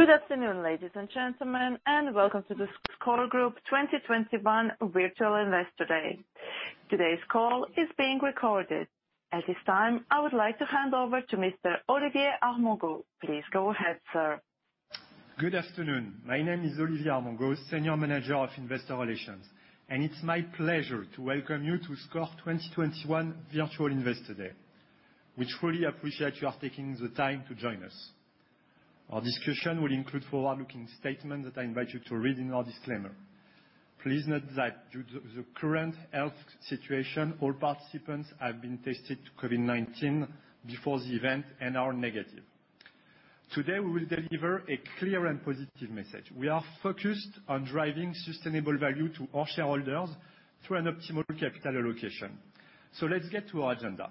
Good afternoon, ladies and gentlemen, and welcome to the SCOR Group 2021 Virtual Investor Day. Today's call is being recorded. At this time, I would like to hand over to Mr. Olivier Armengaud. Please go ahead, sir. Good afternoon. My name is Olivier Armengaud, Senior Manager of Investor Relations, and it's my pleasure to welcome you to SCOR 2021 Virtual Investor Day. We truly appreciate you are taking the time to join us. Our discussion will include forward-looking statements that I invite you to read in our disclaimer. Please note that due to the current health situation, all participants have been tested for COVID-19 before the event and are negative. Today, we will deliver a clear and positive message. We are focused on driving sustainable value to all shareholders through an optimal capital allocation. Let's get to our agenda.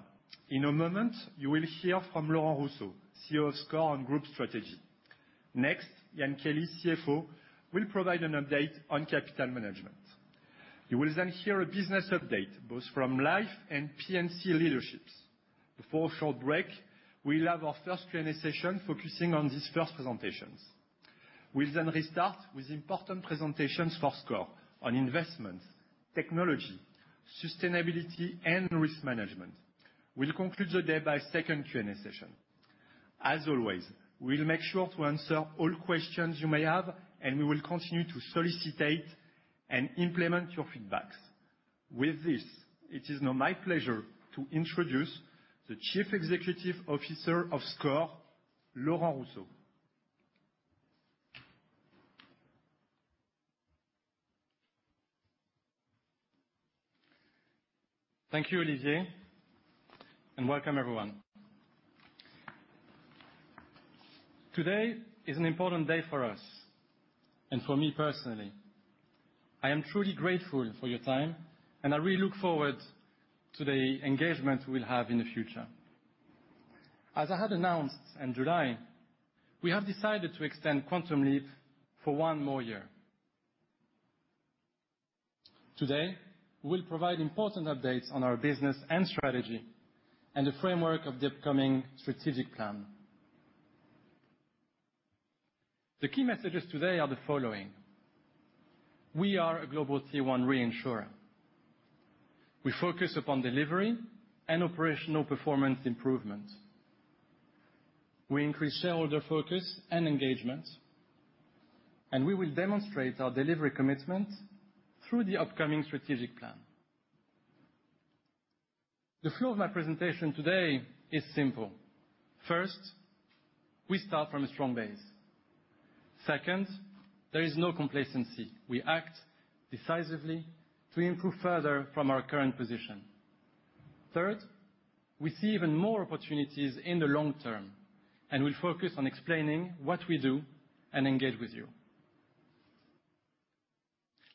In a moment, you will hear from Laurent Rousseau, CEO of SCOR, on group strategy. Next, Ian Kelly, CFO, will provide an update on capital management. You will then hear a business update, both from life and P&C leaderships. Before a short break, we'll have our first Q&A session focusing on these first presentations. We'll then restart with important presentations for SCOR on investment, technology, sustainability, and risk management. We'll conclude the day by a second Q&A session. As always, we'll make sure to answer all questions you may have, and we will continue to solicit and implement your feedback. With this, it is now my pleasure to introduce the Chief Executive Officer of SCOR, Laurent Rousseau. Thank you, Olivier, and welcome everyone. Today is an important day for us and for me personally. I am truly grateful for your time, and I really look forward to the engagement we'll have in the future. As I had announced in July, we have decided to extend Quantum Leap for one more year. Today, we'll provide important updates on our business and strategy and the framework of the upcoming strategic plan. The key messages today are the following. We are a global Tier 1 reinsurer. We focus upon delivery and operational performance improvement. We increase shareholder focus and engagement, and we will demonstrate our delivery commitment through the upcoming strategic plan. The flow of my presentation today is simple. First, we start from a strong base. Second, there is no complacency. We act decisively to improve further from our current position. We see even more opportunities in the long term, and we'll focus on explaining what we do and engage with you.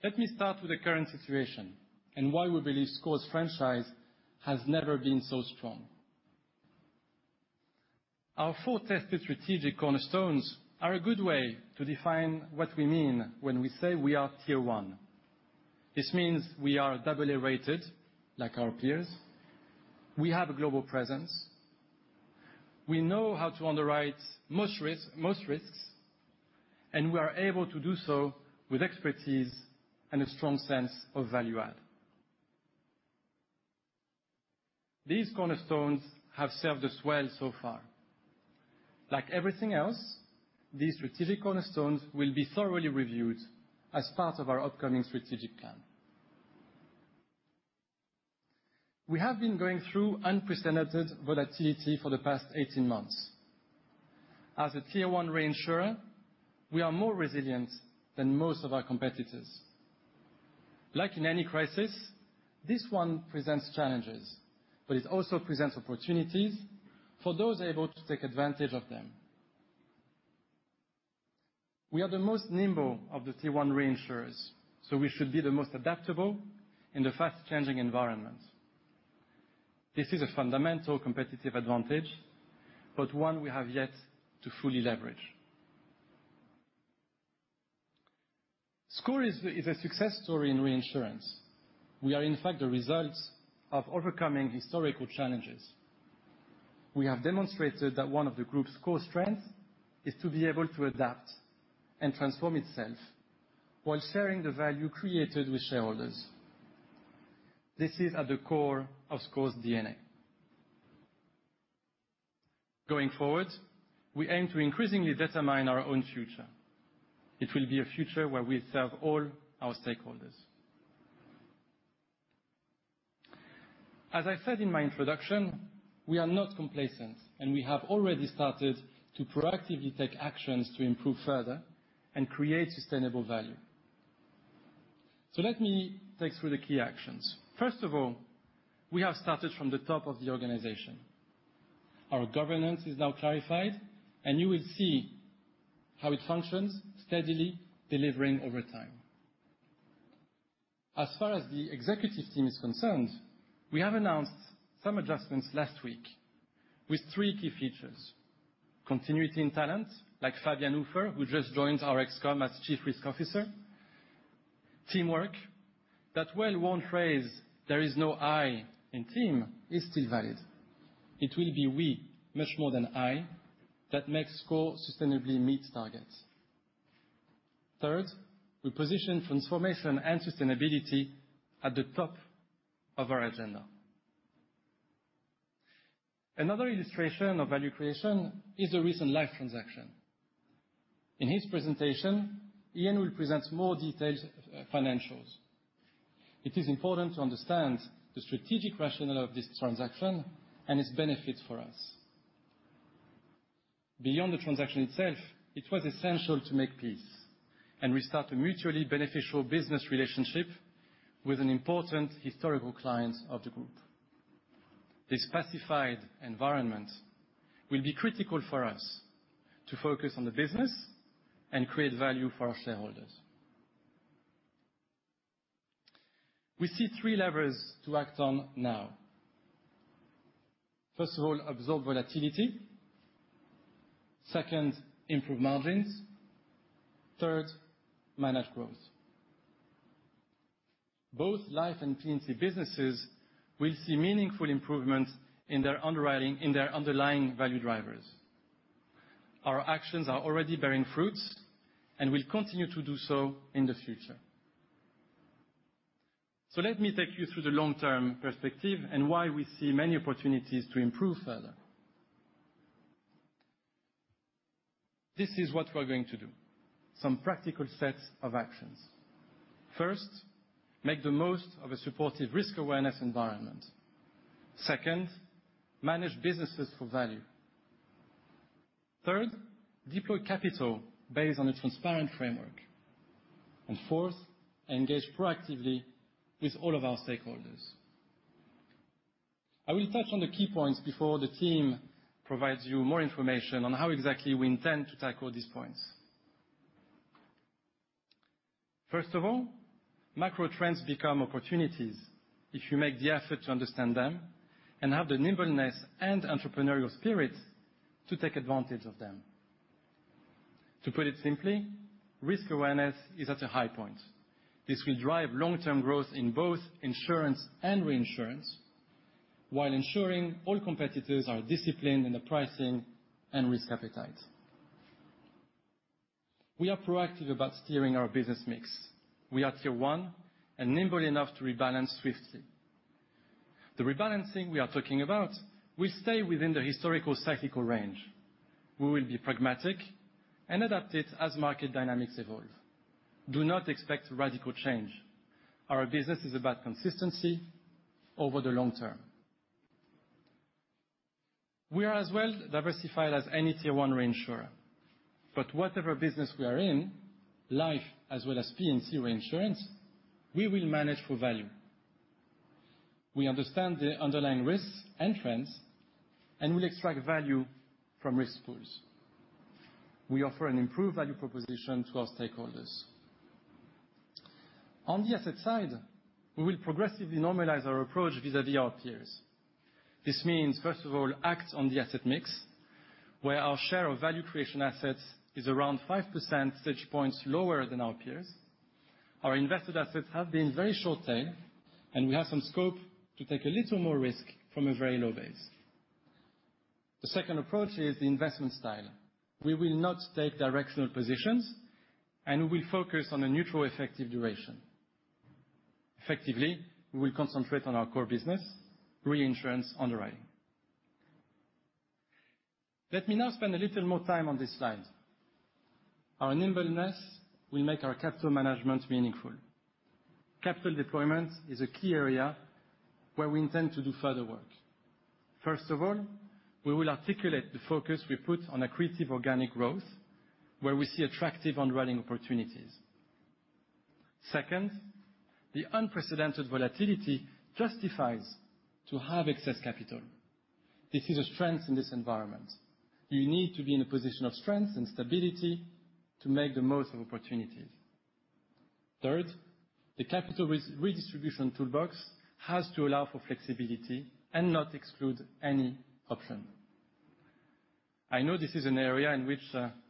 Let me start with the current situation and why we believe SCOR's franchise has never been so strong. Our four tested strategic cornerstones are a good way to define what we mean when we say we are Tier 1. This means we are AA-rated, like our peers. We have a global presence. We know how to underwrite most risks, and we are able to do so with expertise and a strong sense of value add. These cornerstones have served us well so far. Like everything else, these strategic cornerstones will be thoroughly reviewed as part of our upcoming strategic plan. We have been going through unprecedented volatility for the past 18 months. As a Tier 1 reinsurer, we are more resilient than most of our competitors. Like in any crisis, this one presents challenges, but it also presents opportunities for those able to take advantage of them. We are the most nimble of the Tier 1 reinsurers, so we should be the most adaptable in the fast-changing environment. This is a fundamental competitive advantage, but one we have yet to fully leverage. SCOR is a success story in reinsurance. We are, in fact, a result of overcoming historical challenges. We have demonstrated that one of the group's core strengths is to be able to adapt and transform itself while sharing the value created with shareholders. This is at the core of SCOR's DNA. Going forward, we aim to increasingly determine our own future. It will be a future where we serve all our stakeholders. As I said in my introduction, we are not complacent, and we have already started to proactively take actions to improve further and create sustainable value. Let me take through the key actions. First of all, we have started from the top of the organization. Our governance is now clarified, and you will see how it functions, steadily delivering over time. As far as the executive team is concerned, we have announced some adjustments last week with three key features. Continuity in talent, like Fabian Uffer, who just joined our ExCom as Chief Risk Officer. Teamwork. That well-worn phrase, there is no I in team, is still valid. It will be we much more than I that makes SCOR sustainably meet targets. Third, we position transformation and sustainability at the top of our agenda. Another illustration of value creation is the recent life transaction. In his presentation, Ian will present more detailed financials. It is important to understand the strategic rationale of this transaction and its benefits for us. Beyond the transaction itself, it was essential to make peace and restart a mutually beneficial business relationship with an important historical client of the group. This pacified environment will be critical for us to focus on the business and create value for our shareholders. We see three levers to act on now. First of all, absorb volatility. Second, improve margins. Third, manage growth. Both life and P&C businesses will see meaningful improvements in their underlying value drivers. Our actions are already bearing fruits, and will continue to do so in the future. Let me take you through the long-term perspective and why we see many opportunities to improve further. This is what we're going to do, some practical sets of actions. First, make the most of a supportive risk awareness environment. Second, manage businesses for value. Third, deploy capital based on a transparent framework. Fourth, engage proactively with all of our stakeholders. I will touch on the key points before the team provides you more information on how exactly we intend to tackle these points. First of all, macro trends become opportunities if you make the effort to understand them and have the nimbleness and entrepreneurial spirit to take advantage of them. To put it simply, risk awareness is at a high point. This will drive long-term growth in both insurance and reinsurance, while ensuring all competitors are disciplined in the pricing and risk appetite. We are proactive about steering our business mix. We are Tier 1 and nimble enough to rebalance swiftly. The rebalancing we are talking about will stay within the historical cyclical range. We will be pragmatic and adapt it as market dynamics evolve. Do not expect radical change. Our business is about consistency over the long term. We are as well diversified as any Tier 1 reinsurer, but whatever business we are in, life as well as P&C reinsurance, we will manage for value. We understand the underlying risks and trends and will extract value from risk pools. We offer an improved value proposition to our stakeholders. On the asset side, we will progressively normalize our approach vis-a-vis our peers. This means, first of all, act on the asset mix, where our share of value creation assets is around 5 percentage points lower than our peers. Our invested assets have been very short tail, and we have some scope to take a little more risk from a very low base. The second approach is the investment style. We will not take directional positions, and we will focus on a neutral effective duration. Effectively, we will concentrate on our core business, reinsurance underwriting. Let me now spend a little more time on this slide. Our nimbleness will make our capital management meaningful. Capital deployment is a key area where we intend to do further work. First of all, we will articulate the focus we put on accretive organic growth, where we see attractive underwriting opportunities. Second, the unprecedented volatility justifies to have excess capital. This is a strength in this environment. You need to be in a position of strength and stability to make the most of opportunities. Third, the capital redistribution toolbox has to allow for flexibility and not exclude any option. I know this is an area in which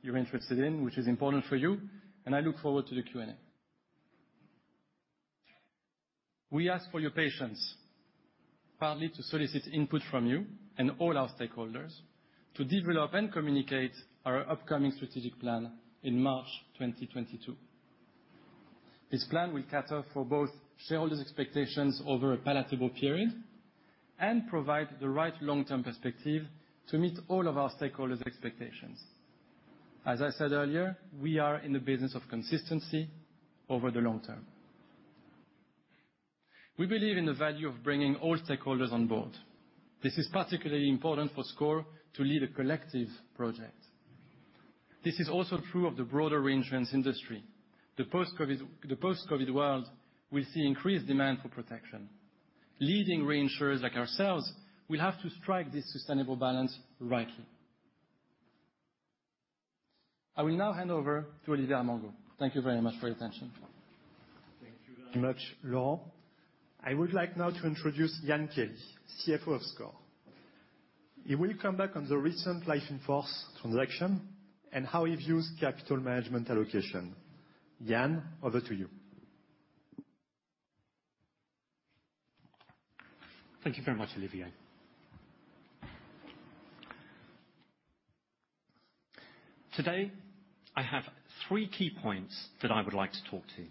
you're interested in, which is important for you, and I look forward to the Q&A. We ask for your patience, partly to solicit input from you and all our stakeholders to develop and communicate our upcoming strategic plan in March 2022. This plan will cater for both shareholders' expectations over a palatable period and provide the right long-term perspective to meet all of our stakeholders' expectations. As I said earlier, we are in the business of consistency over the long term. We believe in the value of bringing all stakeholders on board. This is particularly important for SCOR to lead a collective project. This is also true of the broader reinsurance industry. The post-COVID world will see increased demand for protection. Leading reinsurers like ourselves will have to strike this sustainable balance rightly. I will now hand over to Olivier Armengaud. Thank you very much for your attention. Thank you very much, Laurent. I would like now to introduce Ian Kelly, CFO of SCOR. He will come back on the recent life in-force transaction and how we've used capital management allocation. Ian, over to you. Thank you very much, Olivier. Today, I have three key points that I would like to talk to you.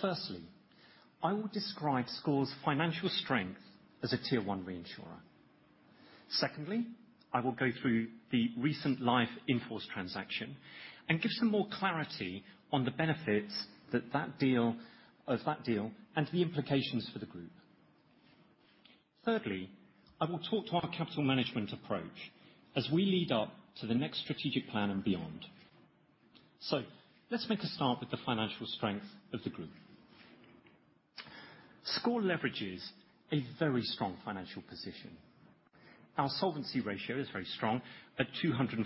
Firstly, I will describe SCOR's financial strength as a Tier 1 reinsurer. Secondly, I will go through the recent life in-force transaction and give some more clarity on the benefits of that deal and the implications for the group. Thirdly, I will talk to our capital management approach as we lead up to the next strategic plan and beyond. Let's make a start with the financial strength of the group. SCOR leverages a very strong financial position. Our solvency ratio is very strong, at 245%,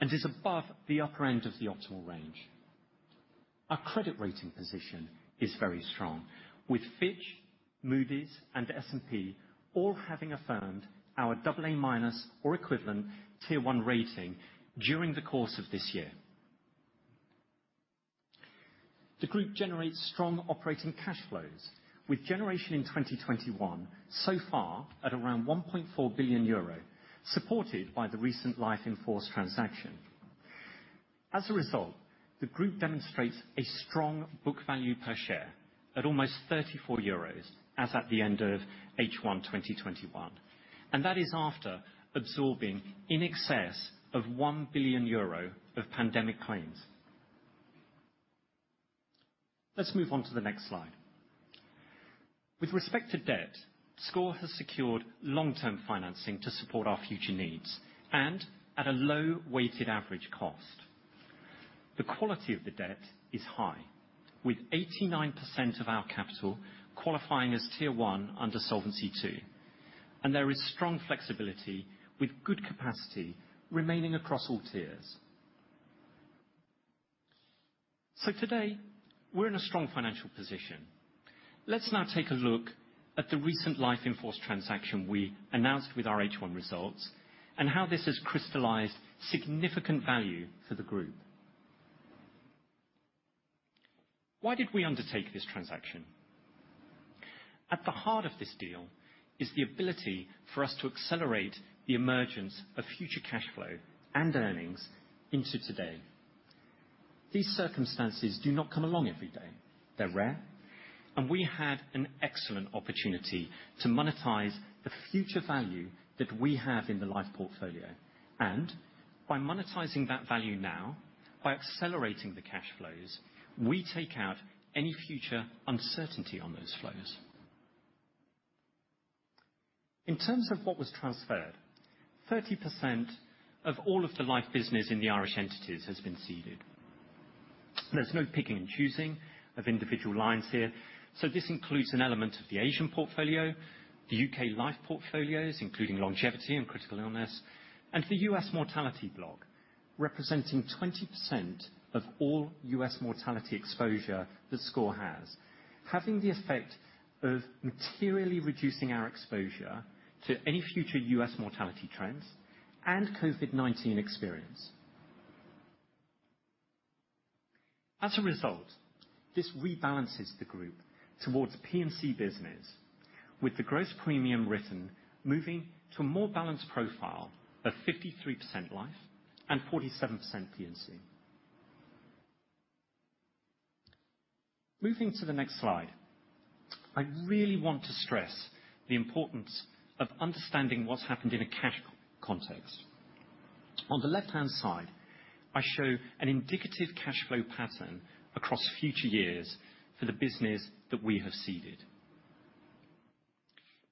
and is above the upper end of the optimal range. Our credit rating position is very strong, with Fitch, Moody's, and S&P all having affirmed our AA- or equivalent Tier 1 rating during the course of this year. The group generates strong operating cash flows with generation in 2021 so far at around 1.4 billion euro, supported by the recent life in-force transaction. As a result, the group demonstrates a strong book value per share at almost 34 euros as at the end of H1 2021. That is after absorbing in excess of 1 billion euro of pandemic claims. Let's move on to the next slide. With respect to debt, SCOR has secured long-term financing to support our future needs. At a low weighted average cost. The quality of the debt is high, with 89% of our capital qualifying as Tier 1 under Solvency II. There is strong flexibility with good capacity remaining across all tiers. Today, we're in a strong financial position. Let's now take a look at the recent life in-force transaction we announced with our H1 results and how this has crystallized significant value for the group. Why did we undertake this transaction? At the heart of this deal is the ability for us to accelerate the emergence of future cash flow and earnings into today. These circumstances do not come along every day. They're rare, and we had an excellent opportunity to monetize the future value that we have in the life portfolio. By monetizing that value now, by accelerating the cash flows, we take out any future uncertainty on those flows. In terms of what was transferred, 30% of all of the life business in the Irish entities has been ceded. There's no picking and choosing of individual lines here, so this includes an element of the Asian portfolio, the U.K. life portfolios, including longevity and critical illness, and the U.S. mortality block, representing 20% of all U.S. mortality exposure that SCOR has, having the effect of materially reducing our exposure to any future U.S. mortality trends and COVID-19 experience. As a result, this rebalances the group towards P&C business with the gross premium written moving to a more balanced profile of 53% life and 47% P&C. Moving to the next slide. I really want to stress the importance of understanding what's happened in a cash context. On the left-hand side, I show an indicative cash flow pattern across future years for the business that we have ceded.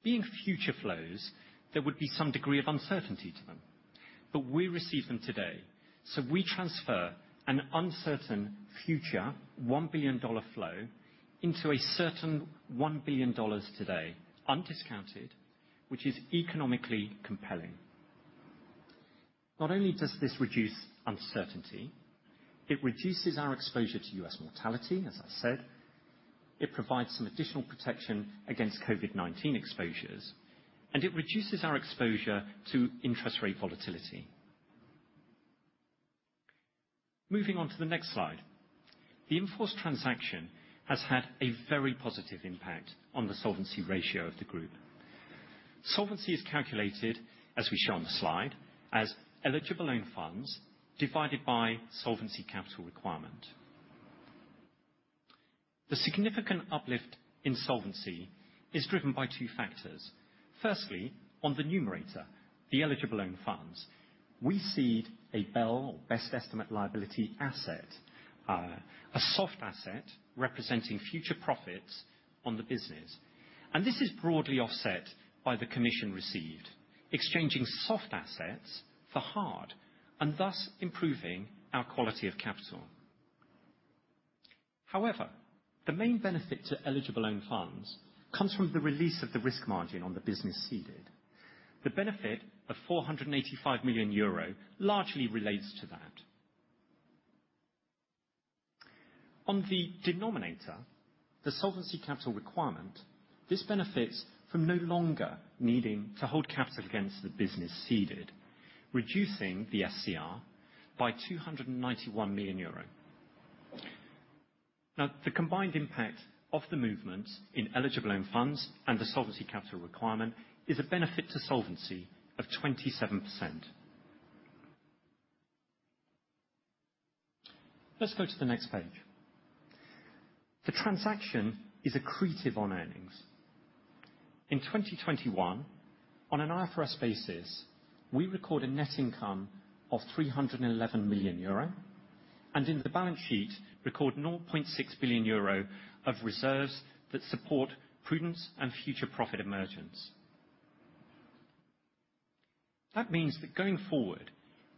Being future flows, there would be some degree of uncertainty to them, but we receive them today, so we transfer an uncertain future $1 billion flow into a certain $1 billion today, undiscounted, which is economically compelling. Not only does this reduce uncertainty, it reduces our exposure to U.S. mortality, as I said, it provides some additional protection against COVID-19 exposures, and it reduces our exposure to interest rate volatility. Moving on to the next slide. The in-force transaction has had a very positive impact on the solvency ratio of the group. Solvency is calculated, as we show on the slide, as Eligible Own Funds divided by Solvency Capital Requirement. The significant uplift in solvency is driven by two factors. Firstly, on the numerator, the Eligible Own Funds. We cede a BEL, or best estimate liability, asset, a soft asset representing future profits on the business. This is broadly offset by the commission received. Exchanging soft assets for hard, and thus improving our quality of capital. However, the main benefit to Eligible Own Funds comes from the release of the risk margin on the business ceded. The benefit of 485 million euro largely relates to that. On the denominator, the Solvency Capital Requirement, this benefits from no longer needing to hold capital against the business ceded, reducing the SCR by 291 million euro. The combined impact of the movement in Eligible Own Funds and the Solvency Capital Requirement is a benefit to solvency of 27%. Let's go to the next page. The transaction is accretive on earnings. In 2021, on an IFRS basis, we record a net income of 311 million euro, and in the balance sheet, record 0.6 billion euro of reserves that support prudence and future profit emergence. That means that going forward,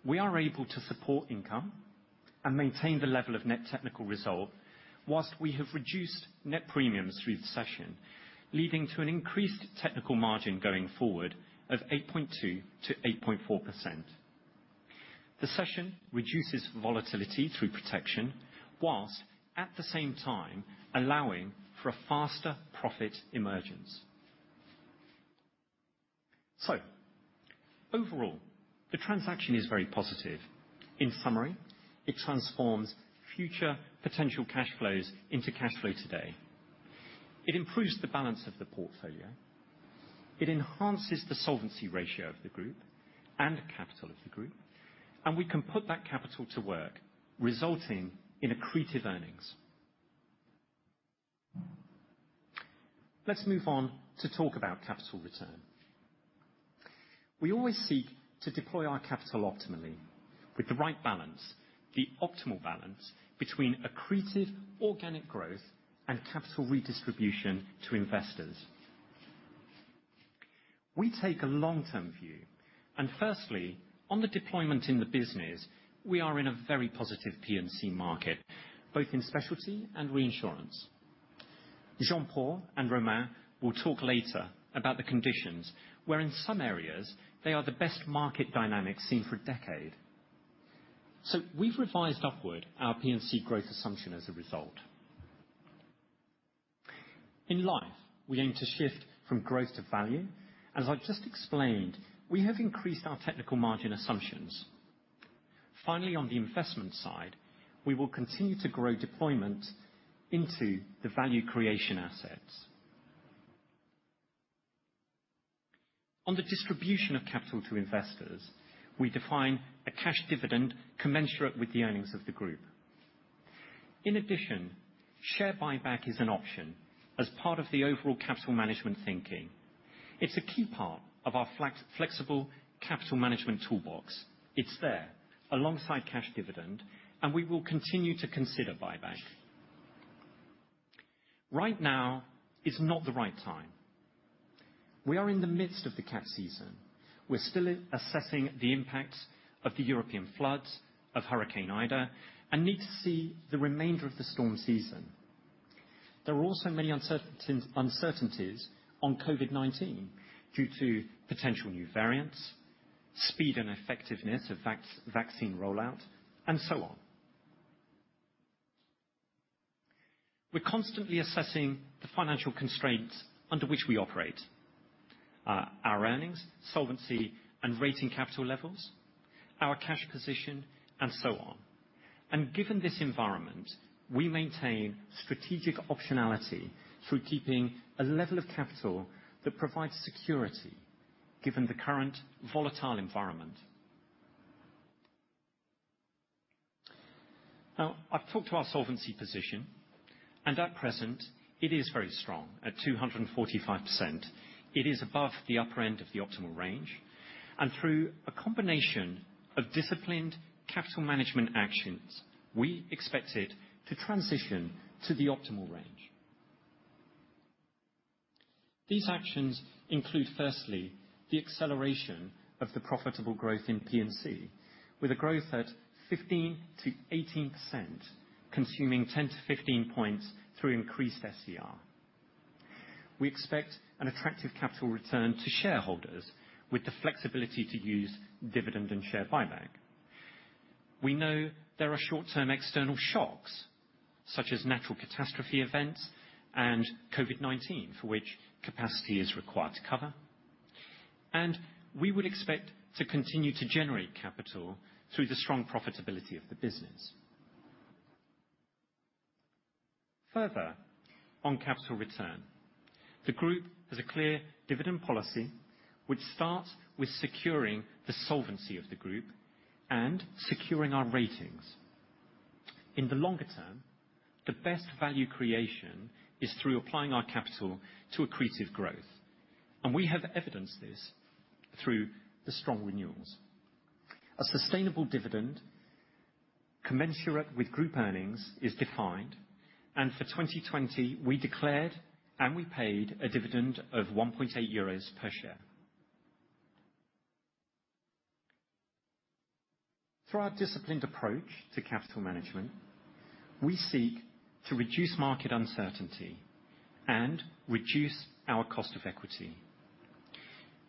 we are able to support income and maintain the level of net technical result while we have reduced net premiums through the cession, leading to an increased technical margin going forward of 8.2%-8.4%. The cession reduces volatility through protection, while at the same time allowing for a faster profit emergence. Overall, the transaction is very positive. In summary, it transforms future potential cash flows into cash flow today. It improves the balance of the portfolio. It enhances the solvency ratio of the group and capital of the group, and we can put that capital to work, resulting in accretive earnings. Let's move on to talk about capital return. We always seek to deploy our capital optimally with the right balance, the optimal balance between accretive organic growth and capital redistribution to investors. We take a long-term view. Firstly, on the deployment in the business, we are in a very positive P&C market, both in specialty and reinsurance. Jean-Paul and Romain will talk later about the conditions, where in some areas they are the best market dynamics seen for a decade. We've revised upward our P&C growth assumption as a result. In Life, we aim to shift from growth to value. As I've just explained, we have increased our technical margin assumptions. Finally, on the investment side, we will continue to grow deployment into the value creation assets. On the distribution of capital to investors, we define a cash dividend commensurate with the earnings of the group. In addition, share buyback is an option as part of the overall capital management thinking. It's a key part of our flexible capital management toolbox. It's there alongside cash dividend, and we will continue to consider buyback. Right now is not the right time. We are in the midst of the cat season. We're still assessing the impact of the European floods, of Hurricane Ida, and need to see the remainder of the storm season. There are also many uncertainties on COVID-19 due to potential new variants, speed and effectiveness of vaccine rollout, and so on. We're constantly assessing the financial constraints under which we operate. Our earnings, solvency, and rating capital levels, our cash position, and so on. Given this environment, we maintain strategic optionality through keeping a level of capital that provides security given the current volatile environment. Now, I've talked to our solvency position, and at present it is very strong. At 245%, it is above the upper end of the optimal range. Through a combination of disciplined capital management actions, we expect it to transition to the optimal range. These actions include, firstly, the acceleration of the profitable growth in P&C with a growth at 15%-18%, consuming 10-15 points through increased SCR. We expect an attractive capital return to shareholders with the flexibility to use dividend and share buyback. We know there are short-term external shocks, such as natural catastrophe events and COVID-19, for which capacity is required to cover, and we would expect to continue to generate capital through the strong profitability of the business. Further on capital return. The group has a clear dividend policy, which starts with securing the solvency of the group and securing our ratings. In the longer term, the best value creation is through applying our capital to accretive growth, and we have evidenced this through the strong renewals. A sustainable dividend commensurate with group earnings is defined. For 2020, we declared and we paid a dividend of 1.8 euros per share. Through our disciplined approach to capital management, we seek to reduce market uncertainty and reduce our cost of equity.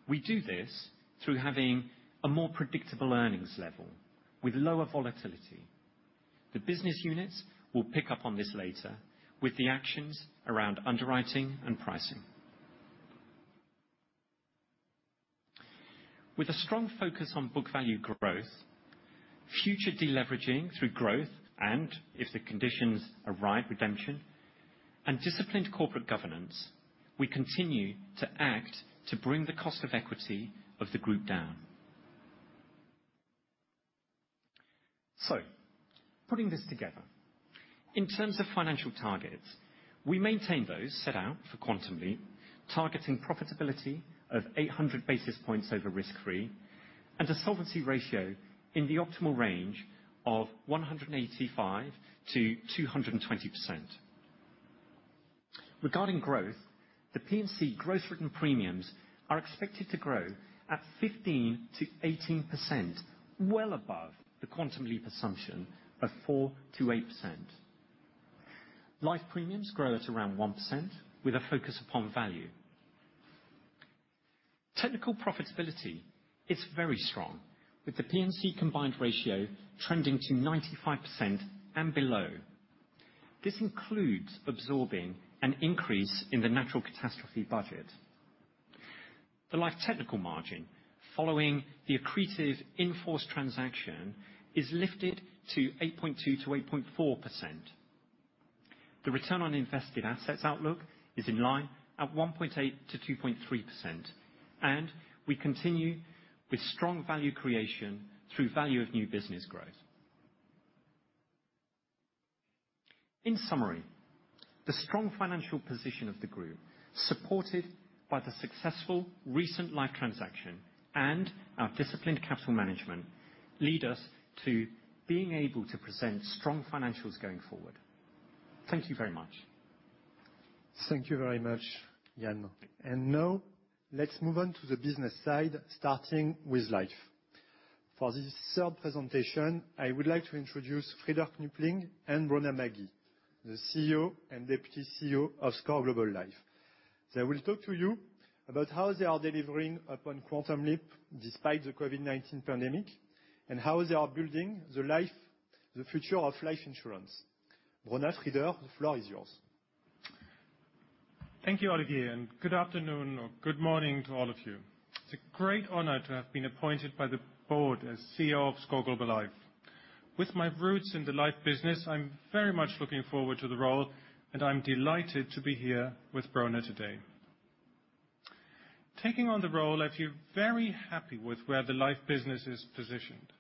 We do this through having a more predictable earnings level with lower volatility. The business units will pick up on this later with the actions around underwriting and pricing. With a strong focus on book value growth, future de-leveraging through growth and, if the conditions arise, redemption, and disciplined corporate governance, we continue to act to bring the cost of equity of the group down. Putting this together, in terms of financial targets, we maintain those set out for Quantum Leap, targeting profitability of 800 basis points over risk-free, and a solvency ratio in the optimal range of 185%-220%. Regarding growth, the P&C growth-written premiums are expected to grow at 15%-18%, well above the Quantum Leap assumption of 4%-8%. Life premiums grow at around 1% with a focus upon value. Technical profitability is very strong, with the P&C combined ratio trending to 95% and below. This includes absorbing an increase in the natural catastrophe budget. The life technical margin following the accretive in-force transaction is lifted to 8.2%-8.4%. The return on invested assets outlook is in line at 1.8%-2.3%, and we continue with strong value creation through value of new business growth. In summary, the strong financial position of the group, supported by the successful recent life transaction and our disciplined capital management, lead us to being able to present strong financials going forward. Thank you very much. Thank you very much, Ian. Now let's move on to the business side, starting with Life. For this third presentation, I would like to introduce Frieder Knüpling and Brona Magee, the CEO and Deputy CEO of SCOR Global Life. They will talk to you about how they are delivering upon Quantum Leap despite the COVID-19 pandemic, and how they are building the future of life insurance. Brona, Frieder, the floor is yours. Thank you, Olivier. Good afternoon or good morning to all of you. It's a great honor to have been appointed by the board as CEO of SCOR Global Life. With my roots in the life business, I'm very much looking forward to the role, and I'm delighted to be here with Brona today. Taking on the role, I feel very happy with where the life business is positioned.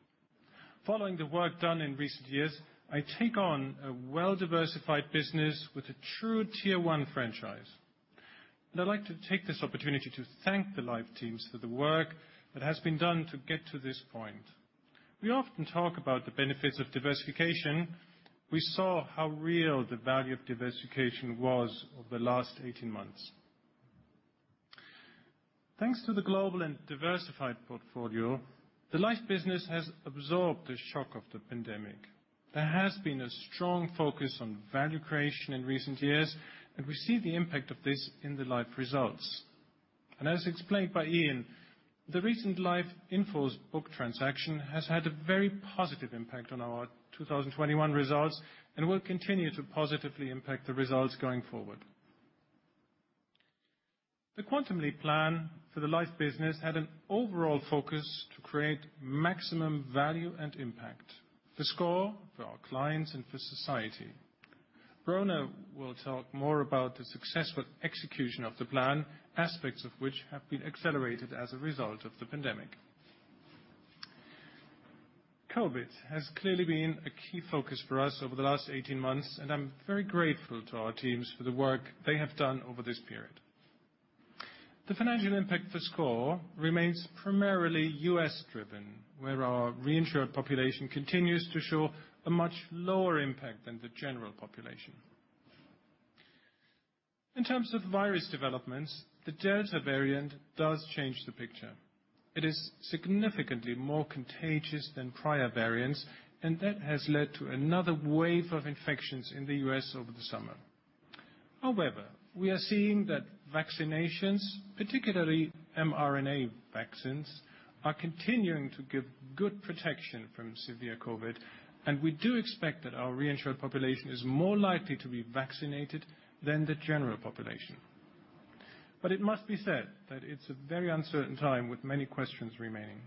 Following the work done in recent years, I take on a well-diversified business with a true Tier 1 franchise. I'd like to take this opportunity to thank the Life teams for the work that has been done to get to this point. We often talk about the benefits of diversification. We saw how real the value of diversification was over the last 18 months. Thanks to the global and diversified portfolio, the life business has absorbed the shock of the pandemic. There has been a strong focus on value creation in recent years, and we see the impact of this in the life results. As explained by Ian, the recent life in-force book transaction has had a very positive impact on our 2021 results and will continue to positively impact the results going forward. The Quantum Leap plan for the life business had an overall focus to create maximum value and impact, the SCOR for our clients and for society. Brona will talk more about the successful execution of the plan, aspects of which have been accelerated as a result of the pandemic. COVID has clearly been a key focus for us over the last 18 months, and I'm very grateful to our teams for the work they have done over this period. The financial impact for SCOR remains primarily U.S. driven, where our reinsured population continues to show a much lower impact than the general population. In terms of virus developments, the Delta variant does change the picture. It is significantly more contagious than prior variants. That has led to another wave of infections in the U.S. over the summer. We are seeing that vaccinations, particularly mRNA vaccines, are continuing to give good protection from severe COVID. We do expect that our reinsured population is more likely to be vaccinated than the general population. It must be said that it's a very uncertain time with many questions remaining.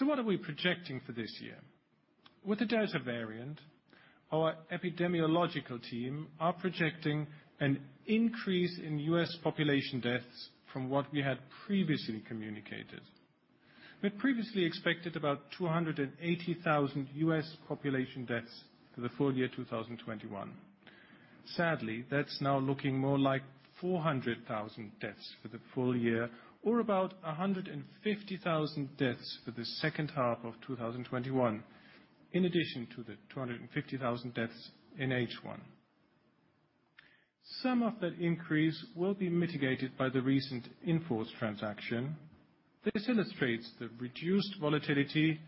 What are we projecting for this year? With the Delta variant, our epidemiological team are projecting an increase in U.S. population deaths from what we had previously communicated. We'd previously expected about 280,000 U.S. population deaths for the full year 2021. Sadly, that's now looking more like 400,000 deaths for the full year or about 150,000 deaths for the second half of 2021, in addition to the 250,000 deaths in H1. Some of that increase will be mitigated by the recent in-force transaction. This illustrates the reduced volatility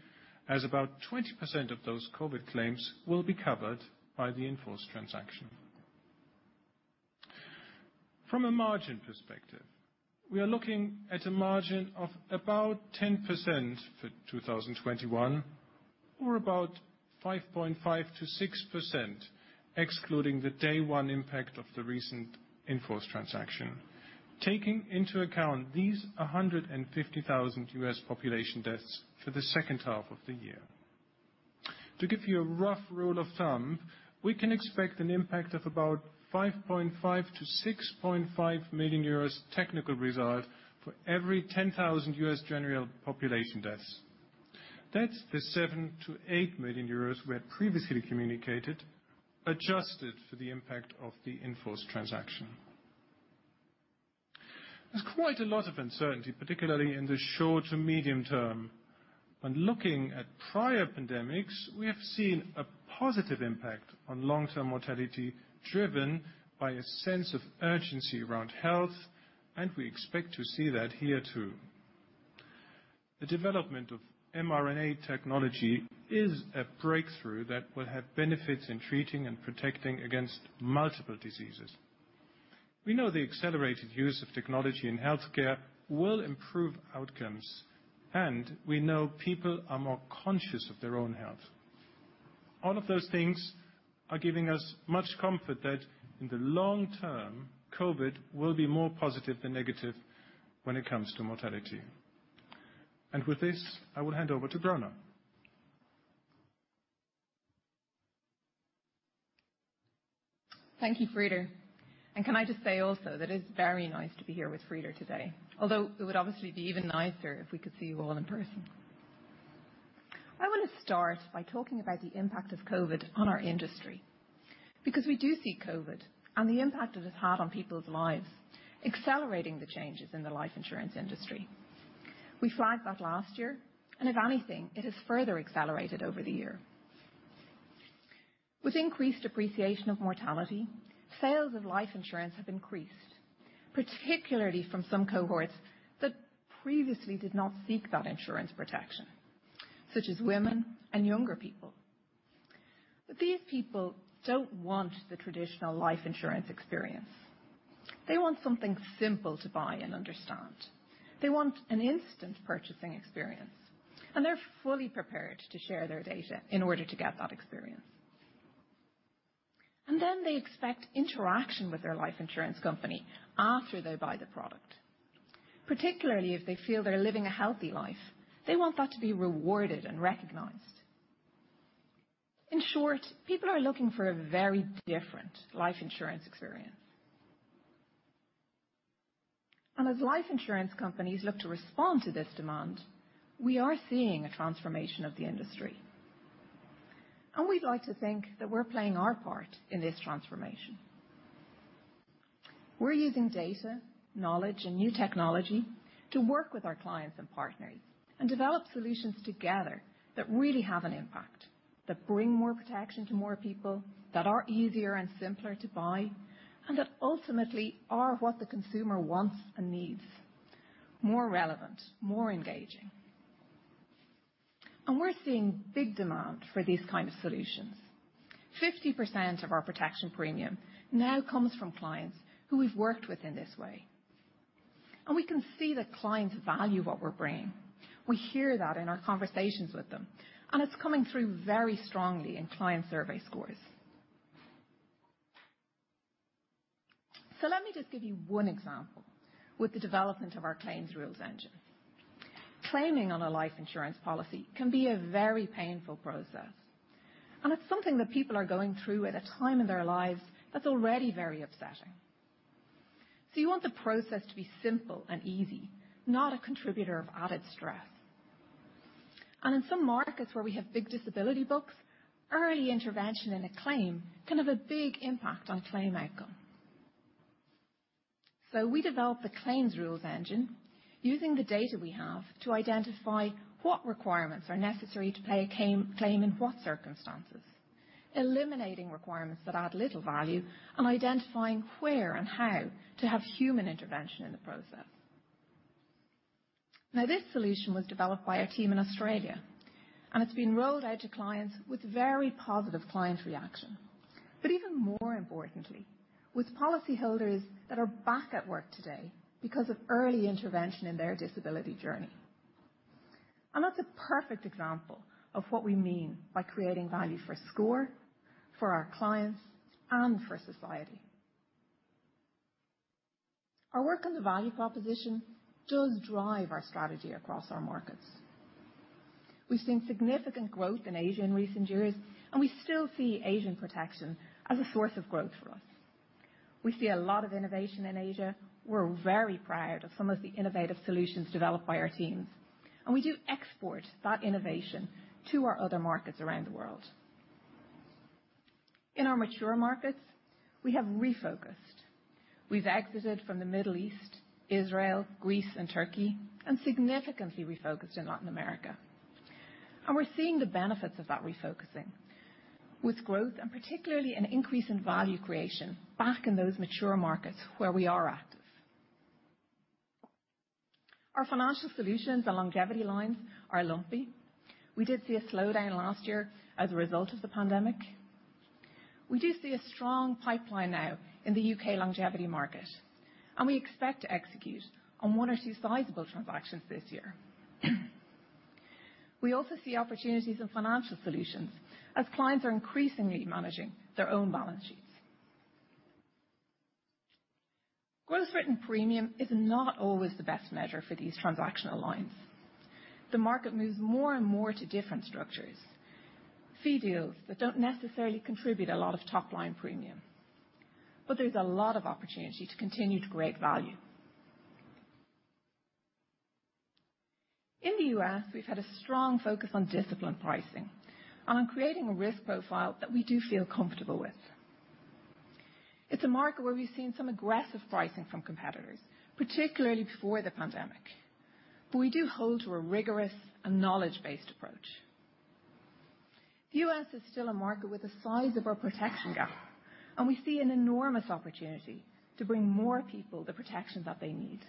as about 20% of those COVID claims will be covered by the in-force transaction. From a margin perspective, we are looking at a margin of about 10% for 2021, or about 5.5%-6%, excluding the day one impact of the recent in-force transaction. Taking into account these 150,000 U.S. population deaths for the second half of the year. To give you a rough rule of thumb, we can expect an impact of about 5.5 million-6.5 million euros technical reserve for every 10,000 U.S. general population deaths. That's the 7 million-8 million euros we had previously communicated, adjusted for the impact of the in-force transaction. There's quite a lot of uncertainty, particularly in the short to medium term. When looking at prior pandemics, we have seen a positive impact on long-term mortality, driven by a sense of urgency around health, and we expect to see that here too. The development of mRNA technology is a breakthrough that will have benefits in treating and protecting against multiple diseases. We know the accelerated use of technology in healthcare will improve outcomes, and we know people are more conscious of their own health. All of those things are giving us much comfort that in the long term, COVID will be more positive than negative when it comes to mortality. With this, I will hand over to Brona. Thank you, Frieder. Can I just say also that it's very nice to be here with Frieder today. Although it would obviously be even nicer if we could see you all in person. I want to start by talking about the impact of COVID on our industry, because we do see COVID and the impact it has had on people's lives accelerating the changes in the life insurance industry. We flagged that last year. If anything, it has further accelerated over the year. With increased appreciation of mortality, sales of life insurance have increased, particularly from some cohorts that previously did not seek that insurance protection, such as women and younger people. These people don't want the traditional life insurance experience. They want something simple to buy and understand. They want an instant purchasing experience, and they're fully prepared to share their data in order to get that experience. They expect interaction with their life insurance company after they buy the product. Particularly if they feel they're living a healthy life, they want that to be rewarded and recognized. In short, people are looking for a very different life insurance experience. As life insurance companies look to respond to this demand, we are seeing a transformation of the industry. We'd like to think that we're playing our part in this transformation. We're using data, knowledge, and new technology to work with our clients and partners and develop solutions together that really have an impact, that bring more protection to more people, that are easier and simpler to buy, and that ultimately are what the consumer wants and needs, more relevant, more engaging. We're seeing big demand for these kind of solutions. 50% of our protection premium now comes from clients who we've worked with in this way. We can see that clients value what we're bringing. We hear that in our conversations with them, and it's coming through very strongly in client survey scores. Let me just give you one example with the development of our claims rules engine. Claiming on a life insurance policy can be a very painful process, and it's something that people are going through at a time in their lives that's already very upsetting. You want the process to be simple and easy, not a contributor of added stress. In some markets where we have big disability books, early intervention in a claim can have a big impact on claim outcome. We developed the claims rules engine using the data we have to identify what requirements are necessary to pay a claim in what circumstances, eliminating requirements that add little value, and identifying where and how to have human intervention in the process. This solution was developed by our team in Australia, and it's been rolled out to clients with very positive client reaction, but even more importantly, with policyholders that are back at work today because of early intervention in their disability journey. That's a perfect example of what we mean by creating value for SCOR, for our clients, and for society. Our work on the value proposition does drive our strategy across our markets. We've seen significant growth in Asia in recent years, and we still see Asian protection as a source of growth for us. We see a lot of innovation in Asia. We're very proud of some of the innovative solutions developed by our teams, and we do export that innovation to our other markets around the world. In our mature markets, we have refocused. We've exited from the Middle East, Israel, Greece, and Turkey, and significantly refocused in Latin America. We're seeing the benefits of that refocusing with growth and particularly an increase in value creation back in those mature markets where we are active. Our financial solutions and longevity lines are lumpy. We did see a slowdown last year as a result of the pandemic. We do see a strong pipeline now in the U.K. longevity market, and we expect to execute on one or two sizable transactions this year. We also see opportunities in financial solutions as clients are increasingly managing their own balance sheets. Gross written premium is not always the best measure for these transactional lines. The market moves more and more to different structures, fee deals that don't necessarily contribute a lot of top-line premium. There's a lot of opportunity to continue to create value. In the U.S., we've had a strong focus on disciplined pricing and on creating a risk profile that we do feel comfortable with. It's a market where we've seen some aggressive pricing from competitors, particularly before the pandemic. We do hold to a rigorous and knowledge-based approach. The U.S. is still a market with a sizable protection gap, and we see an enormous opportunity to bring more people the protection that they need.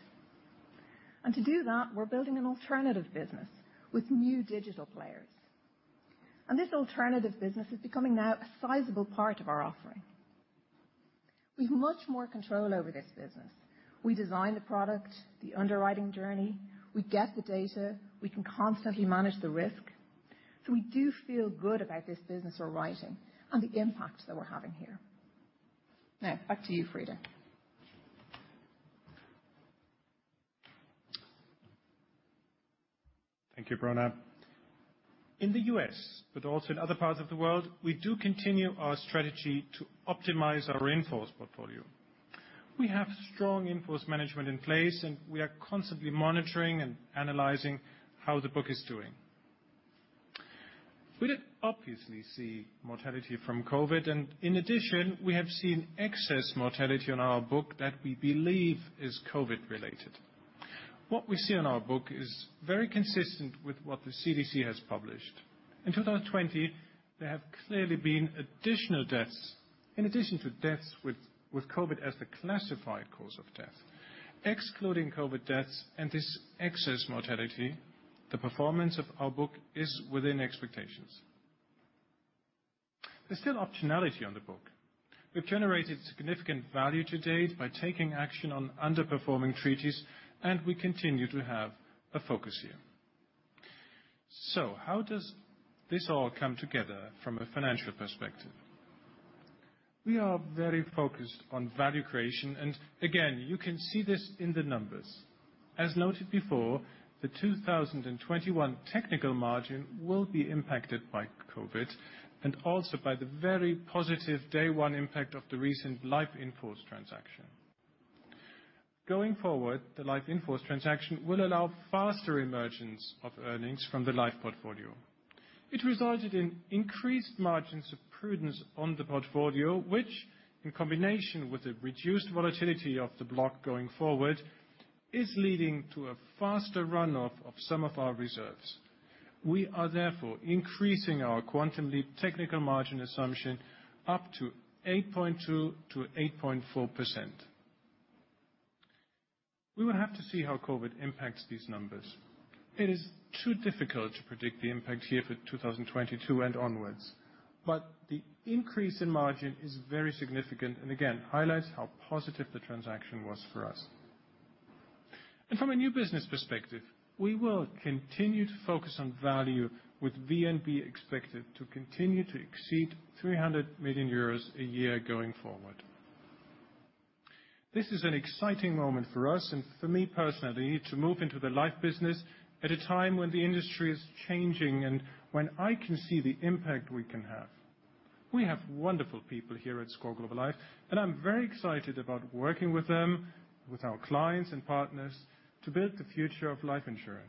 To do that, we're building an alternative business with new digital players. This alternative business is becoming now a sizable part of our offering. We've much more control over this business. We design the product, the underwriting journey, we get the data, we can constantly manage the risk. We do feel good about this business we're writing and the impact that we're having here. Back to you, Frieder. Thank you, Brona. In the U.S., but also in other parts of the world, we do continue our strategy to optimize our in-force portfolio. We have strong in-force management in place, and we are constantly monitoring and analyzing how the book is doing. We did obviously see mortality from COVID, and in addition, we have seen excess mortality on our book that we believe is COVID related. What we see on our book is very consistent with what the CDC has published. In 2020, there have clearly been additional deaths in addition to deaths with COVID as the classified cause of death. Excluding COVID deaths and this excess mortality, the performance of our book is within expectations. There's still optionality on the book. We've generated significant value to date by taking action on underperforming treaties, and we continue to have a focus here. How does this all come together from a financial perspective? We are very focused on value creation, and again, you can see this in the numbers. As noted before, the 2021 technical margin will be impacted by COVID and also by the very positive day one impact of the recent life in-force transaction. Going forward, the life in-force transaction will allow faster emergence of earnings from the life portfolio. It resulted in increased margins of prudence on the portfolio, which in combination with the reduced volatility of the block going forward, is leading to a faster run-off of some of our reserves. We are therefore increasing our Quantum Leap technical margin assumption up to 8.2%-8.4%. We will have to see how COVID impacts these numbers. It is too difficult to predict the impact here for 2022 and onwards. The increase in margin is very significant and again highlights how positive the transaction was for us. From a new business perspective, we will continue to focus on value with VNB expected to continue to exceed 300 million euros a year going forward. This is an exciting moment for us and for me personally to move into the life business at a time when the industry is changing and when I can see the impact we can have. We have wonderful people here at SCOR Global Life. I'm very excited about working with them, with our clients and partners to build the future of life insurance.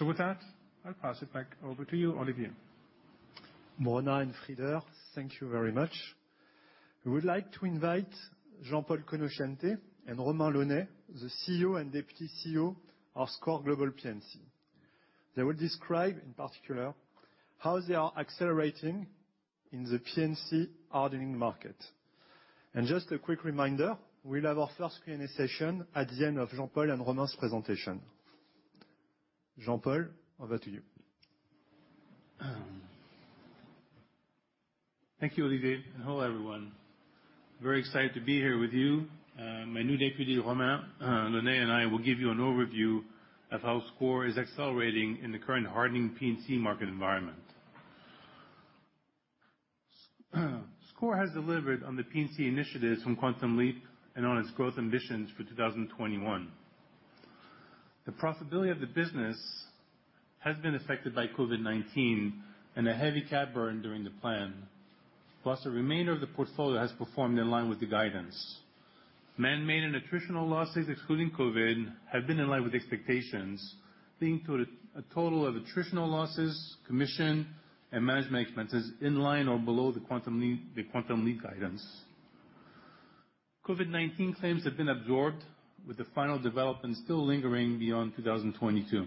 With that, I'll pass it back over to you, Olivier. Brona and Frieder, thank you very much. We would like to invite Jean-Paul Conoscente and Romain Launay, the CEO and Deputy CEO of SCOR Global P&C. They will describe in particular how they are accelerating in the P&C hardening market. Just a quick reminder, we'll have our first Q&A session at the end of Jean-Paul and Romain's presentation. Jean-Paul, over to you. Thank you, Olivier, and hello, everyone. Very excited to be here with you. My new deputy, Romain Launay, and I will give you an overview of how SCOR is accelerating in the current hardening P&C market environment. SCOR has delivered on the P&C initiatives from Quantum Leap and on its growth ambitions for 2021. The profitability of the business has been affected by COVID-19 and a heavy cat burn during the plan, plus the remainder of the portfolio has performed in line with the guidance. Manmade and attritional losses excluding COVID have been in line with expectations, leading to a total of attritional losses, commission, and management expenses in line or below the Quantum Leap guidance. COVID-19 claims have been absorbed with the final development still lingering beyond 2022.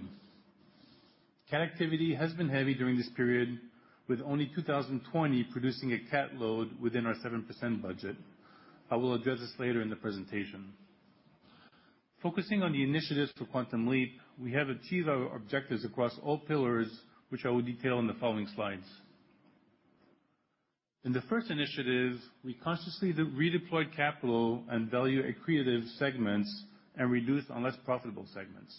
Cat activity has been heavy during this period, with only 2020 producing a cat load within our 7% budget. I will address this later in the presentation. Focusing on the initiatives for Quantum Leap, we have achieved our objectives across all pillars, which I will detail in the following slides. In the first initiatives, we consciously redeployed capital and value accretive segments and reduced on less profitable segments.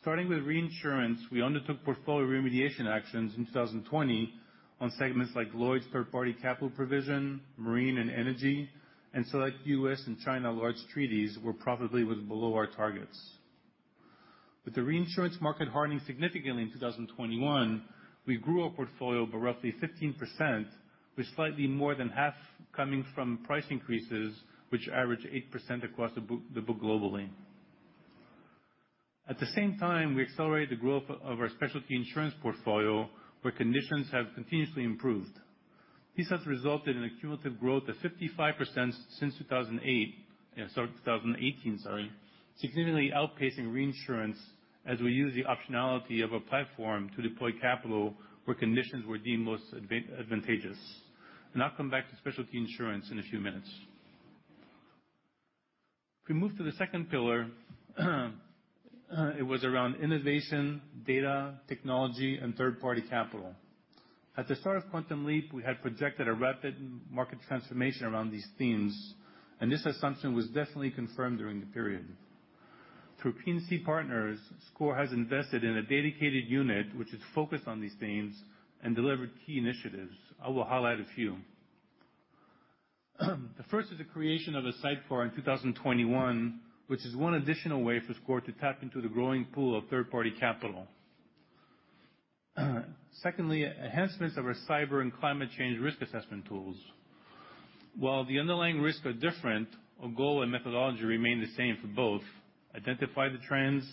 Starting with reinsurance, we undertook portfolio remediation actions in 2020 on segments like Lloyd's third party capital provision, marine and energy, and select U.S. and China large treaties where profitability was below our targets. With the reinsurance market hardening significantly in 2021, we grew our portfolio by roughly 15%, with slightly more than half coming from price increases, which average 8% across the book globally. At the same time, we accelerated the growth of our specialty insurance portfolio, where conditions have continuously improved. This has resulted in a cumulative growth of 55% since 2018, significantly outpacing reinsurance as we use the optionality of a platform to deploy capital where conditions were deemed most advantageous. I'll come back to specialty insurance in a few minutes. If we move to the second pillar, it was around innovation, data, technology, and third-party capital. At the start of Quantum Leap, we had projected a rapid market transformation around these themes, and this assumption was definitely confirmed during the period. Through P&C Partners, SCOR has invested in a dedicated unit which is focused on these themes and delivered key initiatives. I will highlight a few. The first is the creation of a sidecar in 2021, which is one additional way for SCOR to tap into the growing pool of third-party capital. Secondly, enhancements of our cyber and climate change risk assessment tools. While the underlying risks are different, our goal and methodology remain the same for both. Identify the trends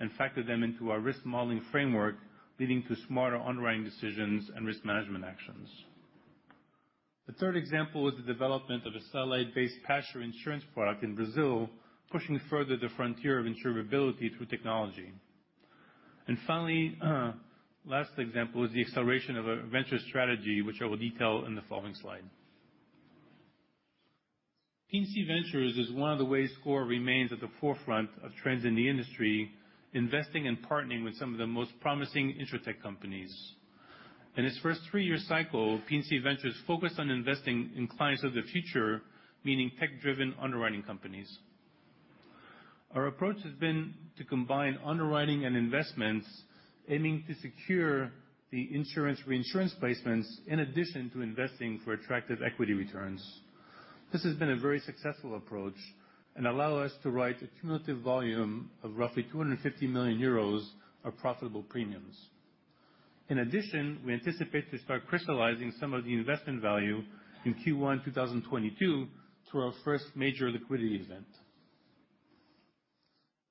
and factor them into our risk modeling framework, leading to smarter underwriting decisions and risk management actions. The third example is the development of a satellite-based pasture insurance product in Brazil, pushing further the frontier of insurability through technology. Finally, last example is the acceleration of a venture strategy, which I will detail in the following slide. P&C Ventures is one of the ways SCOR remains at the forefront of trends in the industry, investing and partnering with some of the most promising Insurtech companies. In its first three-year cycle, P&C Ventures focused on investing in clients of the future, meaning tech-driven underwriting companies. Our approach has been to combine underwriting and investments, aiming to secure the insurance reinsurance placements in addition to investing for attractive equity returns. This has been a very successful approach and allow us to write a cumulative volume of roughly 250 million euros of profitable premiums. We anticipate to start crystallizing some of the investment value in Q1 2022 through our first major liquidity event.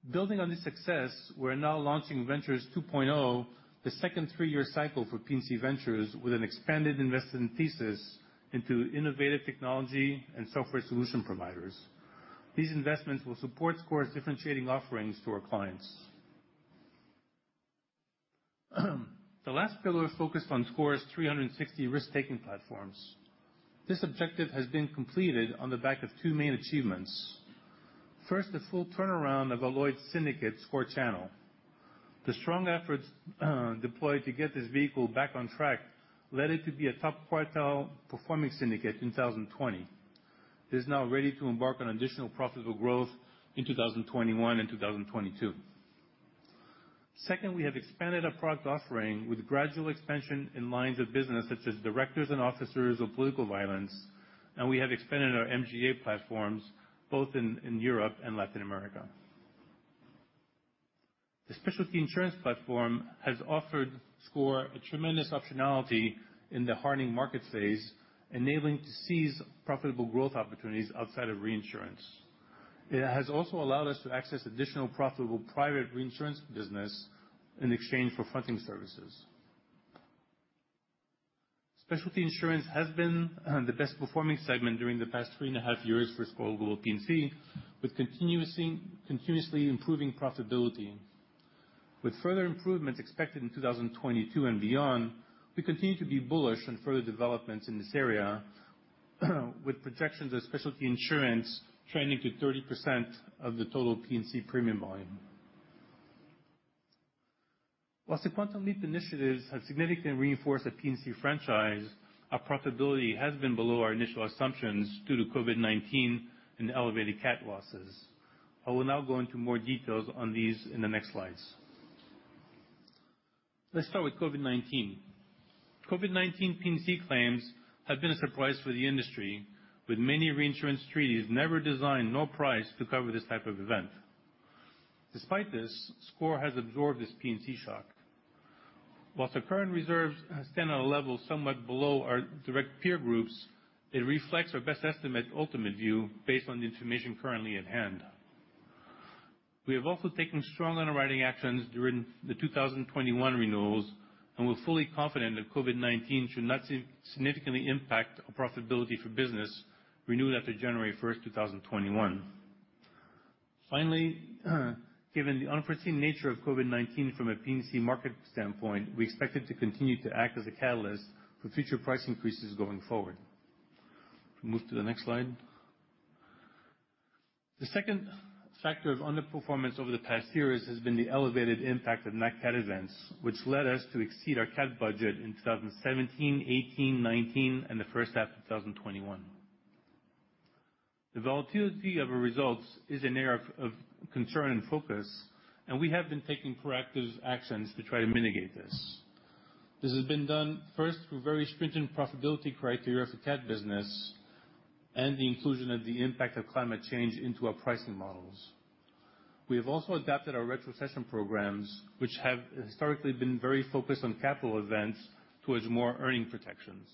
Building on this success, we're now launching Ventures 2.0, the second three-year cycle for P&C Ventures, with an expanded investment thesis into innovative technology and software solution providers. These investments will support SCOR's differentiating offerings to our clients. The last pillar is focused on SCOR's 360 risk taking platforms. This objective has been completed on the back of two main achievements. First, the full turnaround of our Lloyd's Syndicate SCOR Channel. The strong efforts deployed to get this vehicle back on track led it to be a top quartile performing syndicate in 2020. It is now ready to embark on additional profitable growth in 2021 and 2022. Second, we have expanded our product offering with gradual expansion in lines of business such as directors and officers of political violence, and we have expanded our MGA platforms both in Europe and Latin America. The specialty insurance platform has offered SCOR a tremendous optionality in the hardening market phase, enabling to seize profitable growth opportunities outside of reinsurance. It has also allowed us to access additional profitable private reinsurance business in exchange for fronting services. Specialty insurance has been the best performing segment during the past 3.5 years for SCOR Global P&C, with continuously improving profitability. With further improvements expected in 2022 and beyond, we continue to be bullish on further developments in this area, with projections of specialty insurance trending to 30% of the total P&C premium volume. While the Quantum Leap initiatives have significantly reinforced the P&C franchise, our profitability has been below our initial assumptions due to COVID-19 and elevated cat losses. I will now go into more details on these in the next slides. Let's start with COVID-19. COVID-19 P&C claims have been a surprise for the industry, with many reinsurance treaties never designed nor priced to cover this type of event. Despite this, SCOR has absorbed this P&C shock. While our current reserves stand on a level somewhat below our direct peer groups, it reflects our best estimate ultimate view based on the information currently at hand. We have also taken strong underwriting actions during the 2021 renewals, and we're fully confident that COVID-19 should not significantly impact our profitability for business renewed after January 1st, 2021. Finally, given the unforeseen nature of COVID-19 from a P&C market standpoint, we expect it to continue to act as a catalyst for future price increases going forward. Move to the next slide. The second factor of underperformance over the past years has been the elevated impact of nat cat events, which led us to exceed our cat budget in 2017, 2018, 2019, and the first half of 2021. The volatility of our results is an area of concern and focus, and we have been taking proactive actions to try to mitigate this. This has been done first through very stringent profitability criteria for cat business and the inclusion of the impact of climate change into our pricing models. We have also adapted our retrocession programs, which have historically been very focused on capital events towards more earning protections.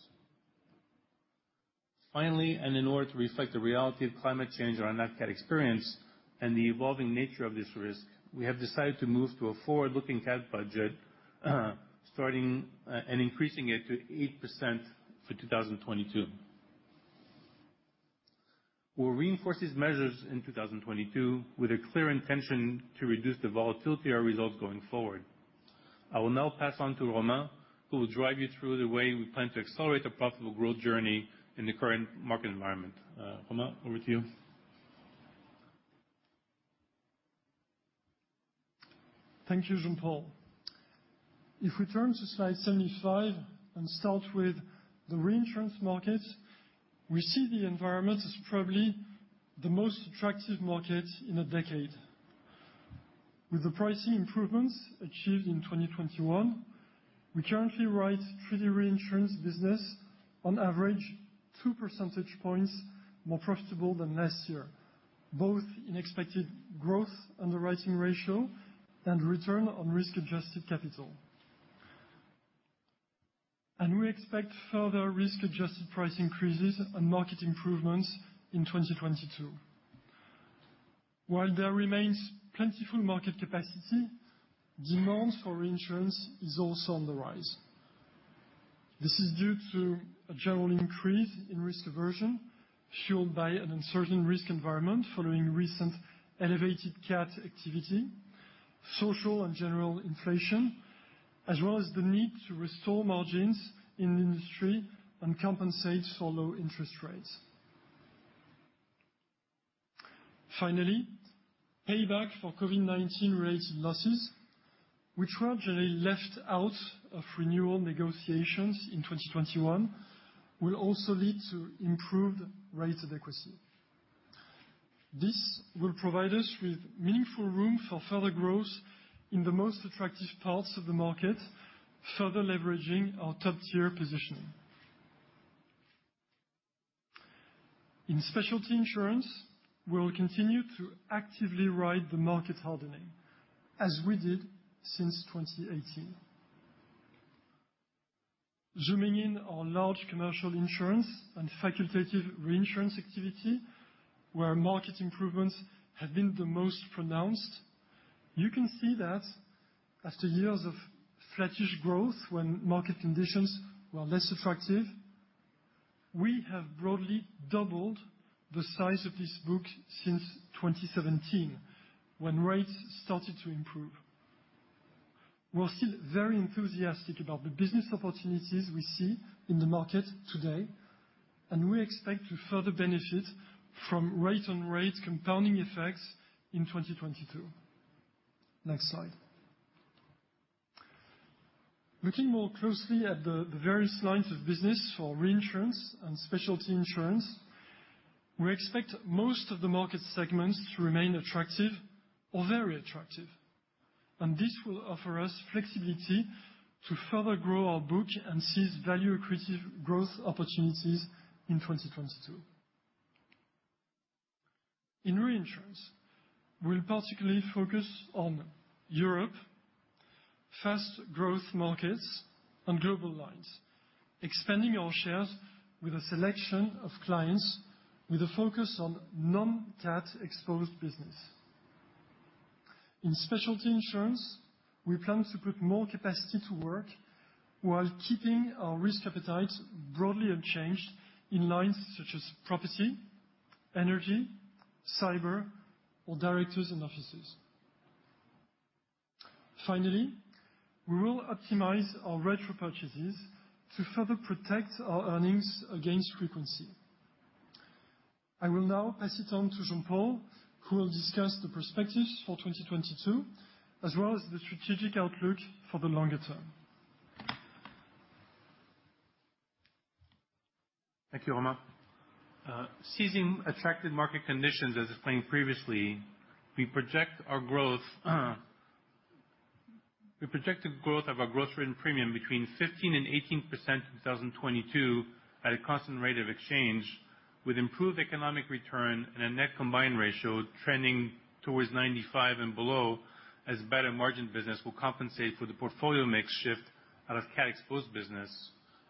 Finally, in order to reflect the reality of climate change on our nat cat experience and the evolving nature of this risk, we have decided to move to a forward-looking cat budget, increasing it to 8% for 2022. We'll reinforce these measures in 2022 with a clear intention to reduce the volatility of results going forward. I will now pass on to Romain, who will drive you through the way we plan to accelerate a profitable growth journey in the current market environment. Romain, over to you. Thank you, Jean-Paul. If we turn to slide 75 and start with the reinsurance market, we see the environment as probably the most attractive market in a decade. With the pricing improvements achieved in 2021, we currently write treaty reinsurance business, on average, 2 percentage points more profitable than last year, both in expected gross underwriting ratio and return on risk-adjusted capital. We expect further risk-adjusted price increases and market improvements in 2022. While there remains plentiful market capacity, demand for reinsurance is also on the rise. This is due to a general increase in risk aversion, fueled by an uncertain risk environment following recent elevated cat activity, social and general inflation, as well as the need to restore margins in the industry and compensate for low interest rates. Finally, payback for COVID-19-related losses, which were generally left out of renewal negotiations in 2021, will also lead to improved rate adequacy. This will provide us with meaningful room for further growth in the most attractive parts of the market, further leveraging our top-tier position. In specialty insurance, we will continue to actively ride the market hardening, as we did since 2018. Zooming in on large commercial insurance and facultative reinsurance activity, where market improvements have been the most pronounced, you can see that after years of flattish growth, when market conditions were less attractive, we have broadly doubled the size of this book since 2017, when rates started to improve. We're still very enthusiastic about the business opportunities we see in the market today, and we expect to further benefit from rate-on-rate compounding effects in 2022. Next slide. Looking more closely at the various lines of business for reinsurance and specialty insurance, we expect most of the market segments to remain attractive or very attractive. This will offer us flexibility to further grow our book and seize value accretive growth opportunities in 2022. In reinsurance, we will particularly focus on Europe, fast growth markets, and global lines, expanding our shares with a selection of clients with a focus on non-cat exposed business. In specialty insurance, we plan to put more capacity to work while keeping our risk appetite broadly unchanged in lines such as property, energy, cyber, or directors and officers. Finally, we will optimize our retro purchases to further protect our earnings against frequency. I will now pass it on to Jean-Paul, who will discuss the perspectives for 2022, as well as the strategic outlook for the longer term. Thank you, Romain. Seizing attractive market conditions, as explained previously, we project the growth of our gross written premium between 15%-18% in 2022 at a constant rate of exchange, with improved economic return and a net combined ratio trending towards 95 and below. Better margin business will compensate for the portfolio mix shift out of cat-exposed business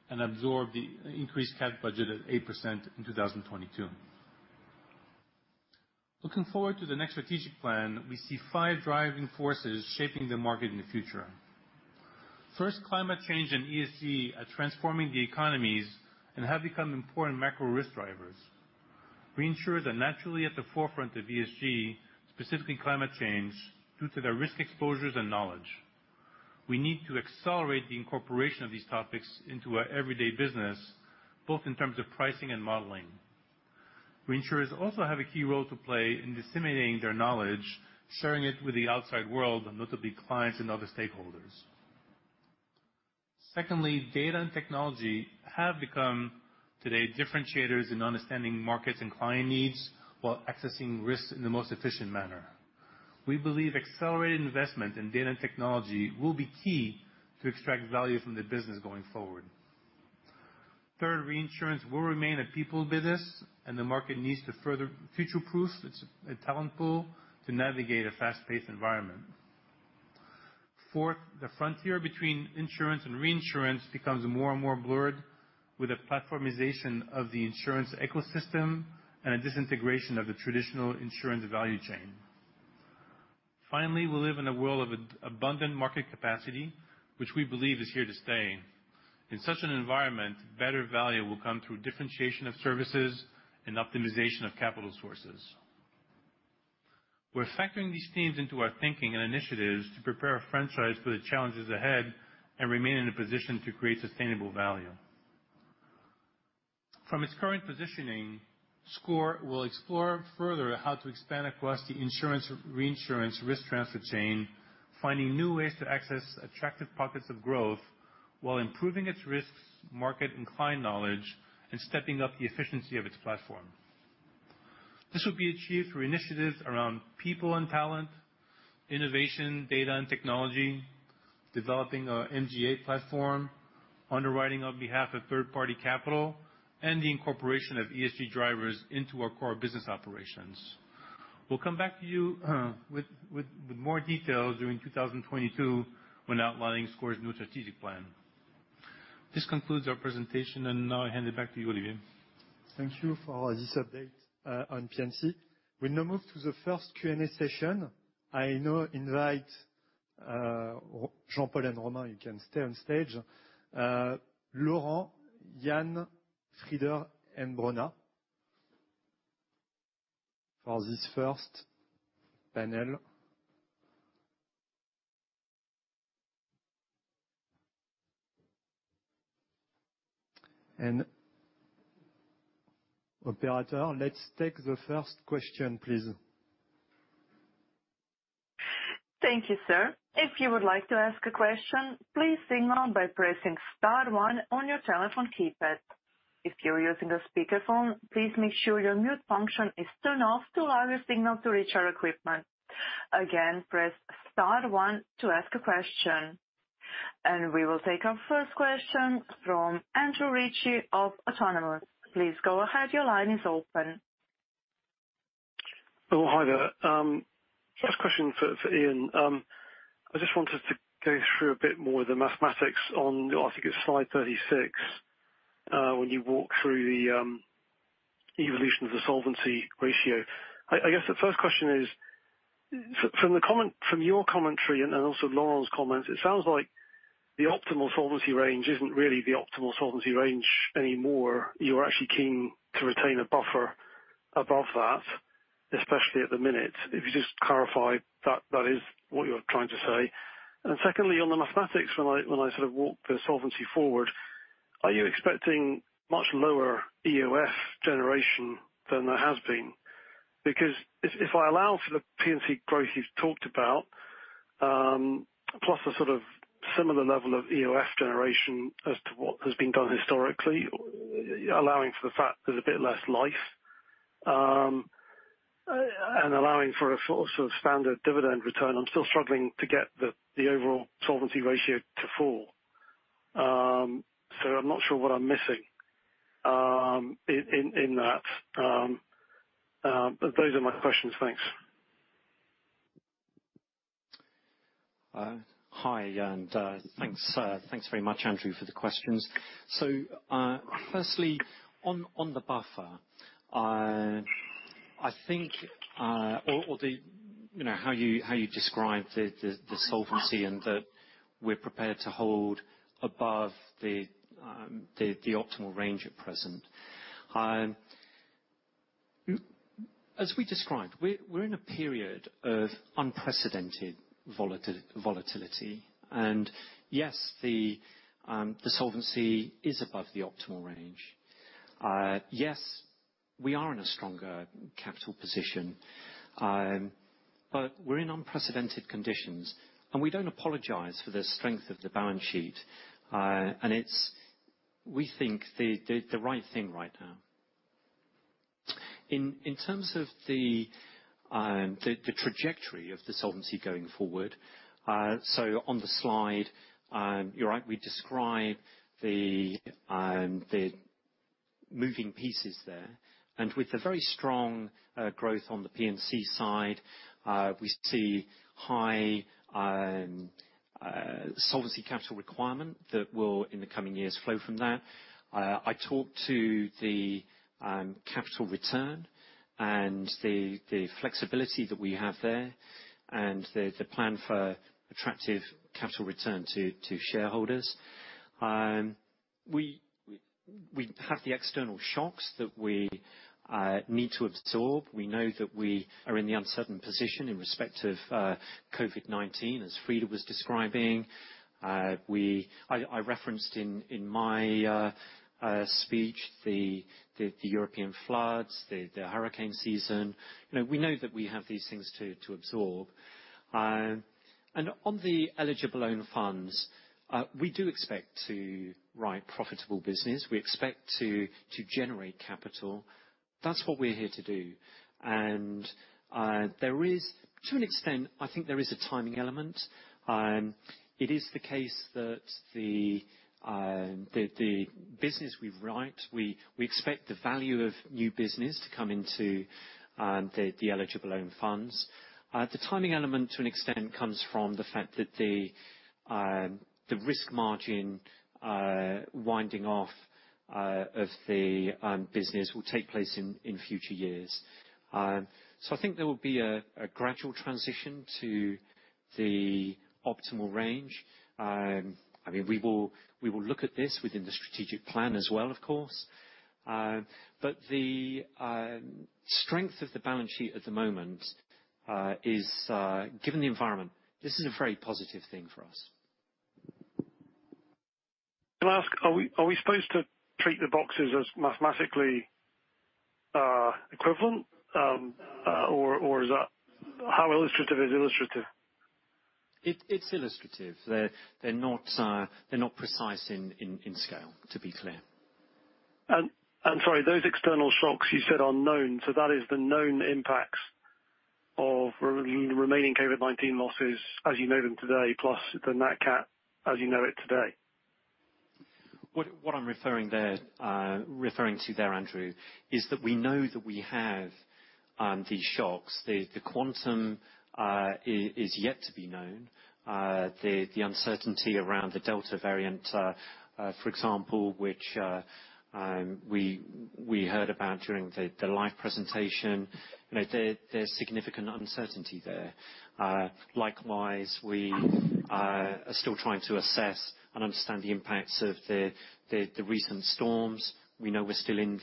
and absorb the increased cat budget at 8% in 2022. Looking forward to the next strategic plan, we see five driving forces shaping the market in the future. First, climate change and ESG are transforming the economies and have become important macro risk drivers. Reinsurers are naturally at the forefront of ESG, specifically climate change, due to their risk exposures and knowledge. We need to accelerate the incorporation of these topics into our everyday business, both in terms of pricing and modeling. Reinsurers also have a key role to play in disseminating their knowledge, sharing it with the outside world, and notably clients and other stakeholders. Secondly, data and technology have become today differentiators in understanding markets and client needs, while accessing risks in the most efficient manner. We believe accelerated investment in data and technology will be key to extract value from the business going forward. Third, reinsurance will remain a people business, and the market needs to further future-proof its talent pool to navigate a fast-paced environment. Fourth, the frontier between insurance and reinsurance becomes more and more blurred with the platformization of the insurance ecosystem and a disintegration of the traditional insurance value chain. Finally, we live in a world of abundant market capacity, which we believe is here to stay. In such an environment, better value will come through differentiation of services and optimization of capital sources. We're factoring these themes into our thinking and initiatives to prepare our franchise for the challenges ahead and remain in a position to create sustainable value. From its current positioning, SCOR will explore further how to expand across the insurance, reinsurance, risk transfer chain, finding new ways to access attractive pockets of growth while improving its risks, market, and client knowledge, and stepping up the efficiency of its platform. This will be achieved through initiatives around people and talent, innovation, data and technology, developing our MGA platform, underwriting on behalf of third-party capital, and the incorporation of ESG drivers into our core business operations. We'll come back to you with more details during 2022 when outlining SCOR's new strategic plan. This concludes our presentation, and now I hand it back to you, Olivier. Thank you for this update on P&C. We now move to the first Q&A session. I now invite Jean-Paul and Romain, you can stay on stage. Laurent, Ian, Frieder, and Brona for this first panel. Operator, let's take the first question, please. Thank you, sir. If you would like to ask a question, please signal by pressing star one on your telephone keypad. If you are using a speakerphone, please make sure your mute function is turned off to allow your signal to reach our equipment. Again, press star one to ask a question. We will take our first question from Andrew Ritchie of Autonomous. Please go ahead. Your line is open. Oh, hi there. First question for Ian. I just wanted to go through a bit more of the mathematics on, I think it's slide 36, when you walk through the evolution of the solvency ratio. I guess the first question is, from your commentary and also Laurent's comments, it sounds like the optimal solvency range isn't really the optimal solvency range anymore. You're actually keen to retain a buffer above that, especially at the minute. If you just clarify that that is what you're trying to say. Secondly, on the mathematics, when I sort of walk the solvency forward, are you expecting much lower EOF generation than there has been? If I allow for the P&C growth you've talked about, plus a sort of similar level of EoF generation as to what has been done historically, allowing for the fact there's a bit less life, and allowing for a sort of standard dividend return, I'm still struggling to get the overall solvency ratio to fall. I'm not sure what I'm missing in that. Those are my questions. Thanks. Hi, thanks very much, Andrew, for the questions. Firstly, on the buffer, I think how you describe the solvency and that we're prepared to hold above the optimal range at present. As we described, we're in a period of unprecedented volatility. Yes, the solvency is above the optimal range. Yes, we are in a stronger capital position. We're in unprecedented conditions, and we don't apologize for the strength of the balance sheet. It's, we think, the right thing right now. In terms of the trajectory of the solvency going forward, so on the slide, you're right, we describe the moving pieces there. With the very strong growth on the P&C side, we see high solvency capital requirement that will, in the coming years, flow from that. I talked to the capital return and the flexibility that we have there, and the plan for attractive capital return to shareholders. We have the external shocks that we need to absorb. We know that we are in the uncertain position in respect of COVID-19, as Frieder was describing. I referenced in my speech the European floods, the hurricane season. We know that we have these things to absorb. On the Eligible Own Funds, we do expect to write profitable business. We expect to generate capital. That's what we're here to do. To an extent, I think there is a timing element. It is the case that the business we write, we expect the Value of New Business to come into the Eligible Own Funds. The timing element, to an extent, comes from the fact that the risk margin winding off of the business will take place in future years. I think there will be a gradual transition to the optimal range. We will look at this within the strategic plan as well, of course. The strength of the balance sheet at the moment is, given the environment, this is a very positive thing for us. Can I ask, are we supposed to treat the boxes as mathematically equivalent? Is that how illustrative is illustrative? It's illustrative. They're not precise in scale, to be clear. I'm sorry, those external shocks you said are known, so that is the known impacts of remaining COVID-19 losses as you know them today, plus the NatCat as you know it today. What I'm referring to there, Andrew, is that we know that we have these shocks. The quantum is yet to be known. The uncertainty around the Delta variant, for example, which we heard about during the live presentation. There's significant uncertainty there. Likewise, we are still trying to assess and understand the impacts of the recent storms. We know we're still in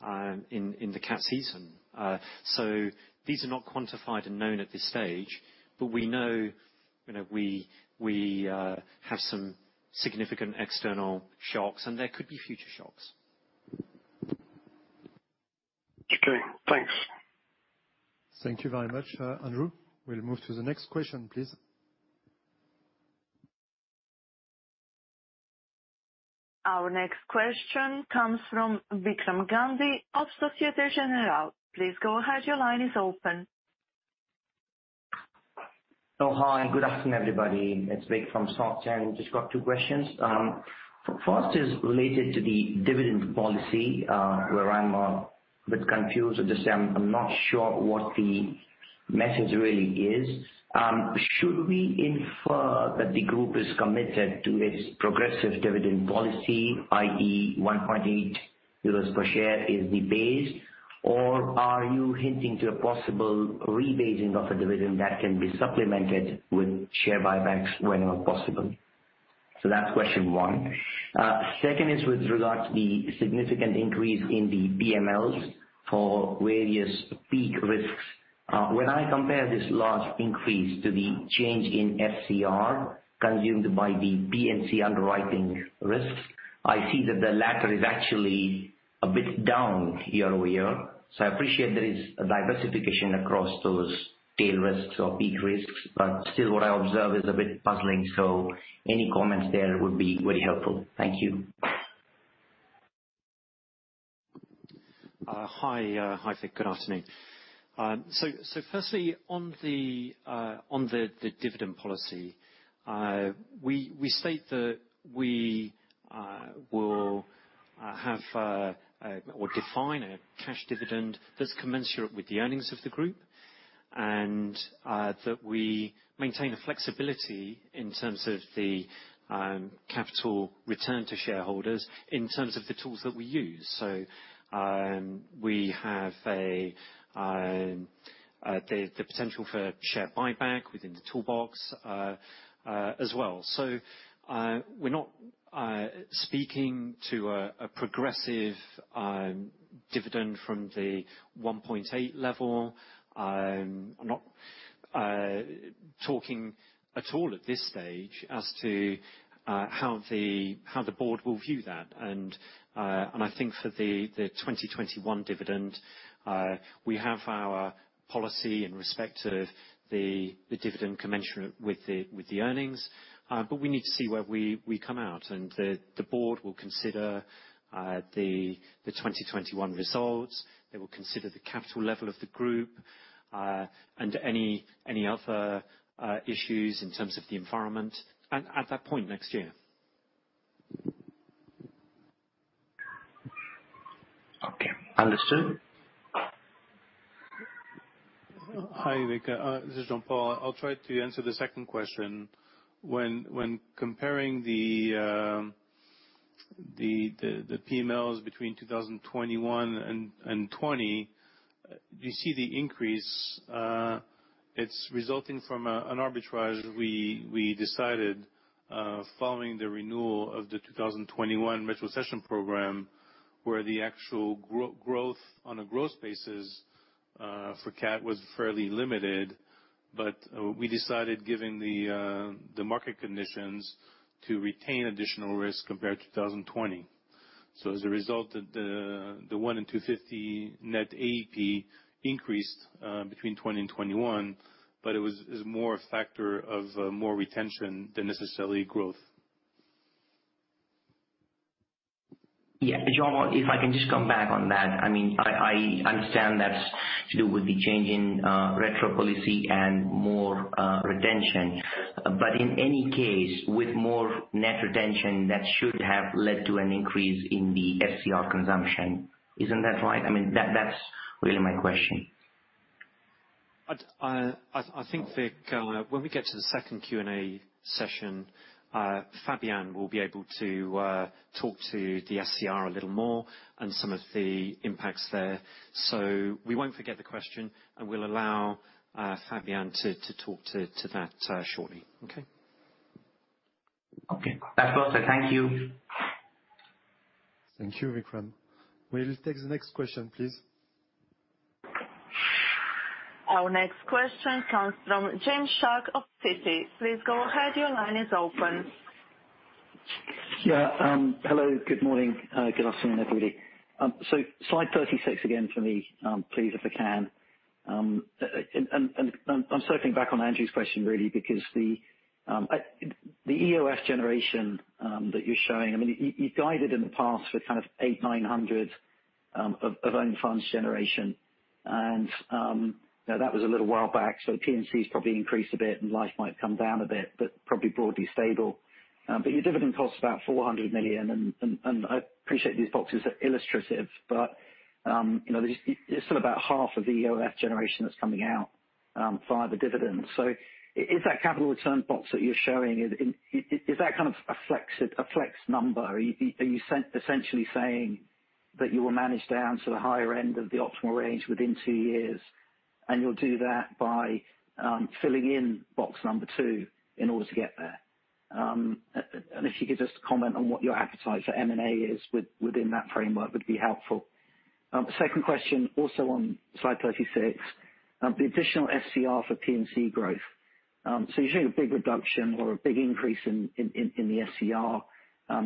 the cat season. These are not quantified and known at this stage, but we know we have some significant external shocks, and there could be future shocks. Okay, thanks. Thank you very much, Andrew. We'll move to the next question, please. Our next question comes from Vikram Gandhi of Societe Generale. Please go ahead, your line is open. Hi. Good afternoon, everybody. It's Vik from Soc Gen. Got two questions. Is related to the dividend policy, where I'm a bit confused or just I'm not sure what the message really is. Should we infer that the group is committed to its progressive dividend policy, i.e. 1.8 euros per share is the base, or are you hinting to a possible rebasing of a dividend that can be supplemented with share buybacks when possible? That's question 1. Is with regards the significant increase in the PMLs for various peak risks. When I compare this large increase to the change in SCR consumed by the P&C underwriting risks, I see that the latter is actually a bit down year-over-year. I appreciate there is a diversification across those tail risks or peak risks. Still, what I observe is a bit puzzling. Any comments there would be really helpful. Thank you. Hi, Vik. Good afternoon. Firstly, on the dividend policy. We state that we will have or define a cash dividend that's commensurate with the earnings of the group, and that we maintain a flexibility in terms of the capital return to shareholders in terms of the tools that we use. We have the potential for share buyback within the toolbox as well. We are not speaking to a progressive dividend from the 1.8 level. I am not talking at all at this stage as to how the board will view that. I think for the 2021 dividend, we have our policy in respect of the dividend commensurate with the earnings. We need to see where we come out. The board will consider the 2021 results. They will consider the capital level of the group, and any other issues in terms of the environment and at that point next year. Okay. Understood. Hi, Vik. This is Jean-Paul. I'll try to answer the second question. When comparing the PMLs between 2021 and 2020, you see the increase. It's resulting from an arbitrage we decided following the renewal of the 2021 retrocession program, where the actual growth on a gross basis for Cat was fairly limited. We decided, given the market conditions, to retain additional risk compared to 2020. As a result, the one in 250 net AEP increased between 2020 and 2021, but it was more a factor of more retention than necessarily growth. Yeah. Jean-Paul, if I can just come back on that. I understand that's to do with the change in retro policy and more retention. In any case, with more net retention, that should have led to an increase in the SCR consumption. Isn't that right? That's really my question. I think, Vik, when we get to the second Q&A session, Fabian will be able to talk to the SCR a little more and some of the impacts there. We won't forget the question, and we'll allow Fabian to talk to that shortly. Okay? Okay. That's perfect. Thank you. Thank you, Vikram. May we take the next question, please. Our next question comes from James Shuck of Citi. Please go ahead. Your line is open. Yeah. Hello, good morning. Good afternoon, everybody. Slide 36 again for me, please, if I can. I'm circling back on Andrew's question, really, because the EOF generation that you're showing, you guided in the past for kind of 800-900 million of Eligible Own Funds generation. Now that was a little while back, P&C has probably increased a bit and Life might come down a bit, but probably broadly stable. Your dividend cost about 400 million, I appreciate these boxes are illustrative, it's sort of about half of the EOF generation that's coming out via the dividend. Is that capital return box that you're showing, is that kind of a flex number? Are you essentially saying that you will manage down to the higher end of the optimal range within two years, and you'll do that by filling in box number two in order to get there? If you could just comment on what your appetite for M&A is within that framework, would be helpful. Second question, also on slide 36. The additional SCR for P&C growth. You're showing a big reduction or a big increase in the SCR.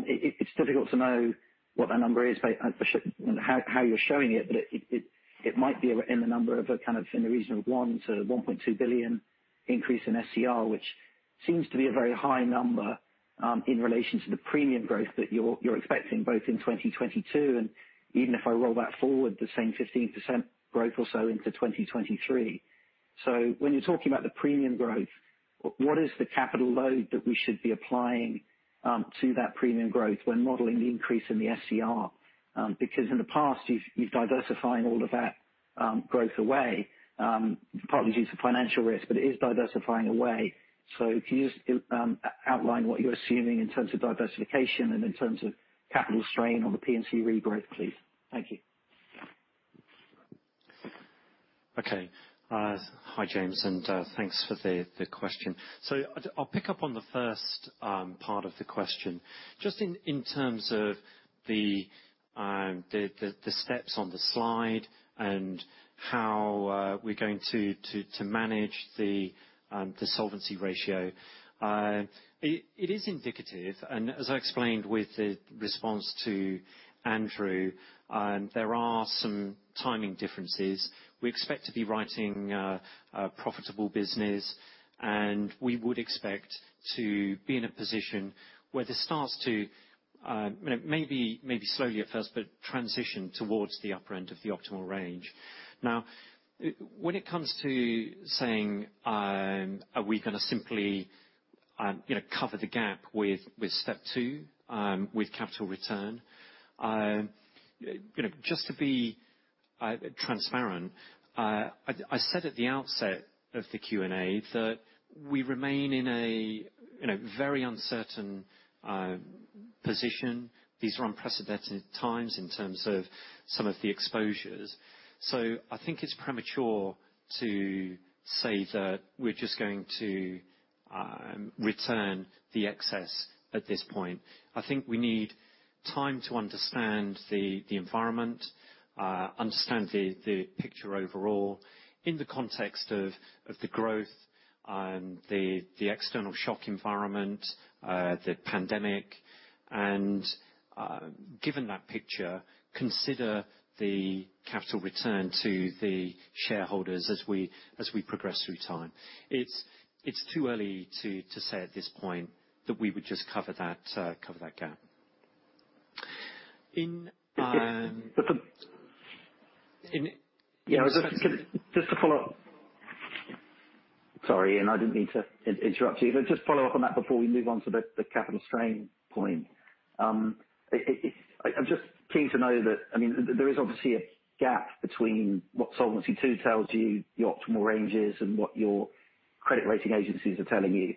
It's difficult to know what that number is, how you're showing it, but it might be in the number of, kind of in the region of 1 billion-1.2 billion increase in SCR, which seems to be a very high number, in relation to the premium growth that you're expecting, both in 2022 and even if I roll that forward, the same 15% growth or so into 2023. When you're talking about the premium growth, what is the capital load that we should be applying to that premium growth when modeling the increase in the SCR? Because in the past, you've diversified all of that growth away, partly due to financial risk, but it is diversifying away. If you just outline what you're assuming in terms of diversification and in terms of capital strain on the P&C re-growth, please. Thank you. Okay. Hi, James, and thanks for the question. I'll pick up on the first part of the question. Just in terms of the steps on the slide and how we're going to manage the solvency ratio. It is indicative, and as I explained with the response to Andrew, there are some timing differences. We expect to be writing a profitable business, and we would expect to be in a position where this starts to, maybe slowly at first, but transition towards the upper end of the optimal range. When it comes to saying, are we going to simply cover the gap with step two, with capital return? Just to be transparent, I said at the outset of the Q&A that we remain in a very uncertain position. These are unprecedented times in terms of some of the exposures. I think it's premature to say that we're just going to return the excess at this point. I think we need time to understand the environment, understand the picture overall in the context of the growth and the external shock environment, the pandemic. Given that picture, consider the capital return to the shareholders as we progress through time. It's too early to say at this point that we would just cover that gap. Yeah. Just to follow up Sorry, Ian, I didn't mean to interrupt you. Just follow up on that before we move on to the capital strain point. I'm just keen to know that, there is obviously a gap between what Solvency II tells you, your optimal range is, and what your credit rating agencies are telling you.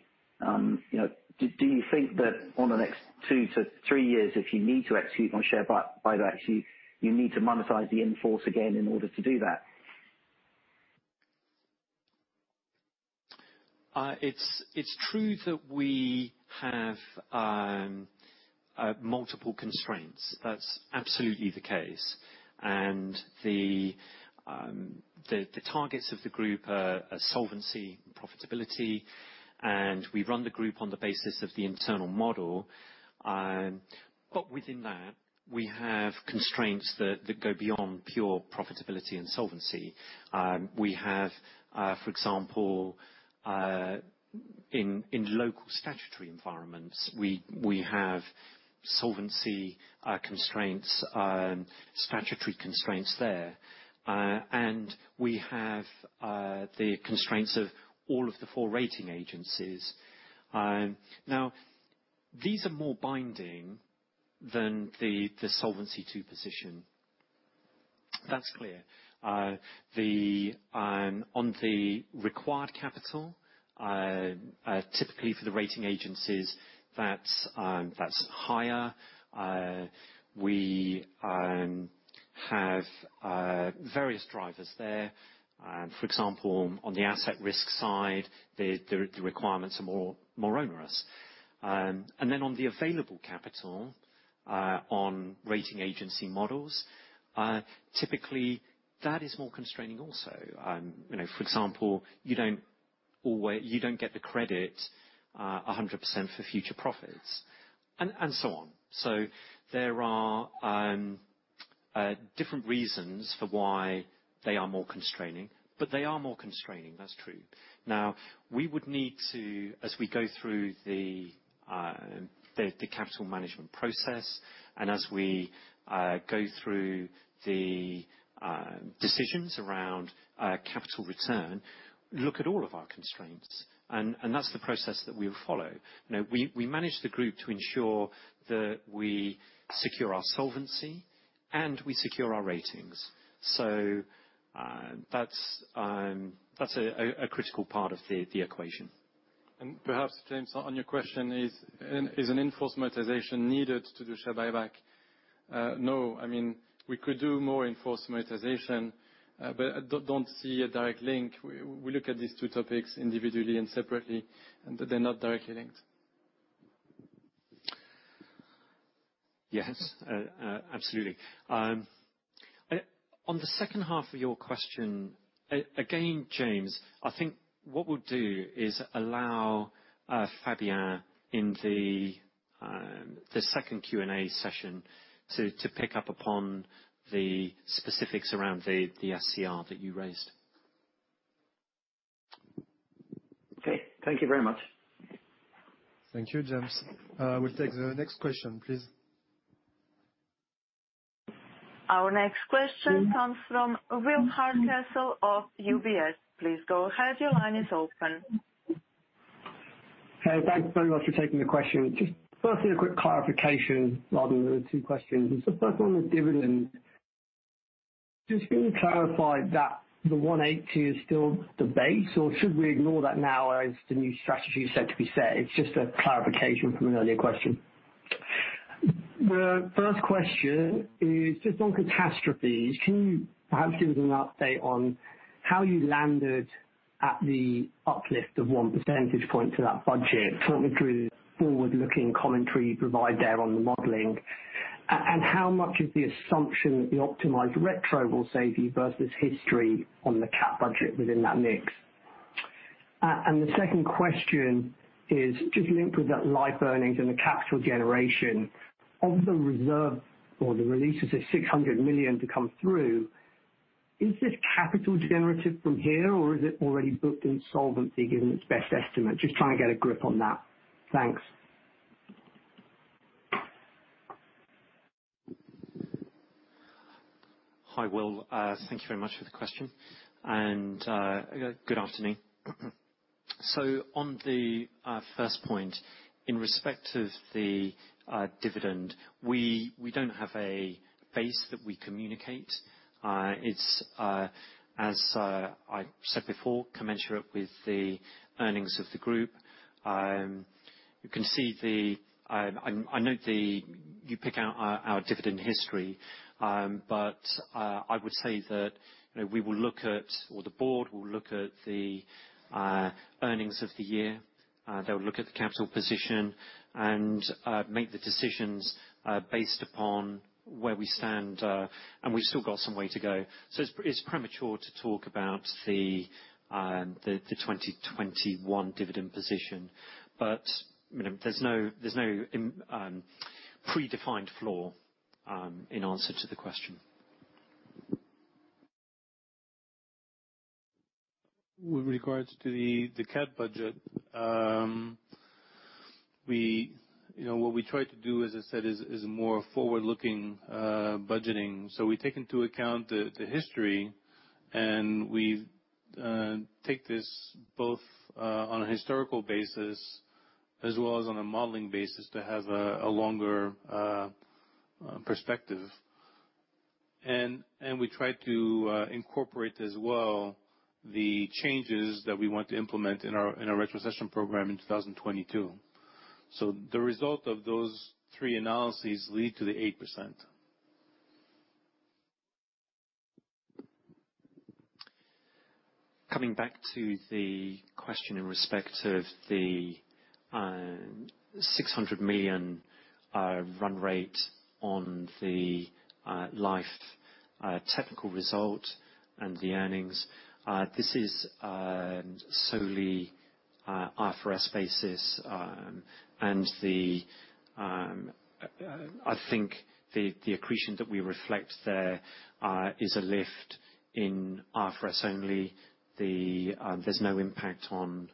Do you think that on the next two to three years, if you need to execute on share buybacks, you need to monetize the in-force again in order to do that? It's true that we have multiple constraints. That's absolutely the case. The targets of the group are solvency and profitability, and we run the group on the basis of the internal model. Within that, we have constraints that go beyond pure profitability and solvency. We have, for example, in local statutory environments, we have solvency constraints and statutory constraints there. We have the constraints of all of the four rating agencies. These are more binding than the Solvency II position. That's clear. On the required capital, typically for the rating agencies, that's higher. We have various drivers there. For example, on the asset risk side, the requirements are more onerous. On the available capital, on rating agency models, typically that is more constraining also. For example, you don't get the credit 100% for future profits, and so on. There are different reasons for why they are more constraining, but they are more constraining. That's true. We would need to, as we go through the capital management process, and as we go through the decisions around capital return, look at all of our constraints. That's the process that we'll follow. We manage the group to ensure that we secure our solvency and we secure our ratings. That's a critical part of the equation. Perhaps, James, on your question, is an in-force monetization needed to do share buyback? No. We could do more in-force monetization, but I don't see a direct link. We look at these two topics individually and separately, and they're not directly linked. Yes. Absolutely. On the second half of your question, again, James, I think what we'll do is allow Fabian in the second Q&A session to pick up upon the specifics around the SCR that you raised. Okay. Thank you very much. Thank you, James. We'll take the next question, please. Our next question comes from Will Hardcastle of UBS. Please go ahead, your line is open. Thanks very much for taking the question. Firstly, a quick clarification rather than two questions. The first one was dividend. Can you clarify that the 182 is still the base, or should we ignore that now as the new strategy is set to be set? A clarification from an earlier question. On catastrophes. Can you perhaps give us an update on how you landed at the uplift of 1 percentage point to that budget? Talk me through the forward-looking commentary you provide there on the modeling. How much is the assumption that the optimized retro will save you versus history on the cat budget within that mix? The second question is, linked with that life earnings and the capital generation. Of the reserve or the release of the 600 million to come through, is this capital generative from here, or is it already booked in Solvency given its best estimate? Just trying to get a grip on that. Thanks. Hi, Will. Thank you very much for the question. Good afternoon. On the first point, in respect of the dividend, we don't have a base that we communicate. It's, as I said before, commensurate with the earnings of the group. I note you pick out our dividend history. I would say that we will look at, or the board will look at the earnings of the year. They'll look at the capital position and make the decisions based upon where we stand, and we've still got some way to go. It's premature to talk about the 2021 dividend position. There's no predefined floor, in answer to the question. With regards to the cat budget. What we try to do, as I said, is more forward-looking budgeting. We take into account the history, and we take this both on a historical basis as well as on a modeling basis to have a longer perspective. We try to incorporate as well the changes that we want to implement in our retrocession program in 2022. The result of those three analyses lead to the 8%. Coming back to the question in respect of the 600 million run rate on the life technical result and the earnings, this is solely IFRS basis. I think the accretion that we reflect there is a lift in IFRS only. There's no impact on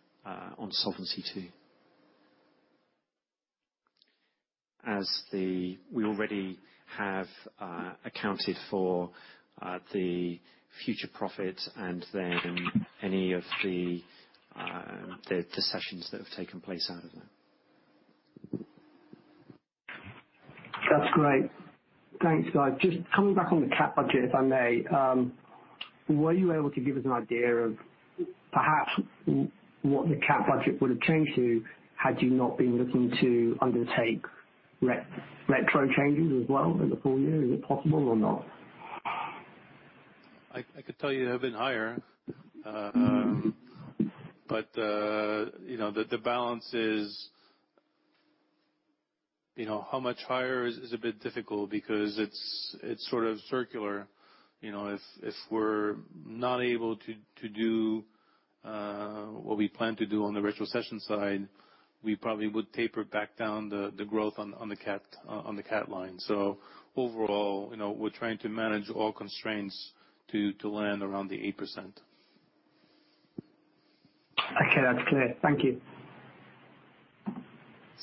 Solvency II. As we already have accounted for the future profit and then any of the cessions that have taken place out of that. That's great. Thanks, guys. Just coming back on the CAT budget, if I may. Were you able to give us an idea of perhaps what the CAT budget would have changed to had you not been looking to undertake retro changes as well in the full year? Is it possible or not? I could tell you it would have been higher. The balance is how much higher is a bit difficult because it's sort of circular. If we're not able to do what we plan to do on the retrocession side, we probably would taper back down the growth on the CAT line. Overall, we're trying to manage all constraints to land around the 8%. Okay. That's clear. Thank you.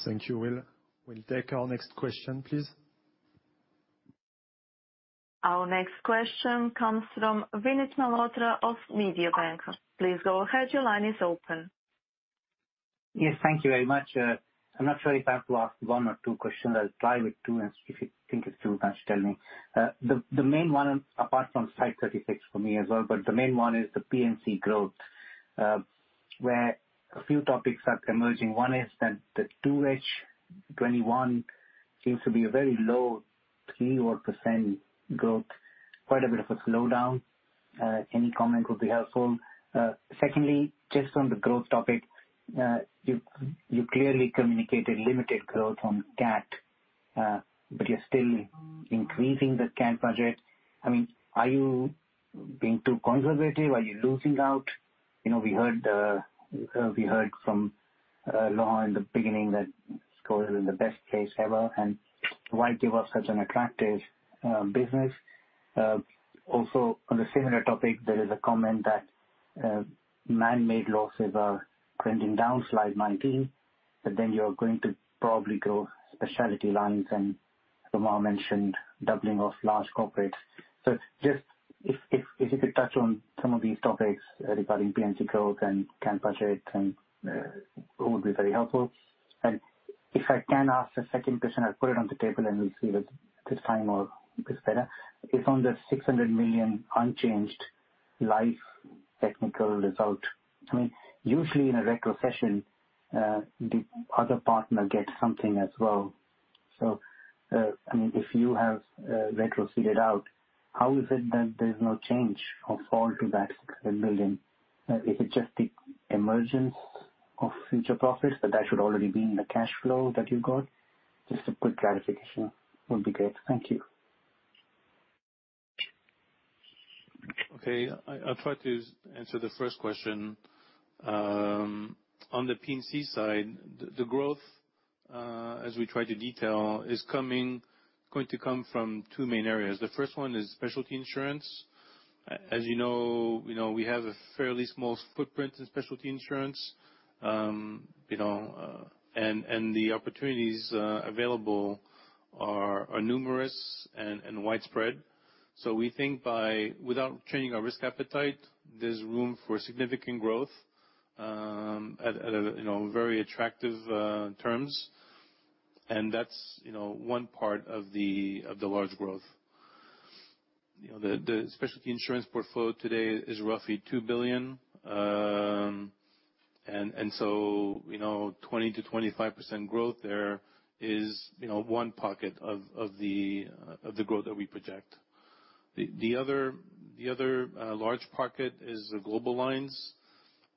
Thank you, Will. We'll take our next question, please. Our next question comes from Vinit Malhotra of Mediobanca. Yes. Thank you very much. I am not sure if I have to ask one or two questions. I will try with two, and if you think it is too much, tell me. The main one, apart from slide 36 for me as well, but the main one is the P&C growth, where a few topics are emerging. One is that the 2H 2021 seems to be a very low 3% odd growth. Quite a bit of a slowdown. Any comment would be helpful. Secondly, just on the growth topic, you clearly communicated limited growth on CAT, but you are still increasing the CAT budget. Are you being too conservative? Are you losing out? We heard from Laurent in the beginning that SCOR is in the best place ever, and why give up such an attractive business? On a similar topic, there is a comment that manmade losses are trending down, slide 19, but then you're going to probably grow specialty lines and Romain Launay mentioned doubling of large corporate. Just if you could touch on some of these topics regarding P&C growth and CAT budget, it would be very helpful. If I can ask a second question, I'll put it on the table, and we'll see if it's time or it's better. If on the 600 million unchanged life technical result, usually in a retrocession, the other partner gets something as well. If you have retroceded out, how is it that there's no change or fall to that EUR 600 million? Is it just the emergence of future profits, but that should already be in the cash flow that you've got? Just a quick clarification would be great. Thank you. Okay. I'll try to answer the first question. On the P&C side, the growth, as we tried to detail, is going to come from two main areas. The first one is specialty insurance. As you know, we have a fairly small footprint in specialty insurance. The opportunities available are numerous and widespread. We think without changing our risk appetite, there's room for significant growth at very attractive terms. That's one part of the large growth. The specialty insurance portfolio today is roughly 2 billion. 20%-25% growth there is one pocket of the growth that we project. The other large pocket is the global lines.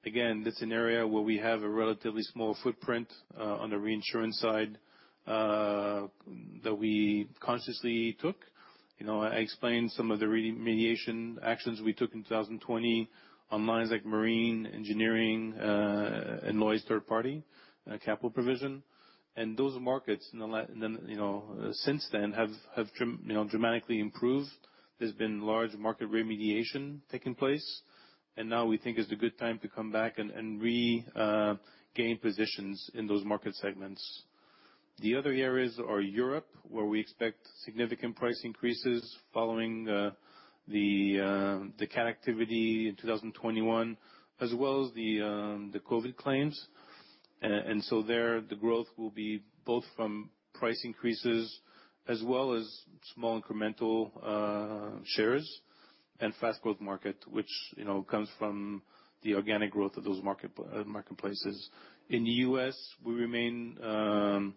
Again, that's an area where we have a relatively small footprint on the reinsurance side that we consciously took. I explained some of the remediation actions we took in 2020 on lines like marine, engineering, and Lloyd's third party capital provision. Those markets since then have dramatically improved. There's been large market remediation taking place, and now we think it's a good time to come back and regain positions in those market segments. The other areas are Europe, where we expect significant price increases following the cat activity in 2021, as well as the COVID-19 claims. There, the growth will be both from price increases as well as small incremental shares and fast growth market, which comes from the organic growth of those marketplaces. In the U.S., we remain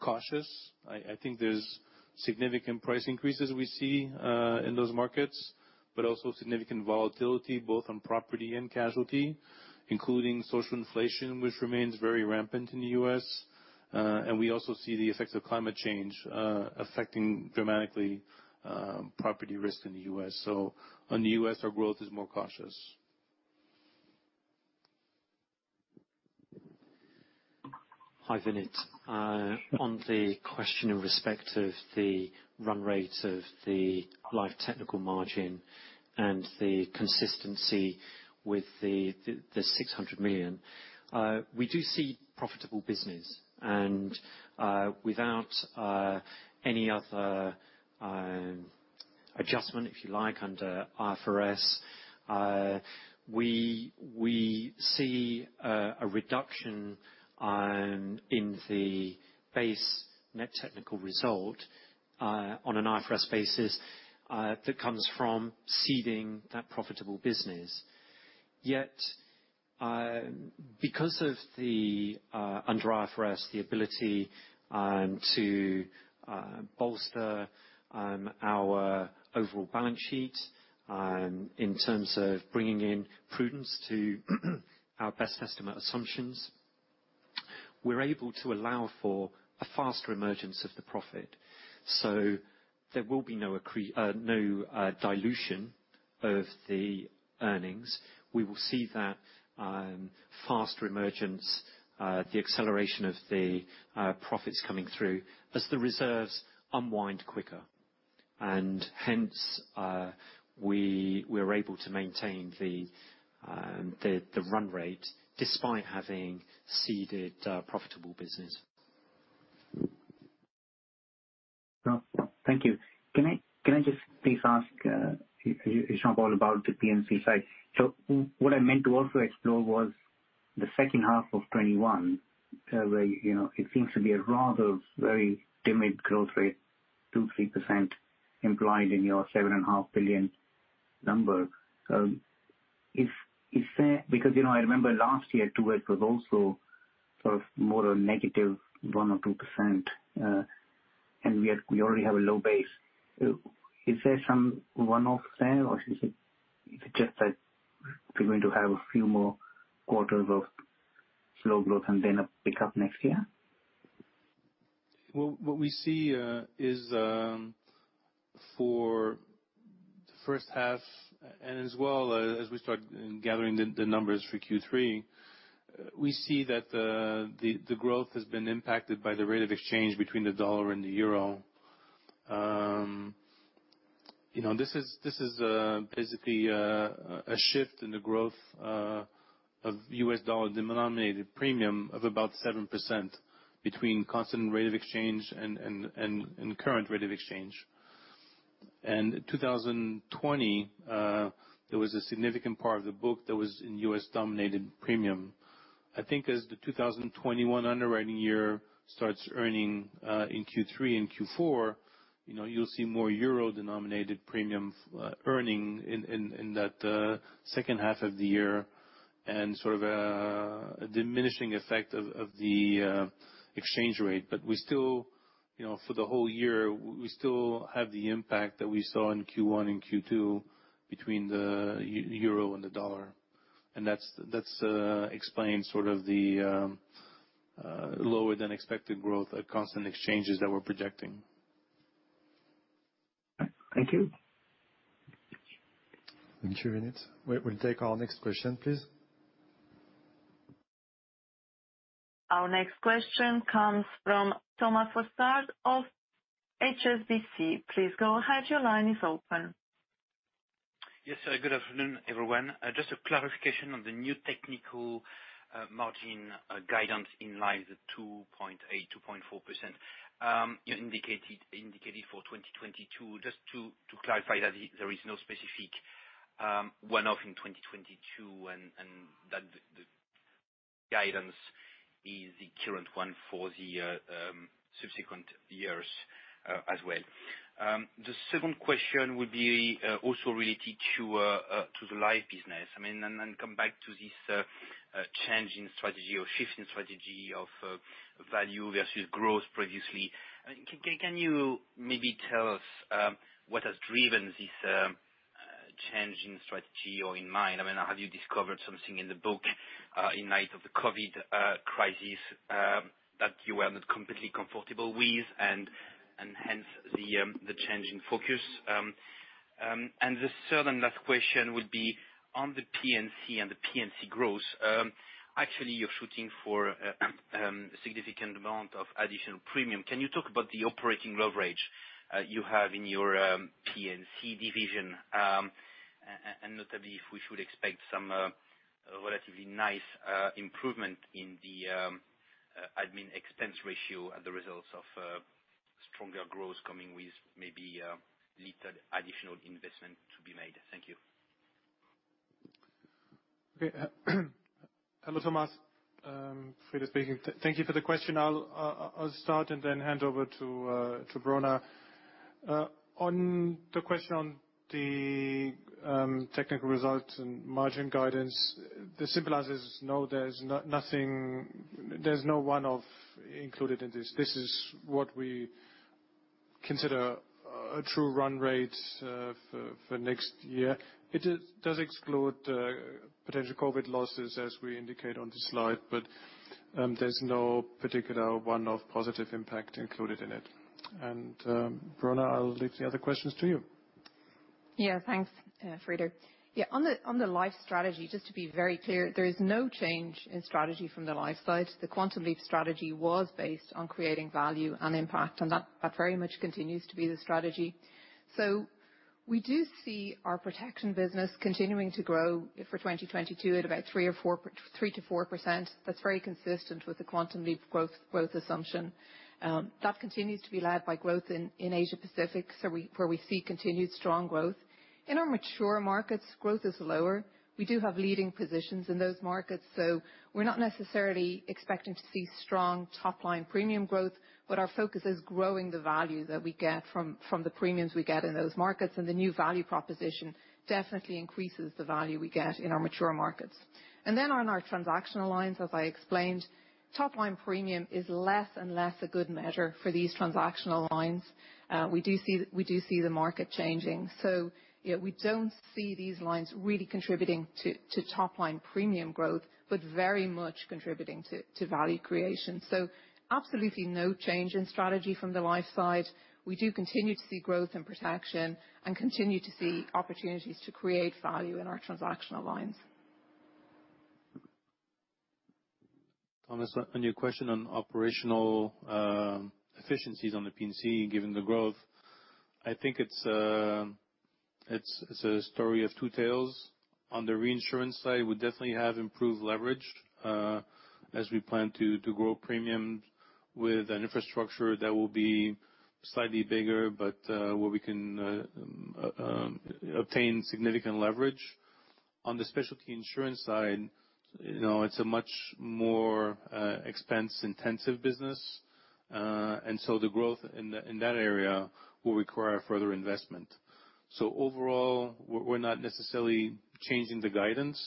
cautious. I think there's significant price increases we see in those markets, but also significant volatility both on property and casualty, including social inflation, which remains very rampant in the U.S., and we also see the effects of climate change affecting dramatically property risk in the U.S. On the U.S., our growth is more cautious. Hi, Vinit. On the question in respect of the run rate of the life technical margin and the consistency with the 600 million. We do see profitable business, without any other adjustment, if you like, under IFRS, we see a reduction in the base net technical result on an IFRS basis that comes from ceding that profitable business. Because under IFRS, the ability to bolster our overall balance sheet in terms of bringing in prudence to our best estimate assumptions, we're able to allow for a faster emergence of the profit. There will be no dilution of the earnings. We will see that faster emergence, the acceleration of the profits coming through as the reserves unwind quicker. Hence, we're able to maintain the run rate despite having ceded profitable business. Thank you. Can I just please ask, Jean-Paul, about the P&C side? What I meant to also explore was the second half of 2021, where it seems to be a rather very timid growth rate, 2%, 3% implied in your seven and a half billion number. I remember last year, too, it was also more a negative 1% or 2%, and we already have a low base. Is there some one-off there, or is it just that we're going to have a few more quarters of slow growth and then a pickup next year? What we see is for the first half, as well as we start gathering the numbers for Q3, we see that the growth has been impacted by the rate of exchange between the dollar and the euro. This is basically a shift in the growth of U.S. dollar, the denominated premium of about 7% between constant rate of exchange and current rate of exchange. 2020, there was a significant part of the book that was in U.S. denominated premium. I think as the 2021 underwriting year starts earning in Q3 and Q4, you'll see more euro-denominated premium earning in that second half of the year, and a diminishing effect of the exchange rate. For the whole year, we still have the impact that we saw in Q1 and Q2 between the euro and the dollar. That explains the lower than expected growth at constant exchanges that we're projecting. Thank you. Thank you, Vinit. We will take our next question, please. Our next question comes from Thomas Fossard of HSBC. Please go ahead. Your line is open. Yes, sir. Good afternoon, everyone. Just a clarification on the new technical margin guidance in light of the 2.8%, 2.4% you indicated for 2022, just to clarify that there is no specific one-off in 2022, and that the guidance is the current one for the subsequent years as well. The second question would be also related to the life business. Then come back to this change in strategy or shift in strategy of value versus growth previously. Can you maybe tell us what has driven this change in strategy or in mind? Have you discovered something in the book in light of the COVID crisis that you were not completely comfortable with, and hence the change in focus? The third and last question would be on the P&C and the P&C growth. Actually, you're shooting for a significant amount of additional premium. Can you talk about the operating leverage you have in your P&C division? Notably, if we should expect some relatively nice improvement in the admin expense ratio and the results of stronger growth coming with maybe little additional investment to be made. Thank you. Okay. Hello, Thomas. Frieder speaking. Thank you for the question. I'll start and then hand over to Brona. On the question on the technical results and margin guidance, the simple answer is no, there's no one-off included in this. This is what we consider a true run rate for next year. It does exclude potential COVID losses, as we indicate on the slide, but there's no particular one-off positive impact included in it. Brona, I'll leave the other questions to you. Yeah, thanks, Frieder. On the life strategy, just to be very clear, there is no change in strategy from the life side. The Quantum Leap strategy was based on creating value and impact. That very much continues to be the strategy. We do see our protection business continuing to grow for 2022 at about 3%-4%. That's very consistent with the Quantum Leap growth assumption. That continues to be led by growth in Asia Pacific, where we see continued strong growth. In our mature markets, growth is lower. We do have leading positions in those markets. We're not necessarily expecting to see strong top-line premium growth. Our focus is growing the value that we get from the premiums we get in those markets. The new value proposition definitely increases the value we get in our mature markets. On our transactional lines, as I explained, top-line premium is less and less a good measure for these transactional lines. We do see the market changing. We don't see these lines really contributing to top-line premium growth, but very much contributing to value creation. Absolutely no change in strategy from the life side. We do continue to see growth and protection and continue to see opportunities to create value in our transactional lines. Thomas, on your question on operational efficiencies on the P&C, given the growth, I think it's a story of two tales. On the reinsurance side, we definitely have improved leverage, as we plan to grow premium with an infrastructure that will be slightly bigger, but where we can obtain significant leverage. On the specialty insurance side, it's a much more expense-intensive business. The growth in that area will require further investment. Overall, we're not necessarily changing the guidance.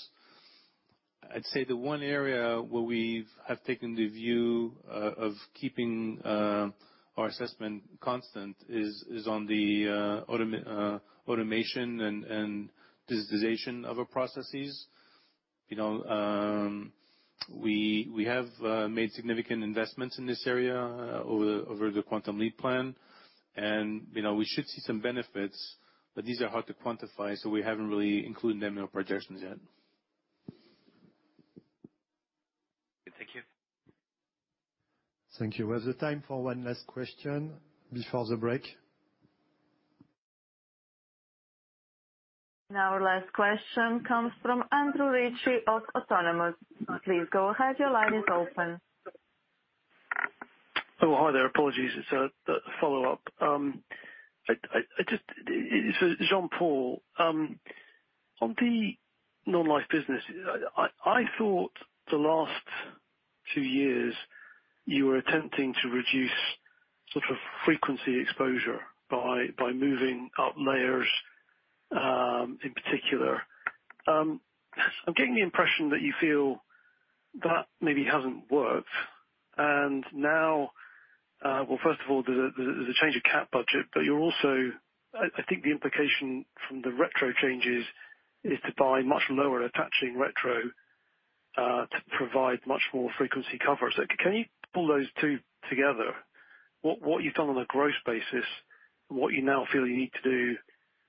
I'd say the 1 area where we have taken the view of keeping our assessment constant is on the automation and digitization of our processes. We have made significant investments in this area over the Quantum Leap plan. We should see some benefits, but these are hard to quantify, we haven't really included them in our projections yet. Thank you. Thank you. We have the time for one last question before the break. Now our last question comes from Andrew Ritchie of Autonomous. Please go ahead. Your line is open. Oh, hi there. Apologies, it's a follow-up. It's for Jean-Paul. On the non-life business, I thought the last two years you were attempting to reduce sort of frequency exposure by moving up layers, in particular. I'm getting the impression that you feel that maybe hasn't worked, and now, well, first of all, there's a change of cat budget, but I think the implication from the retro changes is to buy much lower attaching retro, to provide much more frequency cover. Can you pull those two together? What you've done on a gross basis and what you now feel you need to do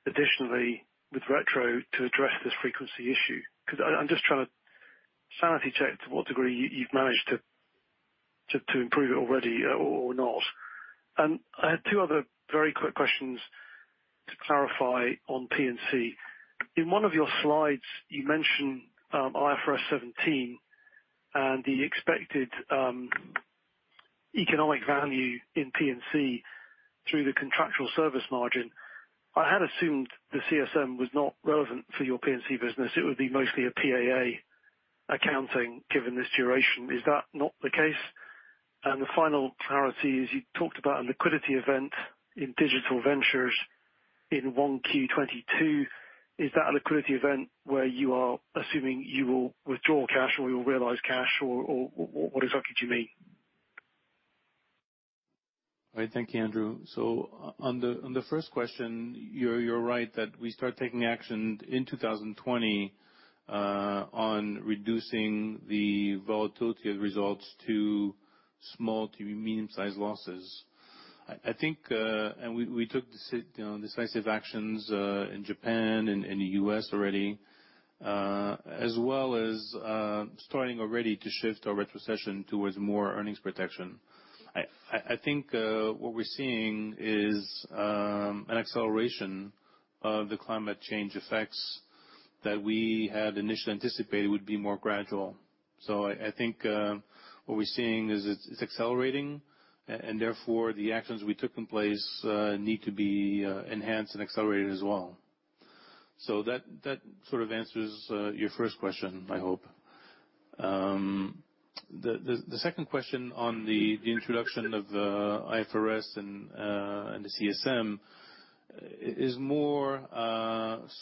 additionally with retro to address this frequency issue? I'm just trying to sanity check to what degree you've managed to improve it already or not. I had two other very quick questions to clarify on P&C. In one of your slides, you mention IFRS 17 and the expected economic value in P&C through the contractual service margin. I had assumed the CSM was not relevant for your P&C business. It would be mostly a PAA accounting given this duration. Is that not the case? The final clarity is you talked about a liquidity event in digital ventures in 1Q 2022. Is that a liquidity event where you are assuming you will withdraw cash or you'll realize cash, or what exactly do you mean? Right. Thank you, Andrew. On the first question, you're right that we start taking action in 2020, on reducing the volatility of results to small to medium-sized losses. We took decisive actions in Japan and the U.S. already. As well as starting already to shift our retrocession towards more earnings protection. I think what we're seeing is an acceleration of the climate change effects that we had initially anticipated would be more gradual. I think what we're seeing is it's accelerating, and therefore, the actions we took in place need to be enhanced and accelerated as well. That sort of answers your first question, I hope. The second question on the introduction of IFRS and the CSM is more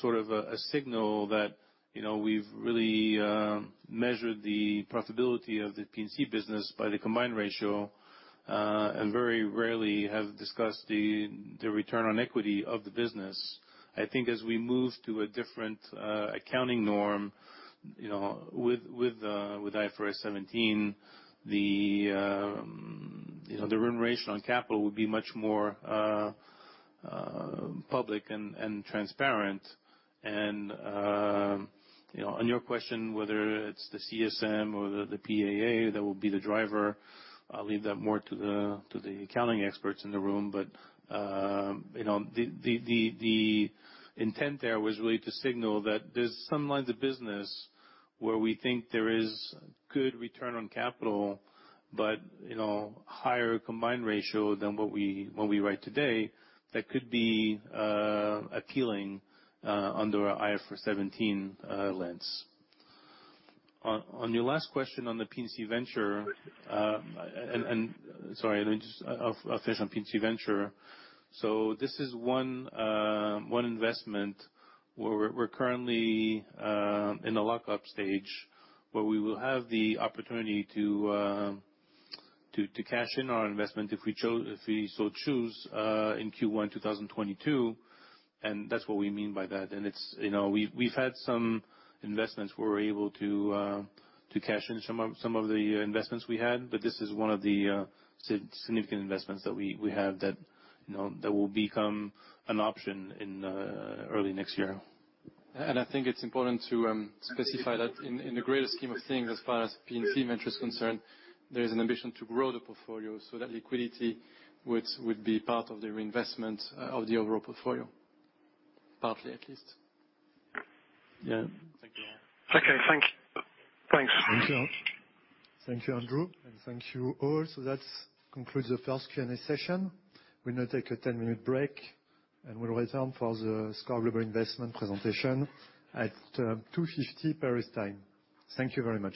sort of a signal that we've really measured the profitability of the P&C business by the combined ratio, and very rarely have discussed the return on equity of the business. I think as we move to a different accounting norm, with IFRS 17, the remuneration on capital would be much more public and transparent. On your question, whether it's the CSM or the PAA that will be the driver, I'll leave that more to the accounting experts in the room. The intent there was really to signal that there's some lines of business where we think there is good return on capital, but higher combined ratio than what we write today that could be appealing under a IFRS 17 lens. On your last question on the P&C venture, and sorry, let me just finish on P&C venture. This is 1 investment where we're currently in the lockup stage, where we will have the opportunity to cash in on investment if we so choose in Q1 2022, and that's what we mean by that. We've had some investments where we're able to cash in some of the investments we had, but this is 1 of the significant investments that we have that will become an option in early next year. I think it's important to specify that in the greater scheme of things, as far as P&C Ventures is concerned, there is an ambition to grow the portfolio so that liquidity would be part of the reinvestment of the overall portfolio. Partly at least. Yeah. Thank you. Okay, thanks. Thank you. Thank you, Andrew, and thank you all. That concludes the first Q&A session. We'll now take a 10-minute break, and we'll return for the SCOR Global Investment Presentation at 2:50 P.M. Paris time. Thank you very much.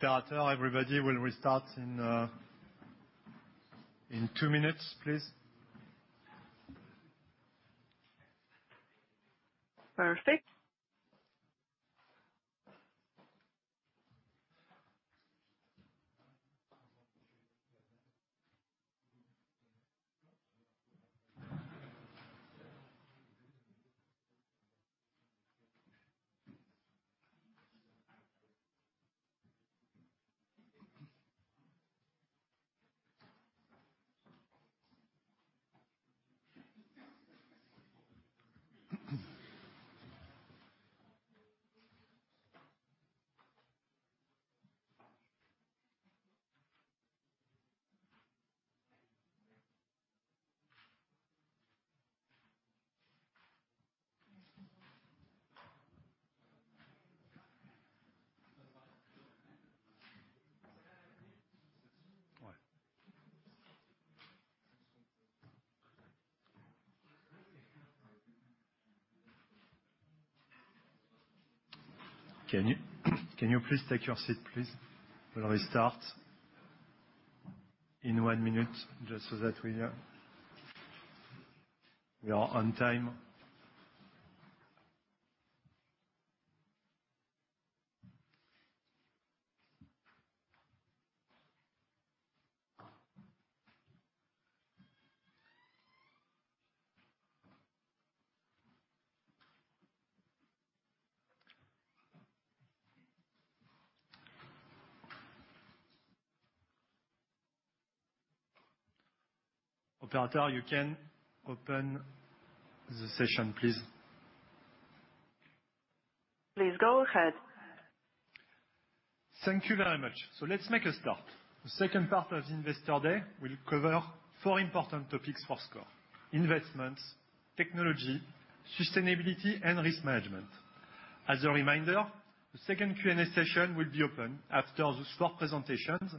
Hello? Operator, everybody will restart in two minutes, please. Perfect. Can you please take your seat, please? We'll restart in 1 minute. Just so that we are on time. Operator, you can open the session, please. Please go ahead. Thank you very much. Let's make a start. The second part of Investor Day will cover four important topics for SCOR: investments, technology, sustainability, and risk management. As a reminder, the second Q&A session will be open after the SCOR presentations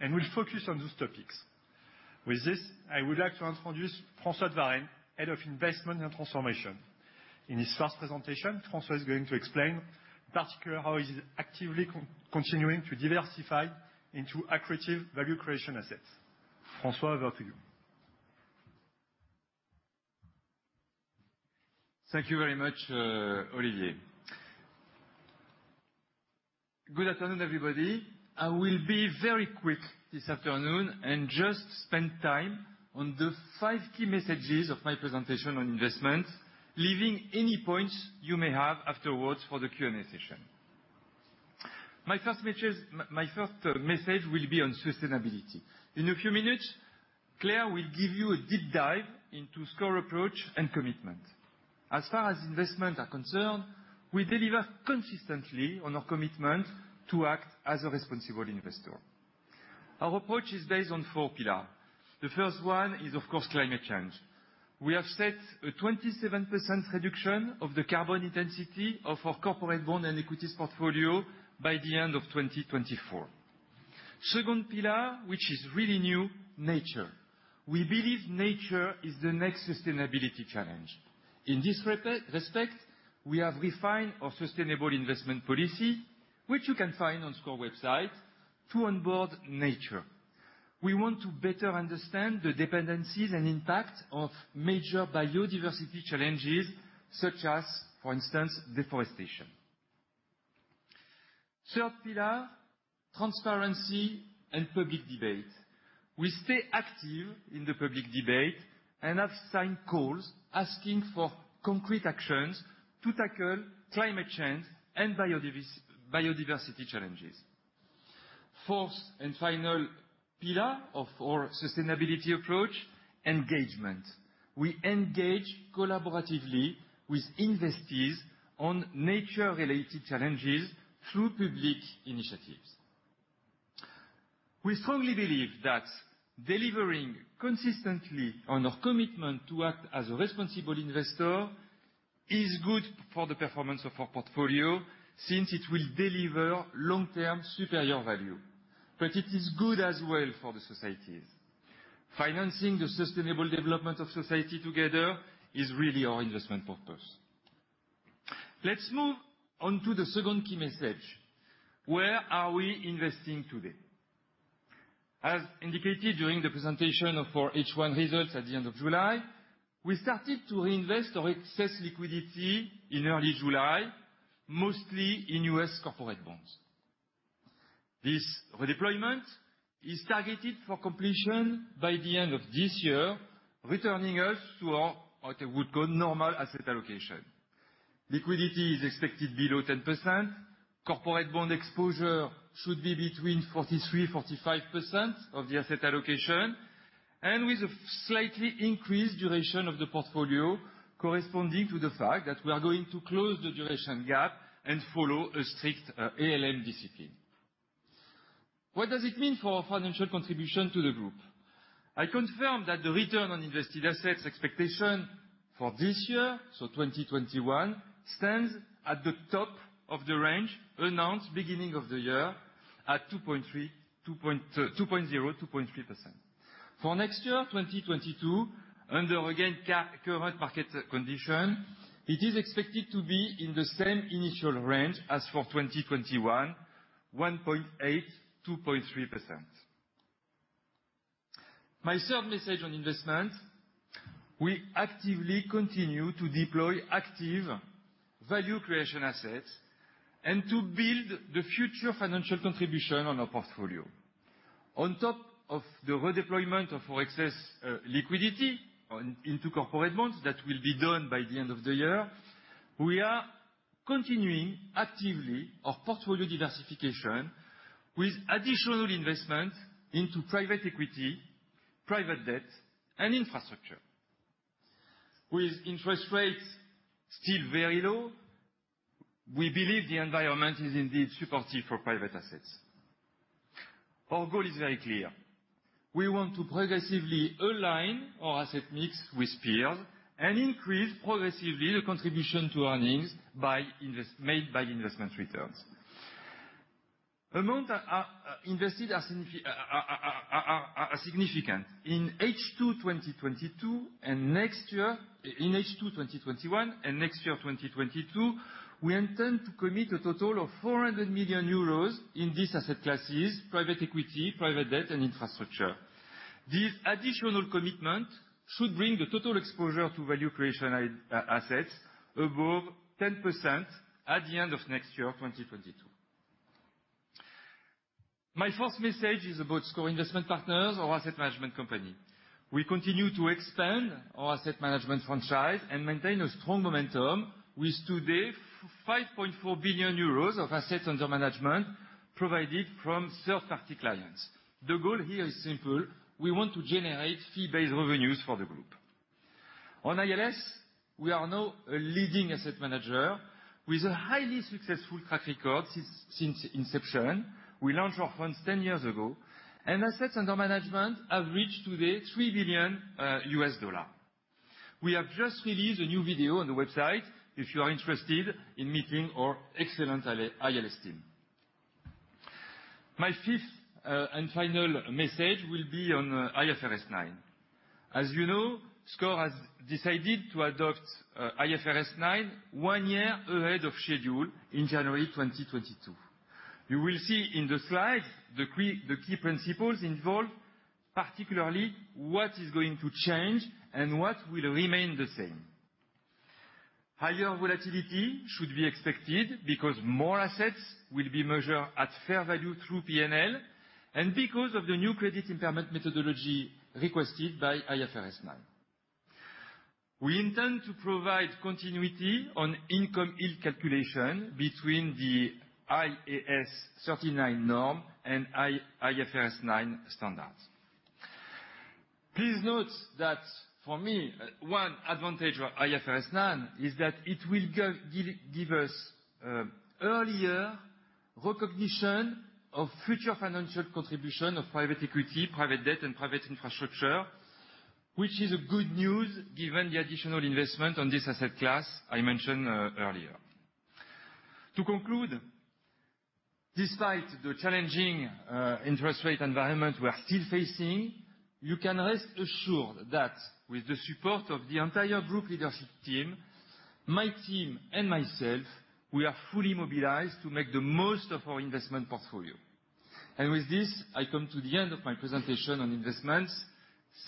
and will focus on those topics. With this, I would like to introduce François de Varenne, Head of Investment and Transformation. In his 1st presentation, François is going to explain in particular how he's actively continuing to diversify into accretive value creation assets. François, over to you. Thank you very much, Olivier. Good afternoon, everybody. I will be very quick this afternoon and just spend time on the five key messages of my presentation on investment, leaving any points you may have afterwards for the Q&A session. My first message will be on sustainability. In a few minutes, Claire will give you a deep dive into SCOR approach and commitment. As far as investments are concerned, we deliver consistently on our commitment to act as a responsible investor. Our approach is based on four pillar. The first one is, of course, climate change. We have set a 27% reduction of the carbon intensity of our corporate bond and equities portfolio by the end of 2024. Second pillar, which is really new, nature. We believe nature is the next sustainability challenge. In this respect, we have refined our sustainable investment policy, which you can find on SCOR website, to onboard nature. We want to better understand the dependencies and impact of major biodiversity challenges, such as, for instance, deforestation. Third pillar, transparency and public debate. We stay active in the public debate and have signed calls asking for concrete actions to tackle climate change and biodiversity challenges. Fourth and final pillar of our sustainability approach, engagement. We engage collaboratively with investees on nature-related challenges through public initiatives. We strongly believe that delivering consistently on our commitment to act as a responsible investor is good for the performance of our portfolio, since it will deliver long-term superior value. It is good as well for the societies. Financing the sustainable development of society together is really our investment purpose. Let's move on to the second key message. Where are we investing today? As indicated during the presentation of our H1 results at the end of July, we started to reinvest our excess liquidity in early July, mostly in U.S. corporate bonds. This redeployment is targeted for completion by the end of this year, returning us to our, what I would call, normal asset allocation. Liquidity is expected below 10%. Corporate bond exposure should be between 43%-45% of the asset allocation, and with a slightly increased duration of the portfolio corresponding to the fact that we are going to close the duration gap and follow a strict ALM discipline. What does it mean for our financial contribution to the Group? I confirm that the return on invested assets expectation for this year, so 2021, stands at the top of the range announced beginning of the year at 2.0%-2.3%. For next year, 2022, under again current market condition, it is expected to be in the same initial range as for 2021, 1.8%-2.3%. My third message on investment. We actively continue to deploy active value creation assets and to build the future financial contribution on our portfolio. On top of the redeployment of our excess liquidity into corporate bonds, that will be done by the end of the year, we are continuing actively our portfolio diversification with additional investment into private equity, private debt, and infrastructure. With interest rates still very low, we believe the environment is indeed supportive for private assets. Our goal is very clear. We want to progressively align our asset mix with peers and increase progressively the contribution to earnings made by investment returns. Amount invested are significant. In H2 2021 and next year 2022, we intend to commit a total of 400 million euros in these asset classes, private equity, private debt, and infrastructure. This additional commitment should bring the total exposure to value creation assets above 10% at the end of next year, 2022. My fourth message is about SCOR Investment Partners, our asset management company. We continue to expand our asset management franchise and maintain a strong momentum with today 5.4 billion euros of assets under management provided from third-party clients. The goal here is simple. We want to generate fee-based revenues for the group. On ILS, we are now a leading asset manager with a highly successful track record since inception. We launched our funds 10 years ago, and assets under management have reached today $3 billion. We have just released a new video on the website if you are interested in meeting our excellent ILS team. My fifth and final message will be on IFRS 9. As you know, SCOR has decided to adopt IFRS 9 one year ahead of schedule in January 2022. You will see in the slides the key principles involved, particularly what is going to change and what will remain the same. Higher volatility should be expected because more assets will be measured at fair value through P&L and because of the new credit impairment methodology requested by IFRS 9. We intend to provide continuity on income yield calculation between the IAS 39 norm and IFRS 9 standards. Please note that for me, one advantage for IFRS 9 is that it will give us earlier recognition of future financial contribution of private equity, private debt, and private infrastructure, which is a good news given the additional investment on this asset class I mentioned earlier. To conclude, despite the challenging interest rate environment we are still facing, you can rest assured that with the support of the entire group leadership team, my team and myself, we are fully mobilized to make the most of our investment portfolio. With this, I come to the end of my presentation on investments.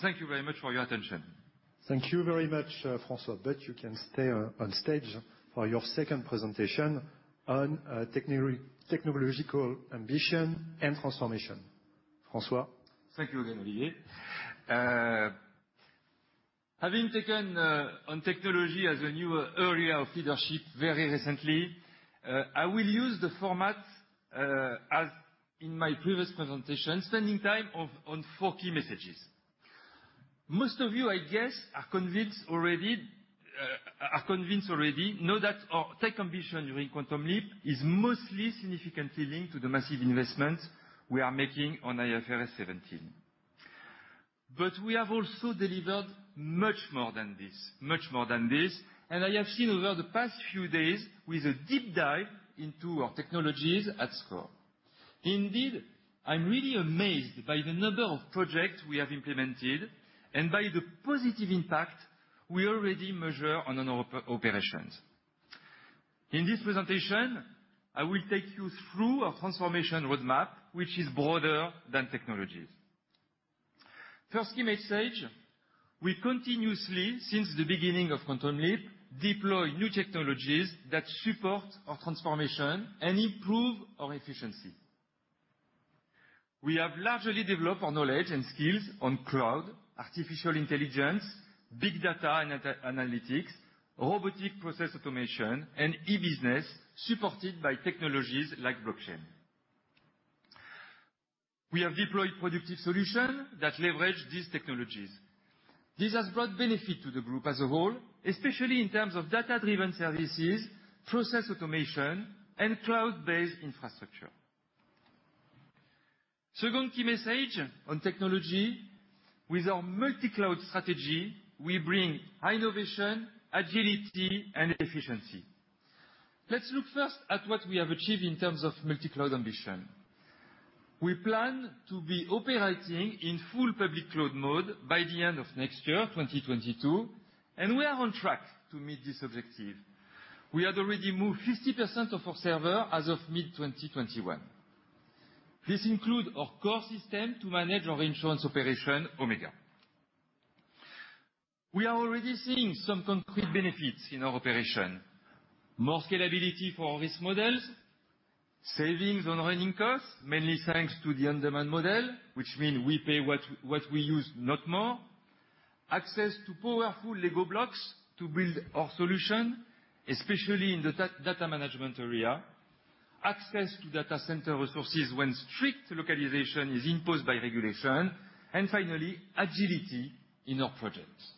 Thank you very much for your attention. Thank you very much, François, but you can stay on stage for your second presentation on technological ambition and transformation. François? Thank you again, Olivier. Having taken on technology as a new area of leadership very recently, I will use the format as in my previous presentation, spending time on 4 key messages. Most of you, I guess, are convinced already, know that our tech ambition during Quantum Leap is mostly significantly linked to the massive investment we are making on IFRS 17. We have also delivered much more than this. I have seen over the past few days with a deep dive into our technologies at SCOR. Indeed, I'm really amazed by the number of projects we have implemented and by the positive impact we already measure on our operations. In this presentation, I will take you through our transformation roadmap, which is broader than technologies. First key message, we continuously, since the beginning of Quantum Leap, deploy new technologies that support our transformation and improve our efficiency. We have largely developed our knowledge and skills on cloud, artificial intelligence, big data analytics, robotic process automation, and e-business supported by technologies like blockchain. We have deployed productive solution that leverage these technologies. This has brought benefit to the group as a whole, especially in terms of data-driven services, process automation, and cloud-based infrastructure. Second key message on technology, with our multi-cloud strategy, we bring innovation, agility, and efficiency. Let's look first at what we have achieved in terms of multi-cloud ambition. We plan to be operating in full public cloud mode by the end of next year, 2022, and we are on track to meet this objective. We had already moved 50% of our server as of mid-2021. This include our core system to manage our insurance operation, Omega. We are already seeing some concrete benefits in our operation. More scalability for our risk models, savings on running costs, mainly thanks to the on-demand model, which mean we pay what we use, not more. Access to powerful Lego blocks to build our solution, especially in the data management area. Access to data center resources when strict localization is imposed by regulation. Finally, agility in our projects.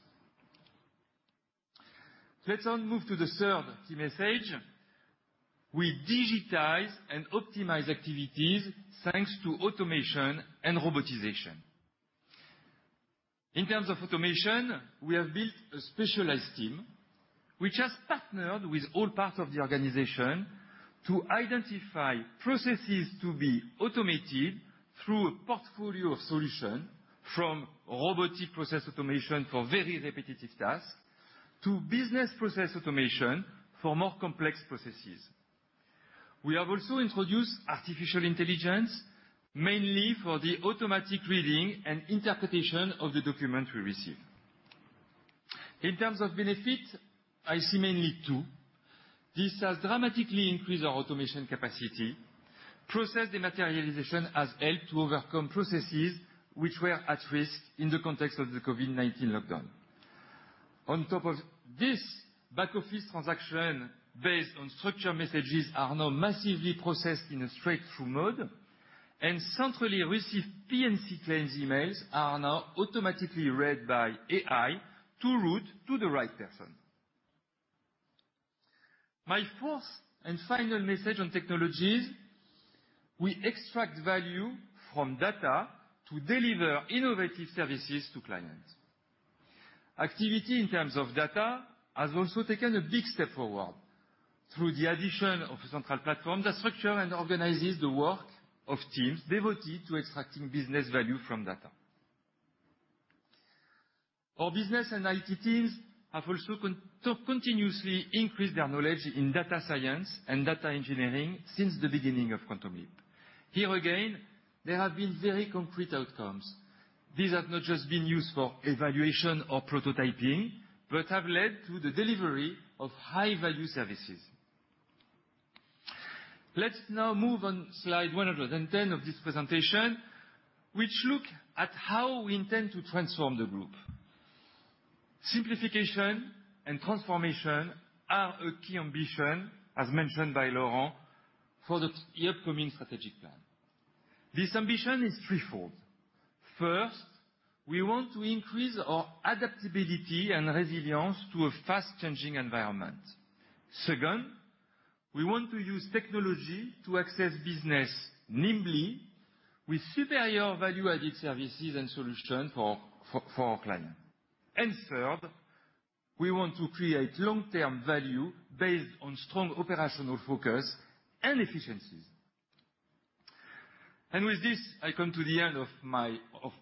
Let's now move to the third key message. We digitize and optimize activities, thanks to automation and robotization. In terms of automation, we have built a specialized team which has partnered with all parts of the organization to identify processes to be automated through a portfolio of solution, from robotic process automation for very repetitive tasks, to business process automation for more complex processes. We have also introduced artificial intelligence, mainly for the automatic reading and interpretation of the documents we receive. In terms of benefit, I see mainlytwo. This has dramatically increased our automation capacity. Process dematerialization has helped to overcome processes which were at risk in the context of the COVID-19 lockdown. On top of this, back office transaction based on structure messages are now massively processed in a straight-through mode, and centrally received P&C claims emails are now automatically read by AI to route to the right person. My fourth and final message on technology is we extract value from data to deliver innovative services to clients. Activity in terms of data has also taken a big step forward through the addition of a central platform that structure and organizes the work of teams devoted to extracting business value from data. Our business and IT teams have also continuously increased their knowledge in data science and data engineering since the beginning of Quantum Leap. Here again, there have been very concrete outcomes. These have not just been used for evaluation or prototyping, but have led to the delivery of high-value services. Let's now move on slide 110 of this presentation, which look at how we intend to transform the group. Simplification and transformation are a key ambition, as mentioned by Laurent, for the upcoming strategic plan. This ambition is threefold. First, we want to increase our adaptability and resilience to a fast-changing environment. Second, we want to use technology to access business nimbly with superior value-added services and solution for our client. Third, we want to create long-term value based on strong operational focus and efficiencies. With this, I come to the end of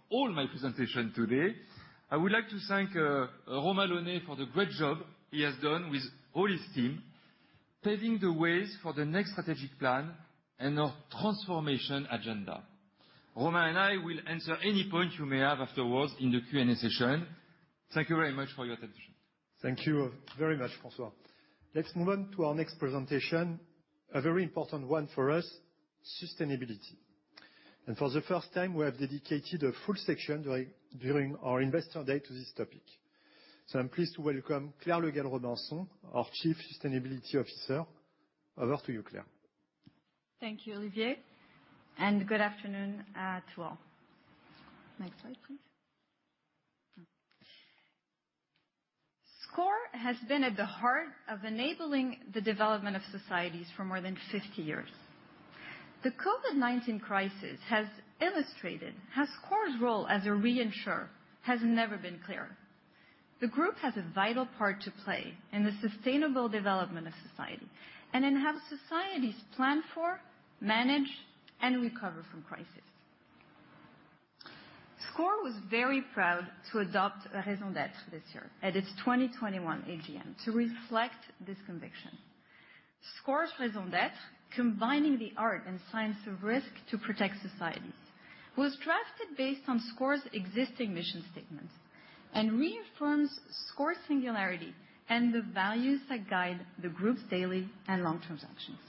all my presentation today. I would like to thank Romain Launay for the great job he has done with all his team, paving the ways for the next strategic plan and our transformation agenda. Romain and I will answer any point you may have afterwards in the Q&A session. Thank you very much for your attention. Thank you very much, François. Let's move on to our next presentation, a very important one for us, sustainability. For the first time, we have dedicated a full section during our Investor Day to this topic. I'm pleased to welcome Claire Le Gall-Robinson, our chief sustainability officer. Over to you, Claire. Thank you, Olivier. Good afternoon to all. Next slide, please. SCOR has been at the heart of enabling the development of societies for more than 50 years. The COVID-19 crisis has illustrated how SCOR's role as a reinsurer has never been clearer. The Group has a vital part to play in the sustainable development of society and in how societies plan for, manage, and recover from crisis. SCOR was very proud to adopt a raison d'être this year at its 2021 AGM to reflect this conviction. SCOR's raison d'être, combining the art and science of risk to protect societies, was drafted based on SCOR's existing mission statements and reaffirms SCOR's singularity and the values that guide the Group's daily and long-term actions.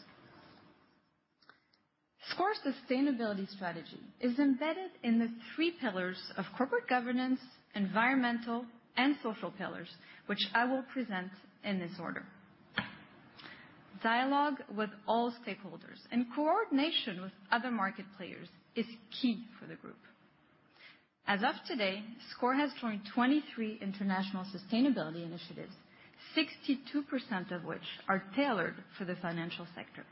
SCOR's sustainability strategy is embedded in the three pillars of corporate governance, environmental, and social pillars, which I will present in this order. Dialogue with all stakeholders and coordination with other market players is key for the Group. As of today, SCOR has joined 23 international sustainability initiatives, 62% of which are tailored for the financial sector.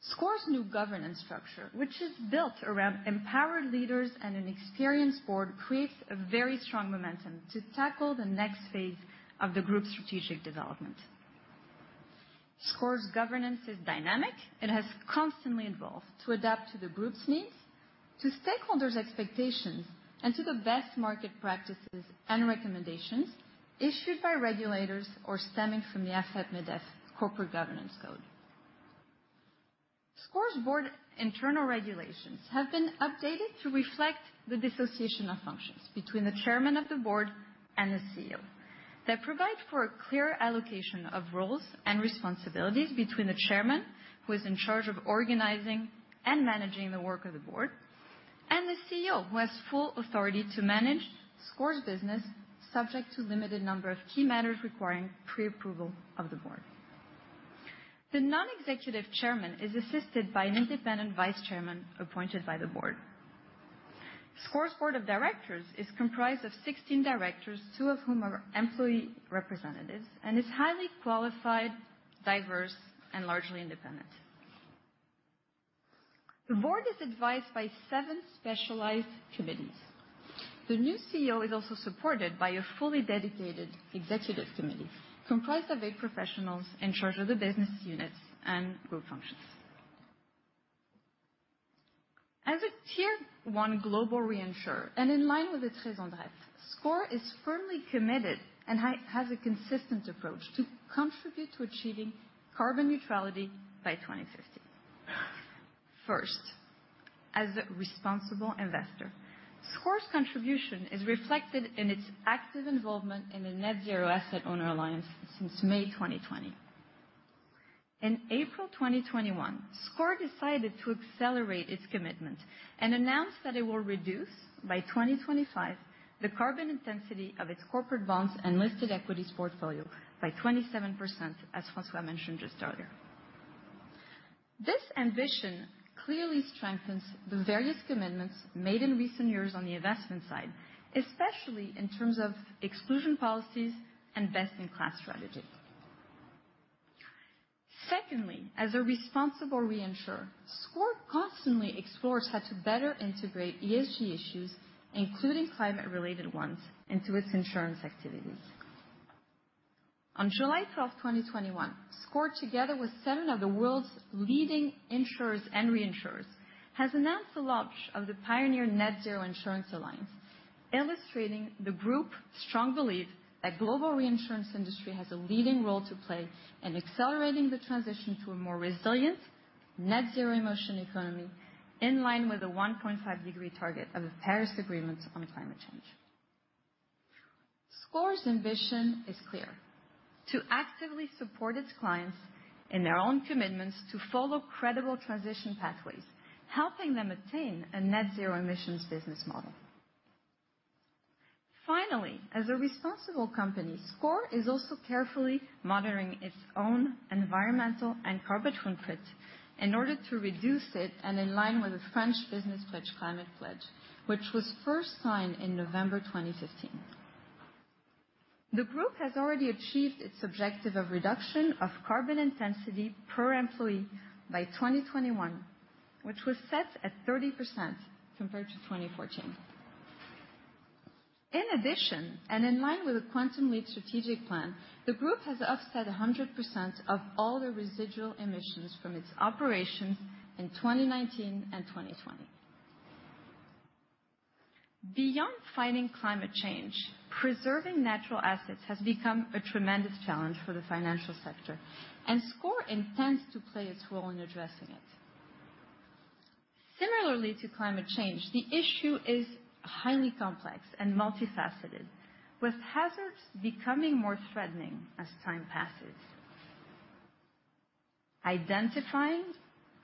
SCOR's new governance structure, which is built around empowered leaders and an experienced board, creates a very strong momentum to tackle the next phase of the Group's strategic development. SCOR's governance is dynamic. It has constantly evolved to adapt to the Group's needs, to stakeholders' expectations, and to the best market practices and recommendations issued by regulators or stemming from the AFEP-MEDEF corporate governance code. SCOR's board internal regulations have been updated to reflect the dissociation of functions between the chairman of the board and the CEO that provide for a clear allocation of roles and responsibilities between the chairman, who is in charge of organizing and managing the work of the board, and the CEO, who has full authority to manage SCOR's business, subject to limited number of key matters requiring pre-approval of the board. The non-executive chairman is assisted by an independent vice chairman appointed by the board. SCOR's board of directors is comprised of 16 directors, two of whom are employee representatives, and is highly qualified, diverse, and largely independent. The board is advised by seven specialized committees. The new CEO is also supported by a fully dedicated Executive Committee comprised of eight professionals in charge of the business units and group functions. As a Tier 1 global reinsurer and in line with its raison d'être, SCOR is firmly committed and has a consistent approach to contribute to achieving carbon neutrality by 2050. First, as a responsible investor, SCOR's contribution is reflected in its active involvement in the Net-Zero Asset Owner Alliance since May 2020. In April 2021, SCOR decided to accelerate its commitment and announced that it will reduce, by 2025, the carbon intensity of its corporate bonds and listed equities portfolio by 27%, as François mentioned just earlier. This ambition clearly strengthens the various commitments made in recent years on the investment side, especially in terms of exclusion policies and best-in-class strategies. Secondly, as a responsible reinsurer, SCOR constantly explores how to better integrate ESG issues, including climate-related ones, into its insurance activities. On July 12th, 2021, SCOR, together with seven of the world's leading insurers and reinsurers, has announced the launch of the Pioneer Net-Zero Insurance Alliance, illustrating the group's strong belief that global reinsurance industry has a leading role to play in accelerating the transition to a more resilient net-zero emission economy in line with the 1.5 degree target of the Paris Agreement on climate change. SCOR's ambition is clear: to actively support its clients in their own commitments to follow credible transition pathways, helping them attain a net-zero emissions business model. Finally, as a responsible company, SCOR is also carefully monitoring its own environmental and carbon footprint in order to reduce it and in line with the French Business Climate Pledge, which was first signed in November 2015. The group has already achieved its objective of reduction of carbon intensity per employee by 2021, which was set at 30% compared to 2014. In addition, and in line with the Quantum Leap strategic plan, the group has offset 100% of all the residual emissions from its operations in 2019 and 2020. Beyond fighting climate change, preserving natural assets has become a tremendous challenge for the financial sector, and SCOR intends to play its role in addressing it. Similarly to climate change, the issue is highly complex and multifaceted, with hazards becoming more threatening as time passes. Identifying,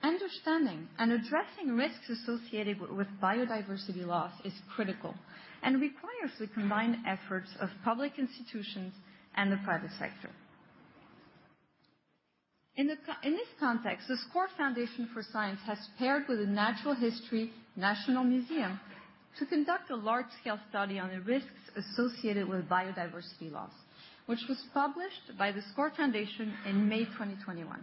understanding, and addressing risks associated with biodiversity loss is critical and requires the combined efforts of public institutions and the private sector. In this context, the SCOR Foundation for Science has paired with the National Museum of Natural History to conduct a large-scale study on the risks associated with biodiversity loss, which was published by the SCOR Foundation in May 2021.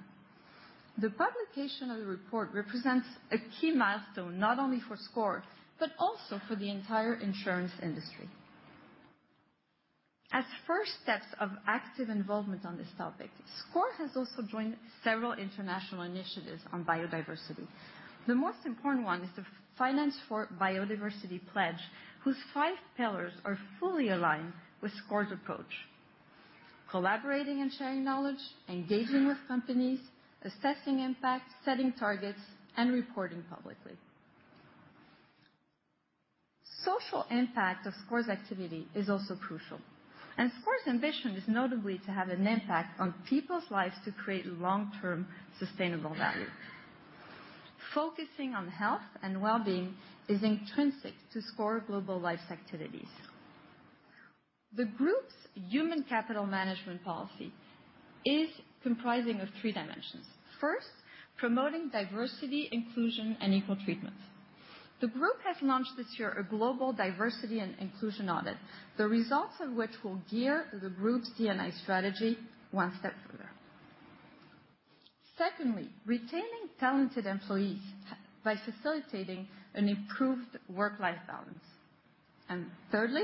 The publication of the report represents a key milestone, not only for SCOR, but also for the entire insurance industry. As first steps of active involvement on this topic, SCOR has also joined several international initiatives on biodiversity. The most important one is the Finance for Biodiversity Pledge, whose five pillars are fully aligned with SCOR's approach. Collaborating and sharing knowledge, engaging with companies, assessing impact, setting targets, and reporting publicly. Social impact of SCOR's activity is also crucial, and SCOR's ambition is notably to have an impact on people's lives to create long-term sustainable value. Focusing on health and well-being is intrinsic to SCOR Global Life's activities. The group's human capital management policy is comprising of three dimensions. First, promoting diversity, inclusion, and equal treatment. The group has launched this year a global diversity and inclusion audit, the results of which will gear the group's D&I strategy one step further. Secondly, retaining talented employees by facilitating an improved work-life balance. Thirdly,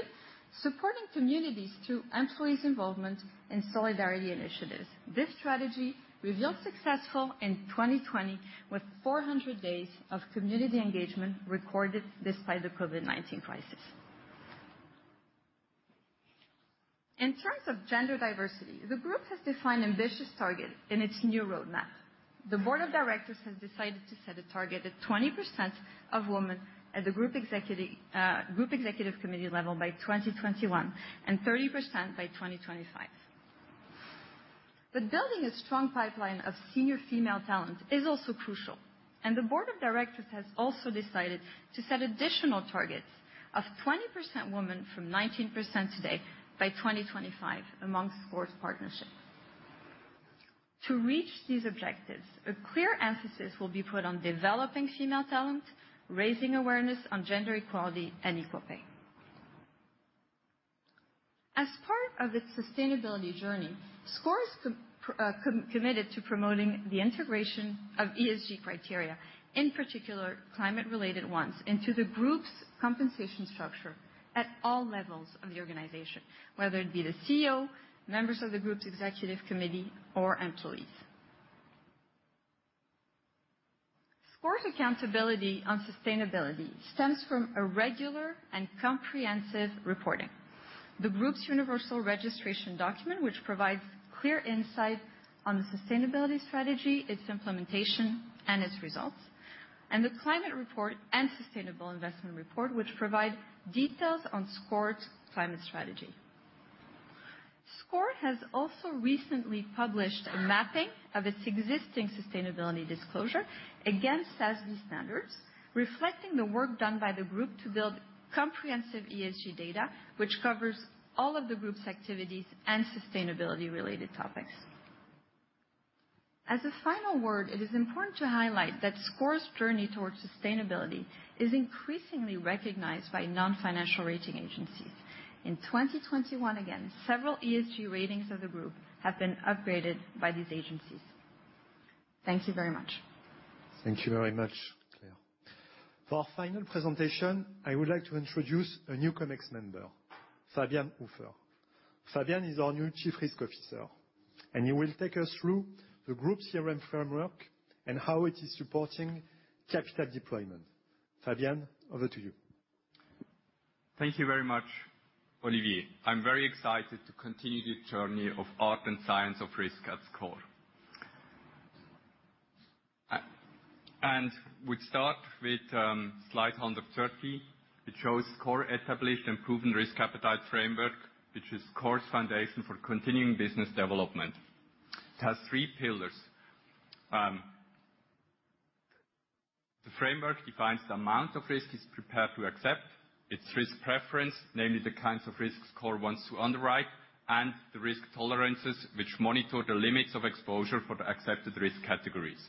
supporting communities through employees' involvement in solidarity initiatives. This strategy revealed successful in 2020 with 400 days of community engagement recorded despite the COVID-19 crisis. In terms of gender diversity, the group has defined ambitious target in its new roadmap. The board of directors has decided to set a target of 20% of women at the group executive committee level by 2021 and 30% by 2025. Building a strong pipeline of senior female talent is also crucial, and the board of directors has also decided to set additional targets of 20% women from 19% today by 2025 amongst SCOR's partnerships. To reach these objectives, a clear emphasis will be put on developing female talent, raising awareness on gender equality and equal pay. As part of its sustainability journey, SCOR is committed to promoting the integration of ESG criteria, in particular, climate related ones, into the group's compensation structure at all levels of the organization, whether it be the CEO, members of the group's Executive Committee, or employees. SCOR's accountability on sustainability stems from a regular and comprehensive reporting. The group's universal registration document, which provides clear insight on the sustainability strategy, its implementation, and its results, and the climate report and sustainable investment report, which provide details on SCOR's climate strategy. SCOR has also recently published a mapping of its existing sustainability disclosure against SASB standards, reflecting the work done by the group to build comprehensive ESG data, which covers all of the group's activities and sustainability related topics. As a final word, it is important to highlight that SCOR's journey towards sustainability is increasingly recognized by non-financial rating agencies. In 2021, again, several ESG ratings of the group have been upgraded by these agencies. Thank you very much. Thank you very much, Claire. For our final presentation, I would like to introduce a new ExCom member, Fabian Uffer. Fabian is our new Chief Risk Officer, and he will take us through the group's ERM framework and how it is supporting capital deployment. Fabian, over to you. Thank you very much, Olivier. I'm very excited to continue the journey of art and science of risk at SCOR. We start with slide 130. It shows SCOR established and proven risk appetite framework, which is SCOR's foundation for continuing business development. It has three pillars. The framework defines the amount of risk it's prepared to accept, its risk preference, namely the kinds of risks SCOR wants to underwrite, and the risk tolerances which monitor the limits of exposure for the accepted risk categories.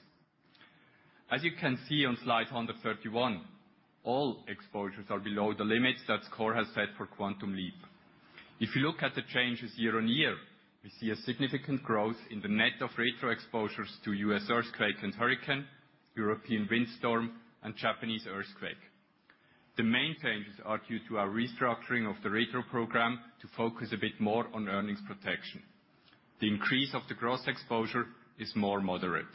As you can see on slide 131, all exposures are below the limits that SCOR has set for Quantum Leap. If you look at the changes year-on-year, we see a significant growth in the net of retro exposures to U.S. earthquake and hurricane, European windstorm, and Japanese earthquake. The main changes are due to our restructuring of the retro program to focus a bit more on earnings protection. The increase of the gross exposure is more moderate.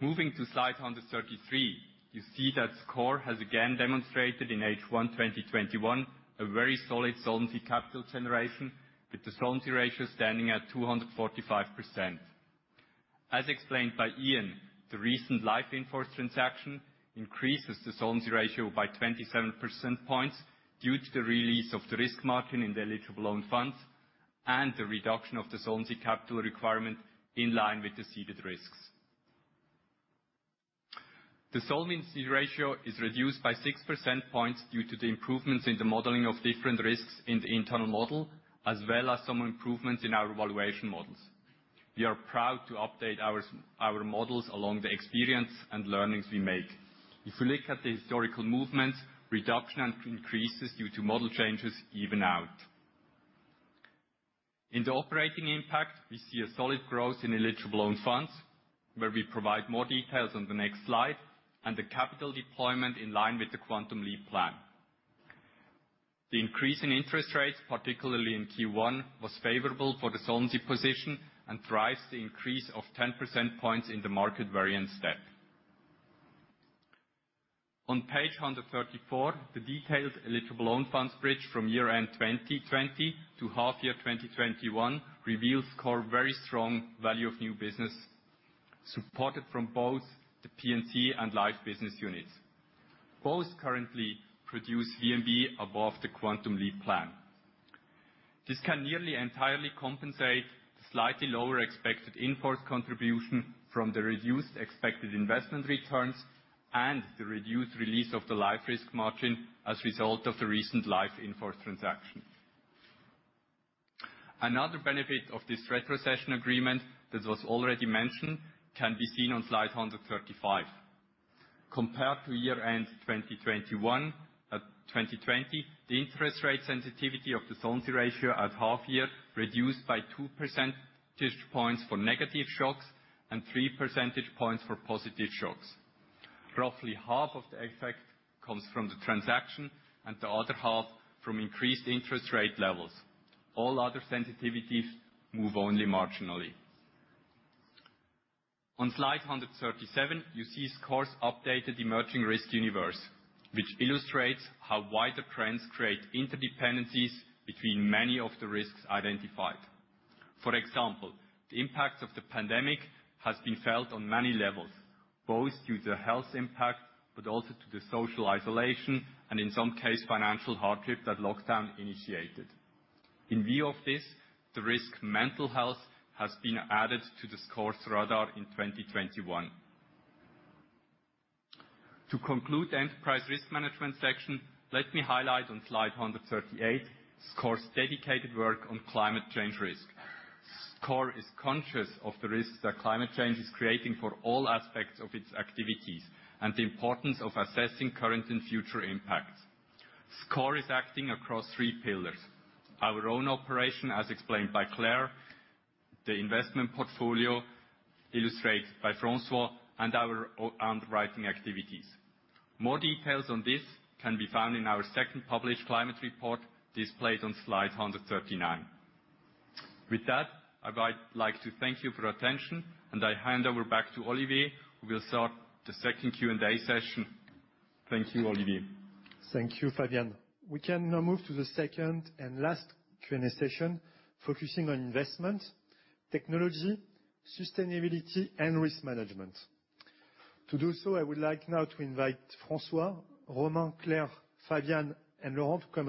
Moving to slide 133, you see that SCOR has again demonstrated in H1 2021, a very solid solvency capital generation with the solvency ratio standing at 245%. As explained by Ian, the recent life inforce transaction increases the solvency ratio by 27 percentage points due to the release of the risk margin in the Eligible Own Funds and the reduction of the Solvency Capital Requirement in line with the ceded risks. The solvency ratio is reduced by 6 percentage points due to the improvements in the modeling of different risks in the internal model, as well as some improvements in our valuation models. We are proud to update our models along the experience and learnings we make. If we look at the historical movements, reduction and increases due to model changes even out. In the operating impact, we see a solid growth in Eligible Own Funds, where we provide more details on the next slide, and the capital deployment in line with the Quantum Leap plan. The increase in interest rates, particularly in Q1, was favorable for the solvency position and drives the increase of 10 percentage points in the market variance step. On page 134, the detailed Eligible Own Funds bridge from year end 2020 to half year 2021 reveals SCOR very strong Value of New Business supported from both the P&C and Life business units. Both currently produce VNB above the Quantum Leap plan. This can nearly entirely compensate the slightly lower expected inforce contribution from the reduced expected investment returns and the reduced release of the life risk margin as result of the recent life inforce transaction. Another benefit of this retrocession agreement that was already mentioned can be seen on slide 135. Compared to year-end 2020, the interest rate sensitivity of the solvency ratio at half-year reduced by 2 percentage points for negative shocks and 3 percentage points for positive shocks. Roughly half of the effect comes from the transaction, and the other half from increased interest rate levels. All other sensitivities move only marginally. On slide 137, you see SCOR's updated emerging risk universe, which illustrates how wider trends create interdependencies between many of the risks identified. For example, the impacts of the pandemic has been felt on many levels, both due to health impact, but also to the social isolation, and in some case, financial hardship that lockdown initiated. In view of this, the risk mental health has been added to the SCOR's radar in 2021. To conclude the enterprise risk management section, let me highlight on slide 138 SCOR's dedicated work on climate change risk. SCOR is conscious of the risks that climate change is creating for all aspects of its activities, and the importance of assessing current and future impacts. SCOR is acting across three pillars. Our own operation, as explained by Claire, the investment portfolio illustrated by François, and our underwriting activities. More details on this can be found in our second published climate report, displayed on slide 139. With that, I'd like to thank you for your attention, and I hand over back to Olivier, who will start the second Q&A session. Thank you, Olivier. Thank you, Fabian. We can now move to the second and last Q&A session, focusing on investment, technology, sustainability and risk management. To do so, I would like now to invite François, Romain, Claire, Fabian and Laurent to come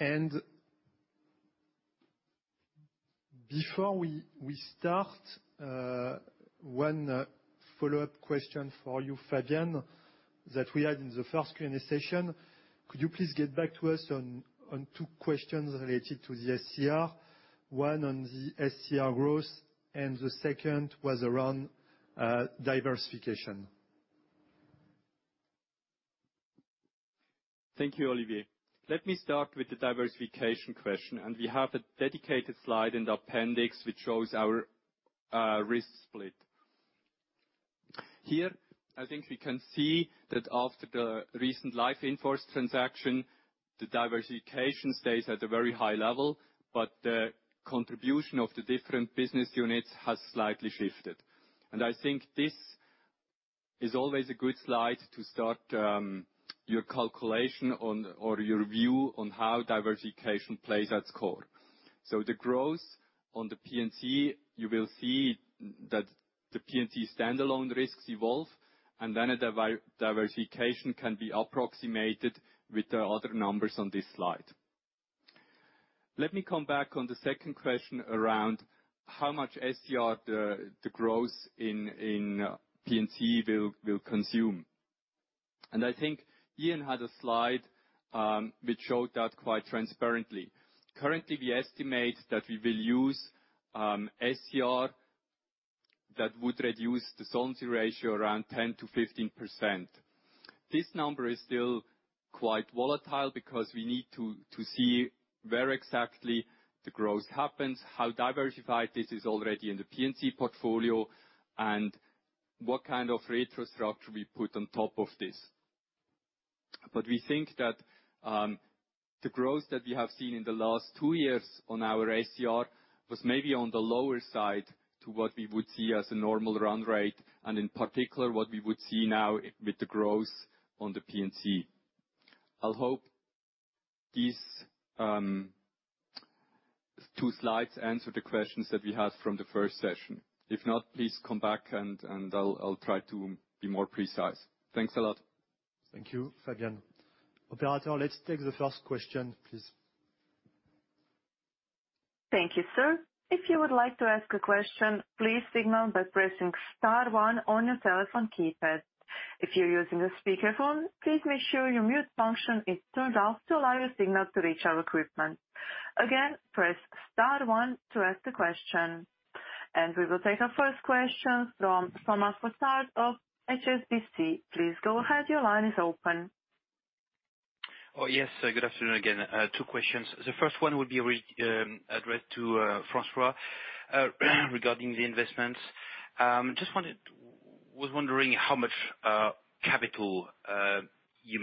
on stage. Before we start, one follow-up question for you, Fabian, that we had in the first Q&A session. Could you please get back to us on two questions related to the SCR? One on the SCR growth, and the second was around diversification. Thank you, Olivier. Let me start with the diversification question. We have a dedicated slide in the appendix, which shows our risk split. Here, I think we can see that after the recent Life in force transaction, the diversification stays at a very high level, but the contribution of the different business units has slightly shifted. I think this is always a good slide to start your calculation or your view on how diversification plays at SCOR. The growth on the P&C, you will see that the P&C standalone risks evolve, and then a diversification can be approximated with the other numbers on this slide. Let me come back on the second question around how much SCR the growth in P&C will consume. I think Ian had a slide which showed that quite transparently. Currently, we estimate that we will use SCR that would reduce the Solvency ratio around 10%-15%. This number is still quite volatile because we need to see where exactly the growth happens, how diversified this is already in the P&C portfolio, and what kind of retro structure we put on top of this. We think that the growth that we have seen in the last two years on our SCR was maybe on the lower side to what we would see as a normal run rate, and in particular, what we would see now with the growth on the P&C. I'll hope these two slides answer the questions that we had from the first session. If not, please come back and I'll try to be more precise. Thanks a lot. Thank you, Fabian. Operator, let's take the first question, please. Thank you, sir. If you would like to ask a question, please signal by pressing star one on your telephone keypad. If you're using a speakerphone, please make sure your mute function is turned off to allow your signal to reach our equipment. Again, press star one to ask the question. We will take our first question from Thomas Fossard of HSBC. Please go ahead, your line is open. Oh, yes. Good afternoon again. Two questions. The first one will be addressed to François regarding the investments. Just was wondering how much capital you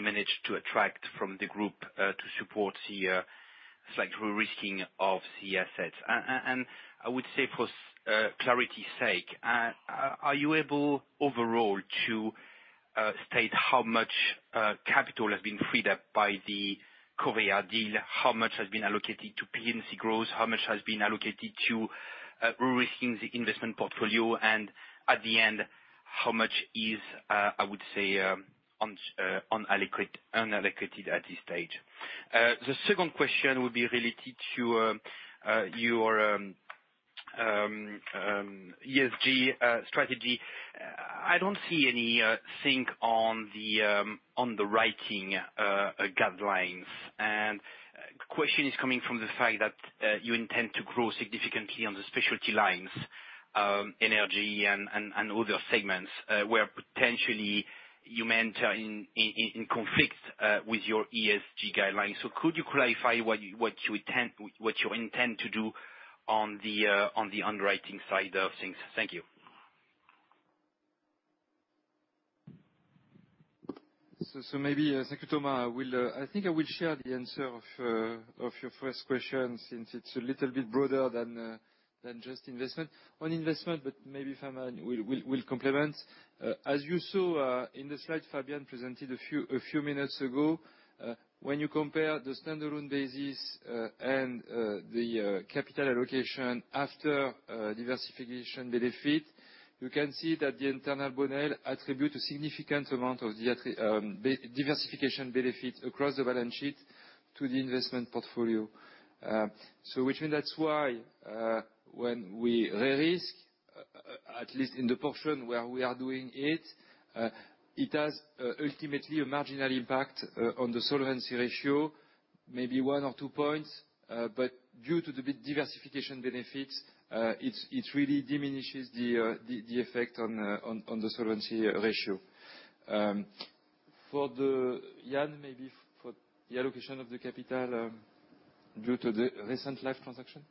managed to attract from the group to support the slight risking of the assets. I would say for clarity's sake, are you able overall to state how much capital has been freed up by the Covéa deal? How much has been allocated to P&C growth? How much has been allocated to risking the investment portfolio? At the end, how much is, I would say, unallocated at this stage? The second question will be related to your ESG strategy. I don't see anything on the underwriting guidelines. The question is coming from the fact that you intend to grow significantly on the specialty lines, energy and other segments, where potentially you may enter in conflict with your ESG guidelines. Could you clarify what you intend to do on the underwriting side of things? Thank you. Maybe, thank you, Thomas. I think I will share the answer of your first question, since it's a little bit broader than just investment. On investment, but maybe Fabian will complement. As you saw in the slide Fabian presented a few minutes ago, when you compare the standalone basis and the capital allocation after diversification benefit, you can see that the internal model attribute a significant amount of diversification benefit across the balance sheet to the investment portfolio. Which mean that's why when we re-risk. At least in the portion where we are doing it. It has, ultimately, a marginal impact on the solvency ratio, maybe one or two points. Due to the diversification benefits, it really diminishes the effect on the solvency ratio. For the, Ian, maybe for the allocation of the capital due to the recent Life transaction?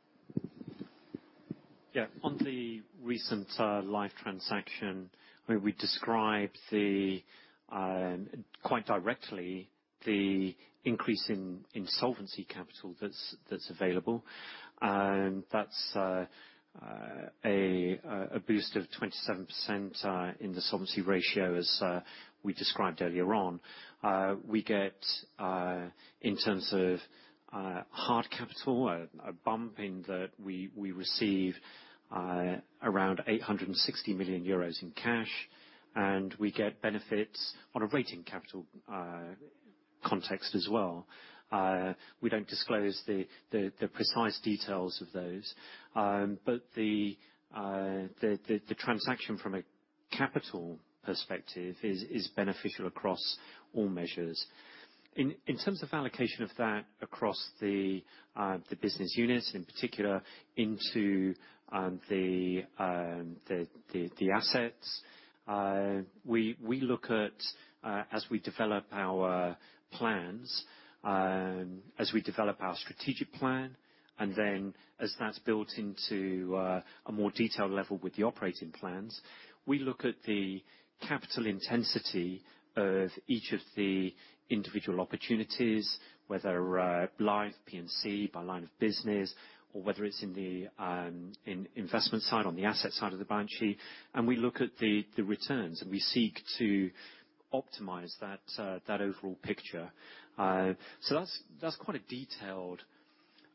Yeah. On the recent Life transaction, we described quite directly the increase in solvency capital that's available. That's a boost of 27% in the solvency ratio, as we described earlier on. We get, in terms of hard capital, a bump in that we receive around 860 million euros in cash, and we get benefits on a rating capital context as well. We don't disclose the precise details of those. The transaction from a capital perspective is beneficial across all measures. In terms of allocation of that across the business units, in particular into the assets. We look at, as we develop our strategic plan, and then as that's built into a more detailed level with the operating plans, we look at the capital intensity of each of the individual opportunities, whether by Life P&C, by line of business, or whether it's in investment side, on the asset side of the balance sheet, and we look at the returns, and we seek to optimize that overall picture. That's quite a detailed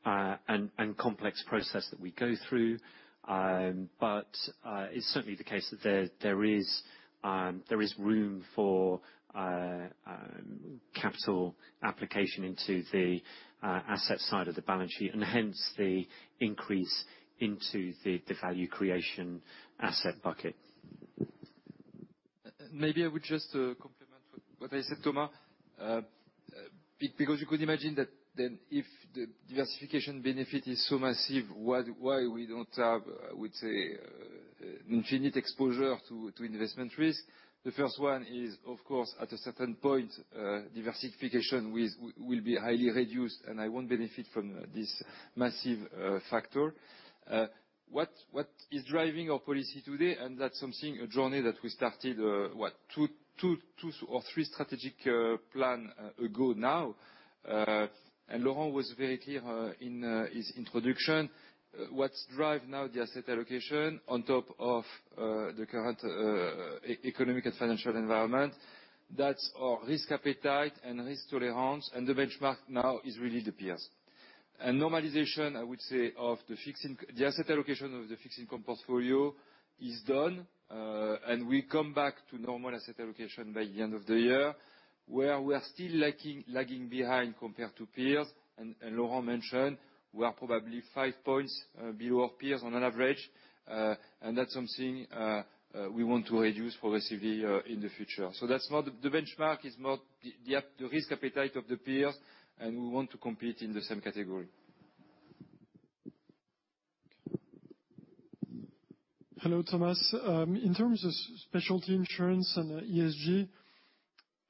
and complex process that we go through. It's certainly the case that there is room for capital application into the asset side of the balance sheet, and hence the increase into the value creation asset bucket. You could imagine that then if the diversification benefit is so massive, why we don't have, I would say, infinite exposure to investment risk. The first one is, of course, at a certain point, diversification will be highly reduced, and I won't benefit from this massive factor. What is driving our policy today, and that's something, a journey that we started, what, two or three strategic plan ago now. Laurent was very clear in his introduction. What drive now the asset allocation on top of the current economic and financial environment, that's our risk appetite and risk tolerance, and the benchmark now is really the peers. Normalization, I would say, of the asset allocation of the fixed income portfolio is done, and we come back to normal asset allocation by the end of the year, where we are still lagging behind compared to peers. Laurent mentioned we are probably 5 points below our peers on an average. That's something we want to reduce progressively in the future. The benchmark is not the risk appetite of the peer, and we want to compete in the same category. Hello, Thomas. In terms of specialty insurance and ESG,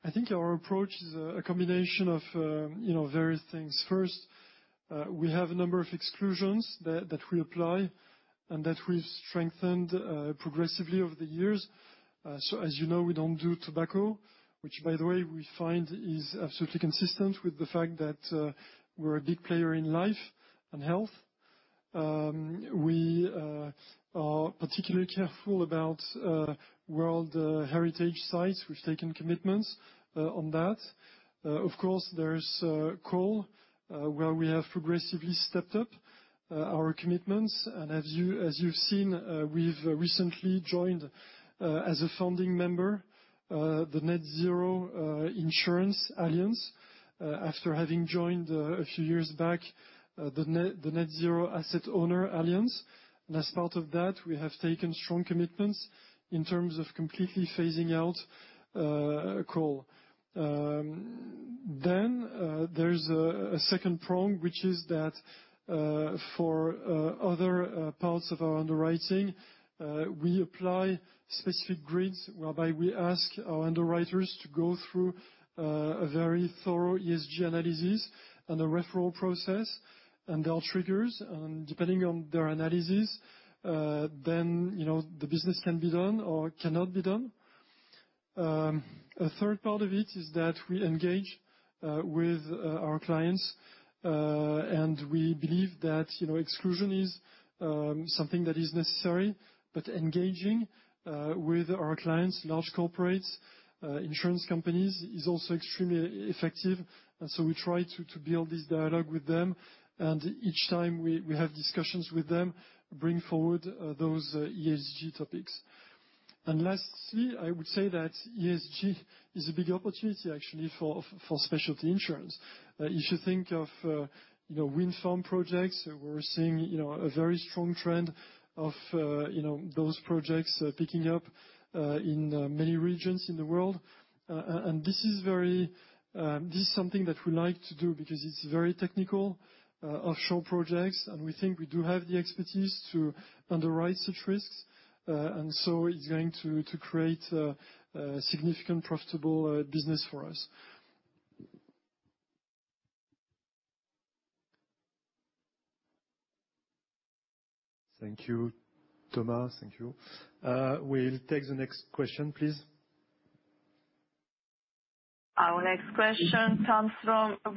I think our approach is a combination of various things. First, we have a number of exclusions that we apply and that we've strengthened progressively over the years. As you know, we don't do tobacco, which, by the way, we find is absolutely consistent with the fact that we're a big player in Life and Health. We are particularly careful about World Heritage sites. We've taken commitments on that. Of course, there's coal, where we have progressively stepped up our commitments. As you've seen, we've recently joined, as a founding member, the Net-Zero Insurance Alliance, after having joined, a few years back, the Net-Zero Asset Owner Alliance. As part of that, we have taken strong commitments in terms of completely phasing out coal. There's a second prong, which is that for other parts of our underwriting, we apply specific grids whereby we ask our underwriters to go through a very thorough ESG analysis and a referral process, and there are triggers. Depending on their analysis, the business can be done or cannot be done. A third part of it is that we engage with our clients. We believe that exclusion is something that is necessary, but engaging with our clients, large corporates, insurance companies, is also extremely effective. We try to build this dialogue with them. Each time we have discussions with them, we bring forward those ESG topics. Lastly, I would say that ESG is a big opportunity actually for specialty insurance. If you think of wind farm projects, we're seeing a very strong trend of those projects picking up in many regions in the world. This is something that we like to do because it's very technical offshore projects, and we think we do have the expertise to underwrite such risks. It's going to create a significant profitable business for us. Thank you, Thomas. Thank you. We will take the next question, please. Our next question comes from Will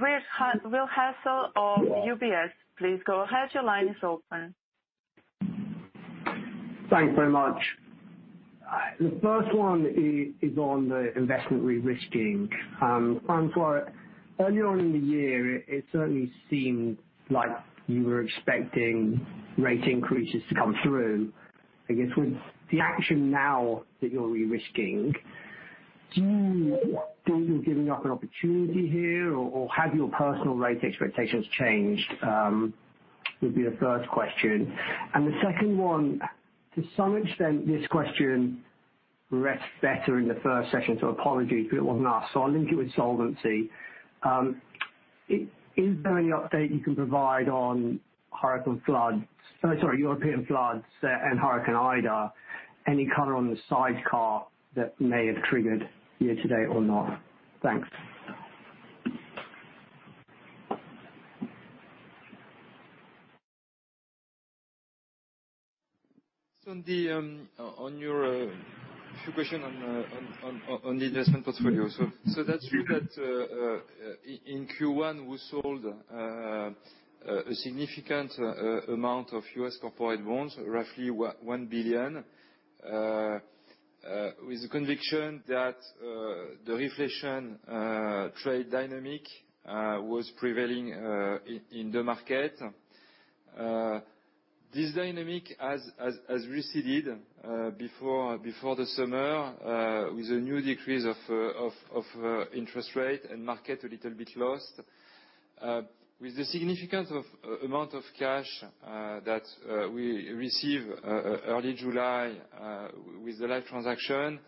Hardcastle of UBS. Please go ahead. Your line is open. Thanks very much. The first one is on the investment de-risking. François, early on in the year, it certainly seemed like you were expecting rate increases to come through. I guess, with the action now that you're de-risking, do you think you're giving up an opportunity here, or have your personal rate expectations changed? Would be the first question. The second one, to some extent, this question rests better in the first session, so apologies if it wasn't asked, so I'll link it with solvency. Is there any update you can provide on European floods and Hurricane Ida? Any color on the sidecar that may have triggered here today or not? Thanks. On your question on the investment portfolio. That's true that in Q1, we sold a significant amount of U.S. corporate bonds, roughly 1 billion, with the conviction that the reflation trade dynamic was prevailing in the market. This dynamic has receded before the summer with a new decrease of interest rate and market a little bit lost. With the significant amount of cash that we received early July with the life transaction,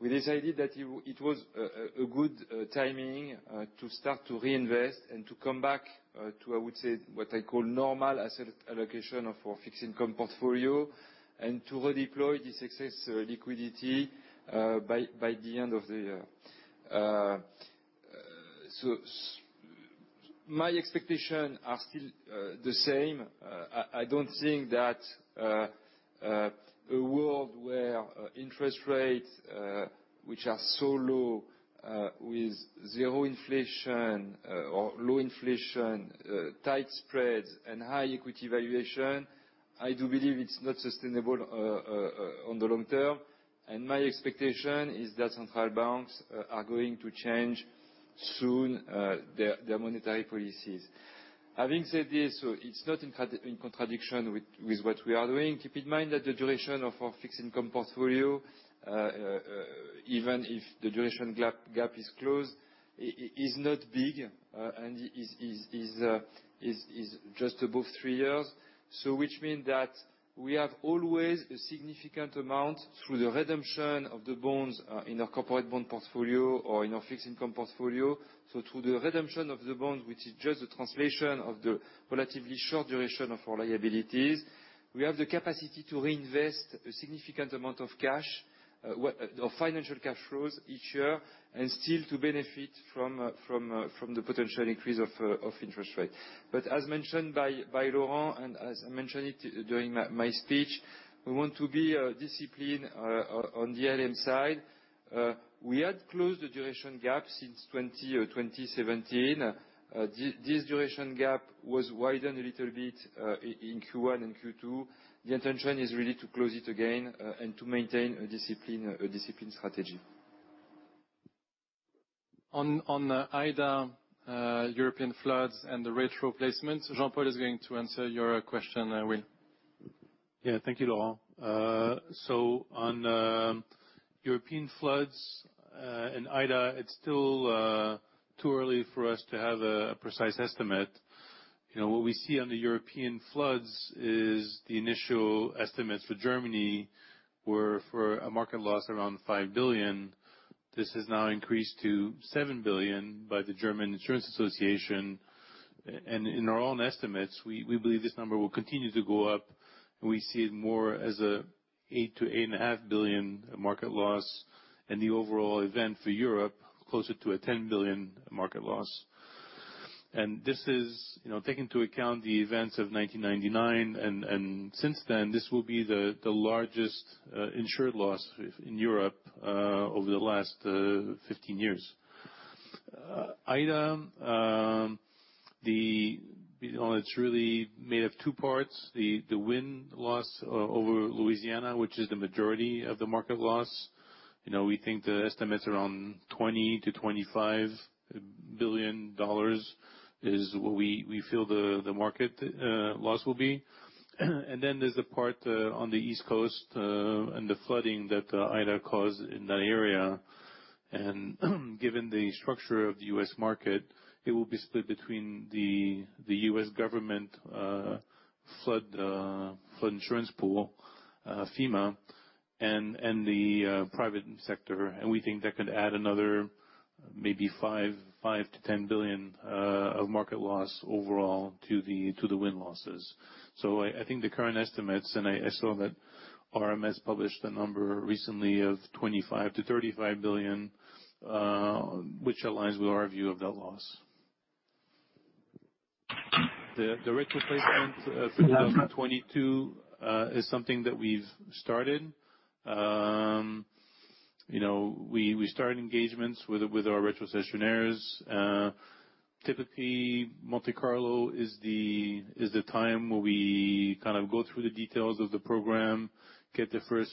we decided that it was a good timing to start to reinvest and to come back to, I would say, what I call normal asset allocation of our fixed income portfolio and to redeploy the success liquidity by the end of the year. My expectation are still the same. I don't think that a world where interest rates which are so low with zero inflation or low inflation, tight spreads, and high equity valuation, I do believe it's not sustainable on the long term. My expectation is that central banks are going to change soon their monetary policies. Having said this, it's not in contradiction with what we are doing. Keep in mind that the duration of our fixed income portfolio, even if the duration gap is closed, is not big, and is just above three years. Which mean that we have always a significant amount through the redemption of the bonds in our corporate bond portfolio or in our fixed income portfolio. Through the redemption of the bonds, which is just the translation of the relatively short duration of our liabilities, we have the capacity to reinvest a significant amount of cash or financial cash flows each year, and still to benefit from the potential increase of interest rate. As mentioned by Laurent, and as I mentioned it during my speech, we want to be disciplined on the ALM side. We had closed the duration gap since 2017. This duration gap was widened a little bit in Q1 and Q2. The intention is really to close it again and to maintain a discipline strategy. On Ida, European floods, and the retro placements, Jean-Paul is going to answer your question, Will. Thank you, Laurent. On European floods and Ida, it is still too early for us to have a precise estimate. What we see on the European floods is the initial estimates for Germany were for a market loss around 5 billion. This has now increased to 7 billion by the German Insurance Association. In our own estimates, we believe this number will continue to go up, and we see it more as a 8 billion-8.5 billion market loss, and the overall event for Europe closer to a 10 billion market loss. This is, taking into account the events of 1999 and since then, this will be the largest insured loss in Europe over the last 15 years. Ida, it is really made of two parts. The wind loss over Louisiana, which is the majority of the market loss. We think the estimates are around $20 billion-$25 billion is what we feel the market loss will be. Then there's a part on the East Coast and the flooding that Hurricane Ida caused in that area. Given the structure of the U.S. market, it will be split between the U.S. government flood insurance pool, FEMA, and the private sector. We think that could add another maybe $5 billion-$10 billion of market loss overall to the wind losses. I think the current estimates, and I saw that RMS published a number recently of $25 billion-$35 billion, which aligns with our view of that loss. The retro placement for 2022 is something that we've started. We started engagements with our retrocessionaires. Typically, Monte Carlo is the time where we go through the details of the program, get the first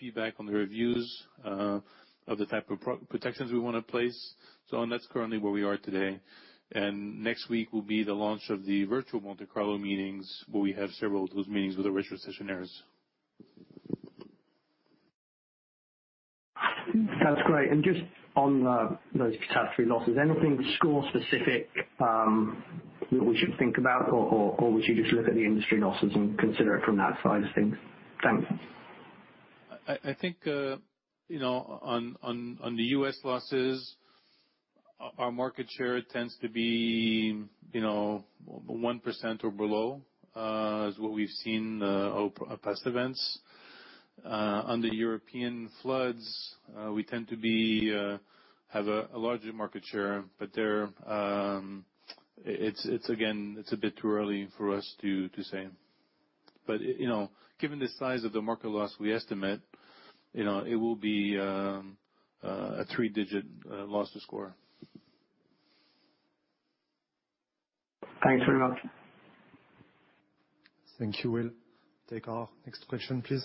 feedback on the reviews of the type of protections we want to place. That's currently where we are today. Next week will be the launch of the virtual Monte Carlo meetings, where we have several of those meetings with the retrocessionaires. That's great. Just on those catastrophe losses, anything SCOR specific that we should think about, or would you just look at the industry losses and consider it from that side of things? Thanks. I think on the U.S. losses, our market share tends to be 1% or below, is what we've seen over past events. On the European floods, we tend to have a larger market share, it's a bit too early for us to say. Given the size of the market loss, we estimate it will be a three-digit loss to SCOR. Thanks very much. Thank you, Will. Take our next question, please.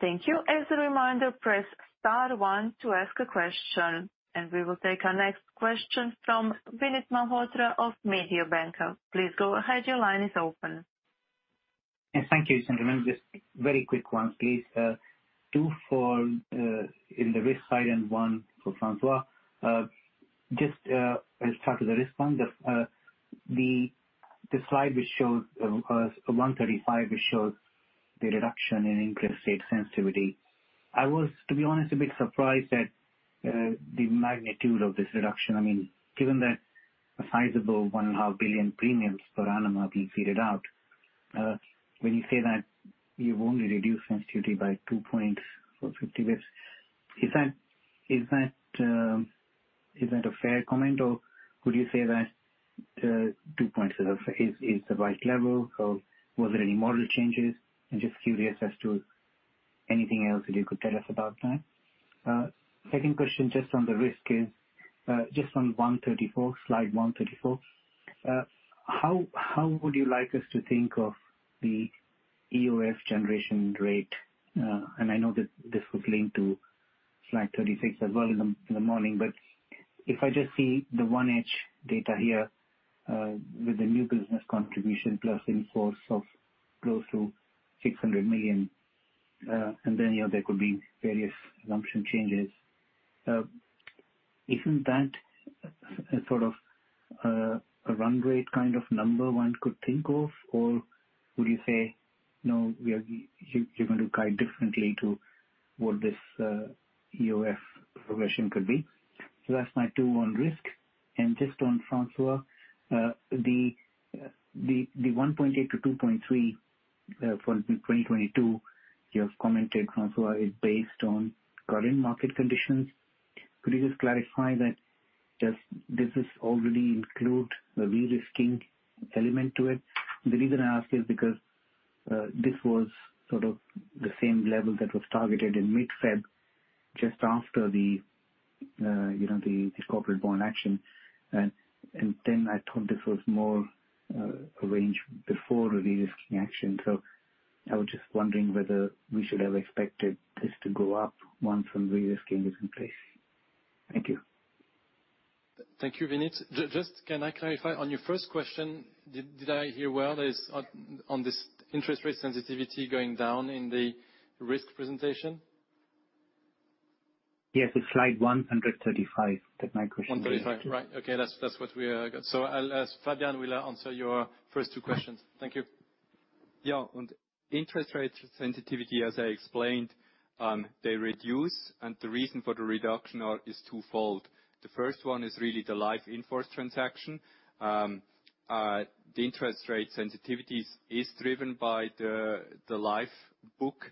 Thank you. As a reminder, press star one to ask a question. We will take our next question from Vinit Malhotra of Mediobanca. Please go ahead. Your line is open. Thank you, gentlemen. Just very quick ones, please. Two for, in the risk side and one for François. Just I'll start with the risk one. The slide which shows 135, which shows the reduction in interest rate sensitivity. I was, to be honest, a bit surprised at the magnitude of this reduction. Given that a sizable one and a half billion premiums per annum are being faded out. When you say that you've only reduced sensitivity by two points or 50 basis points, is that a fair comment, or would you say that two points is the right level, or was there any model changes? I'm just curious as to anything else that you could tell us about that. Second question, just on the risk is, just on slide 134. How would you like us to think of the EOF generation rate? I know that this was linked to slide 36 as well in the morning. If I just see the 1H data here with the new business contribution plus in force of close to 600 million, and then there could be various assumption changes. Isn't that a run rate kind of number one could think of? Or would you say, no, you're going to guide differently to what this EOF progression could be? That's my two on risk. Just on François, the 1.8-2.3 for 2022, you have commented, François, is based on current market conditions. Could you just clarify that does this already include the de-risking element to it? The reason I ask is because this was sort of the same level that was targeted in mid-February, just after the corporate bond action. I thought this was more a range before the de-risking action. I was just wondering whether we should have expected this to go up once some de-risking is in place. Thank you. Thank you, Vinit. Just, can I clarify, on your first question, did I hear well, is on this interest rate sensitivity going down in the risk presentation? Yes. It's slide 135. That's my question. 135. Right. Okay. That's what we got. Fabian will answer your first two questions. Thank you. Yeah. On interest rate sensitivity, as I explained, they reduce. The reason for the reduction is twofold. The first one is really the life inforce transaction. The interest rate sensitivity is driven by the life book,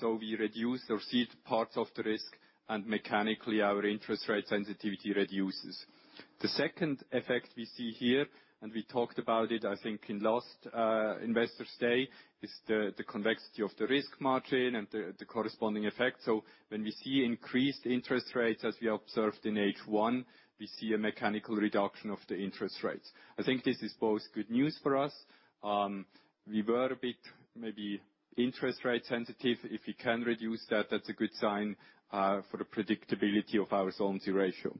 we reduce or cede parts of the risk, mechanically, our interest rate sensitivity reduces. The second effect we see here, we talked about it, I think in last Investors Day, is the convexity of the risk margin and the corresponding effect. When we see increased interest rates, as we observed in H1, we see a mechanical reduction of the interest rates. I think this is both good news for us. We were a bit maybe interest rate sensitive. If we can reduce that's a good sign for the predictability of our Solvency Ratio.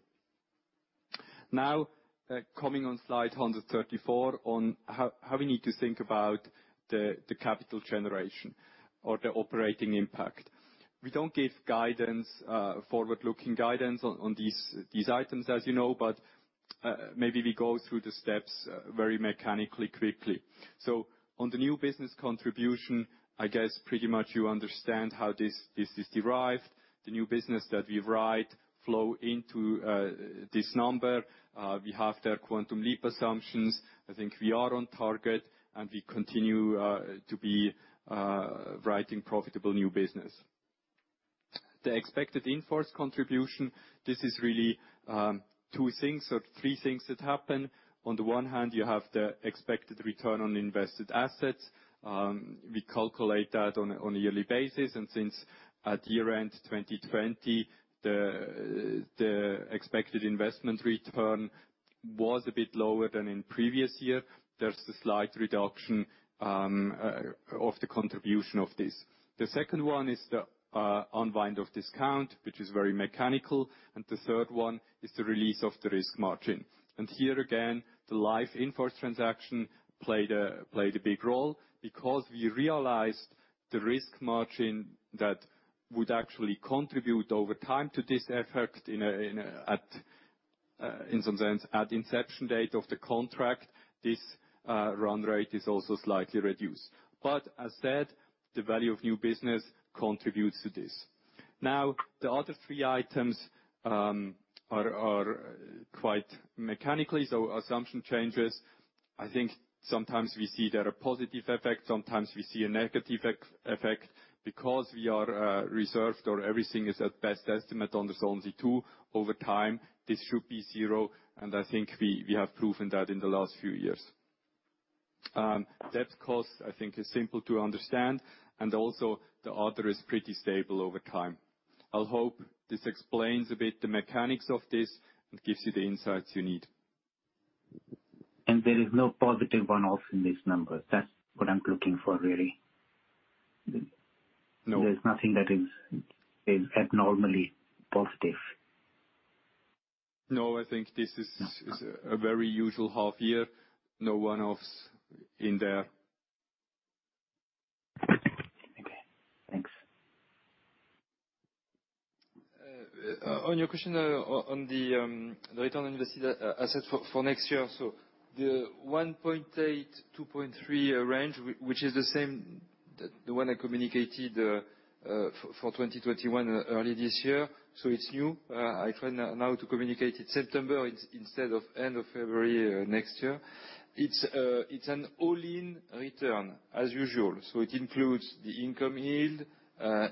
Coming on slide 134 on how we need to think about the capital generation or the operating impact. We don't give forward-looking guidance on these items, as you know, but maybe we go through the steps very mechanically quickly. On the new business contribution, I guess pretty much you understand how this is derived. The new business that we write flow into this number. We have the Quantum Leap assumptions. I think we are on target and we continue to be writing profitable new business. The expected in-force contribution, this is really two things or three things that happen. On the one hand, you have the expected return on invested assets. We calculate that on a yearly basis, and since at year-end 2020, the expected investment return was a bit lower than in previous year. There's a slight reduction of the contribution of this. The second one is the unwind of discount, which is very mechanical, and the third one is the release of the risk margin. Here again, the life in-force transaction played a big role because we realized the risk margin that would actually contribute over time to this effect, in some sense, at inception date of the contract, this run rate is also slightly reduced. As said, the value of new business contributes to this. The other three items are quite mechanical, so assumption changes. I think sometimes we see there a positive effect, sometimes we see a negative effect because we are reserved or everything is at best estimate on the Solvency II. Over time, this should be zero, and I think we have proven that in the last few years. Debt cost, I think is simple to understand, and also the other is pretty stable over time. I'll hope this explains a bit the mechanics of this and gives you the insights you need. There is no positive one-offs in these numbers? That's what I'm looking for, really. No. There's nothing that is abnormally positive. No, I think this is a very usual half year. No one-offs in there. Okay, thanks. On your question on the return on invested asset for next year. The 1.8%-2.3% range, which is the same, the one I communicated for 2021 early this year, it's new. I try now to communicate it September, instead of end of February next year. It's an all-in return as usual. It includes the income yield,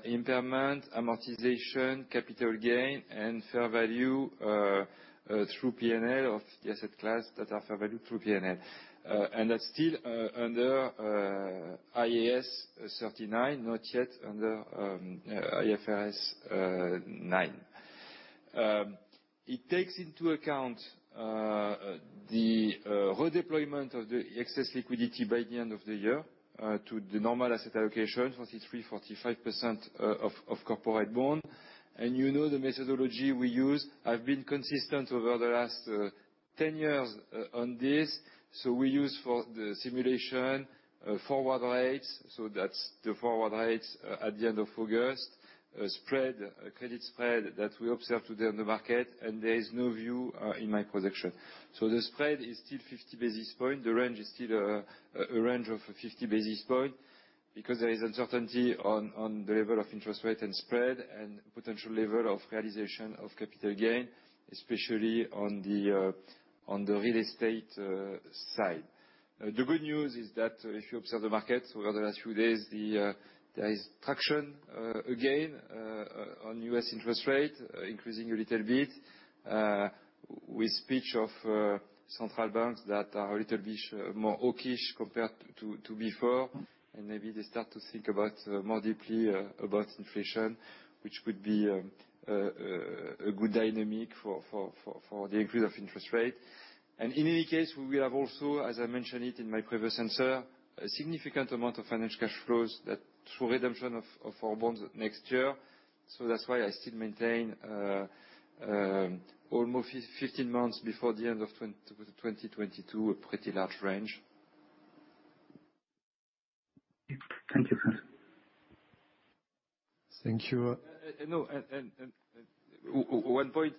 impairment, amortization, capital gain, and fair value through P&L of the asset class that are fair value through P&L. That's still under IAS 39, not yet under IFRS 9. It takes into account the redeployment of the excess liquidity by the end of the year to the normal asset allocation, 43%-45% of corporate bond. You know the methodology we use. I've been consistent over the last 10 years on this. We use for the simulation forward rates, so that's the forward rates at the end of August. Credit spread that we observe today on the market, there is no view in my projection. The spread is still 50 basis points. The range is still a range of 50 basis points because there is uncertainty on the level of interest rate and spread and potential level of realization of capital gain, especially on the real estate side. The good news is that if you observe the market over the last few days, there is traction again on U.S. interest rate increasing a little bit with speech of central banks that are a little bit more hawkish compared to before. Maybe they start to think more deeply about inflation, which could be a good dynamic for the increase of interest rate. In any case, we have also, as I mentioned it in my previous answer, a significant amount of financial cash flows that through redemption of our bonds next year. That's why I still maintain almost 15 months before the end of 2022, a pretty large range. Thank you, sir. Thank you. One point.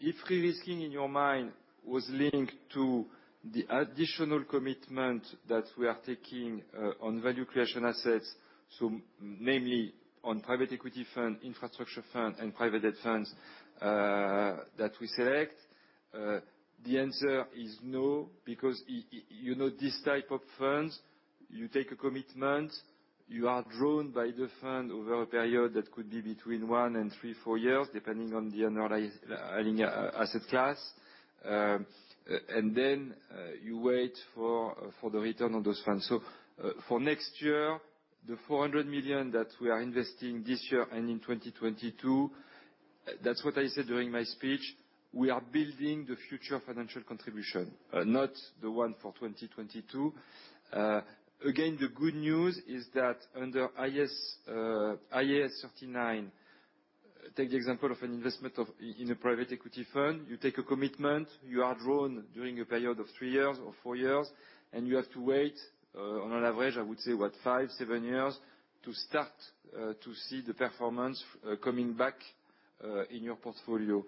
If de-risking in your mind was linked to the additional commitment that we are taking on value creation assets, so mainly on private equity fund, infrastructure fund, and private debt funds that we select, the answer is no, because these type of funds, you take a commitment, you are drawn by the fund over a period that could be between one and three, four years, depending on the underlying asset class. Then you wait for the return on those funds. For next year, the 400 million that we are investing this year and in 2022. That's what I said during my speech. We are building the future financial contribution, not the one for 2022. Again, the good news is that under IAS 39, take the example of an investment in a private equity firm. You take a commitment, you are drawn during a period of three years or four years, and you have to wait on an average, I would say, five-seven years to start to see the performance coming back in your portfolio.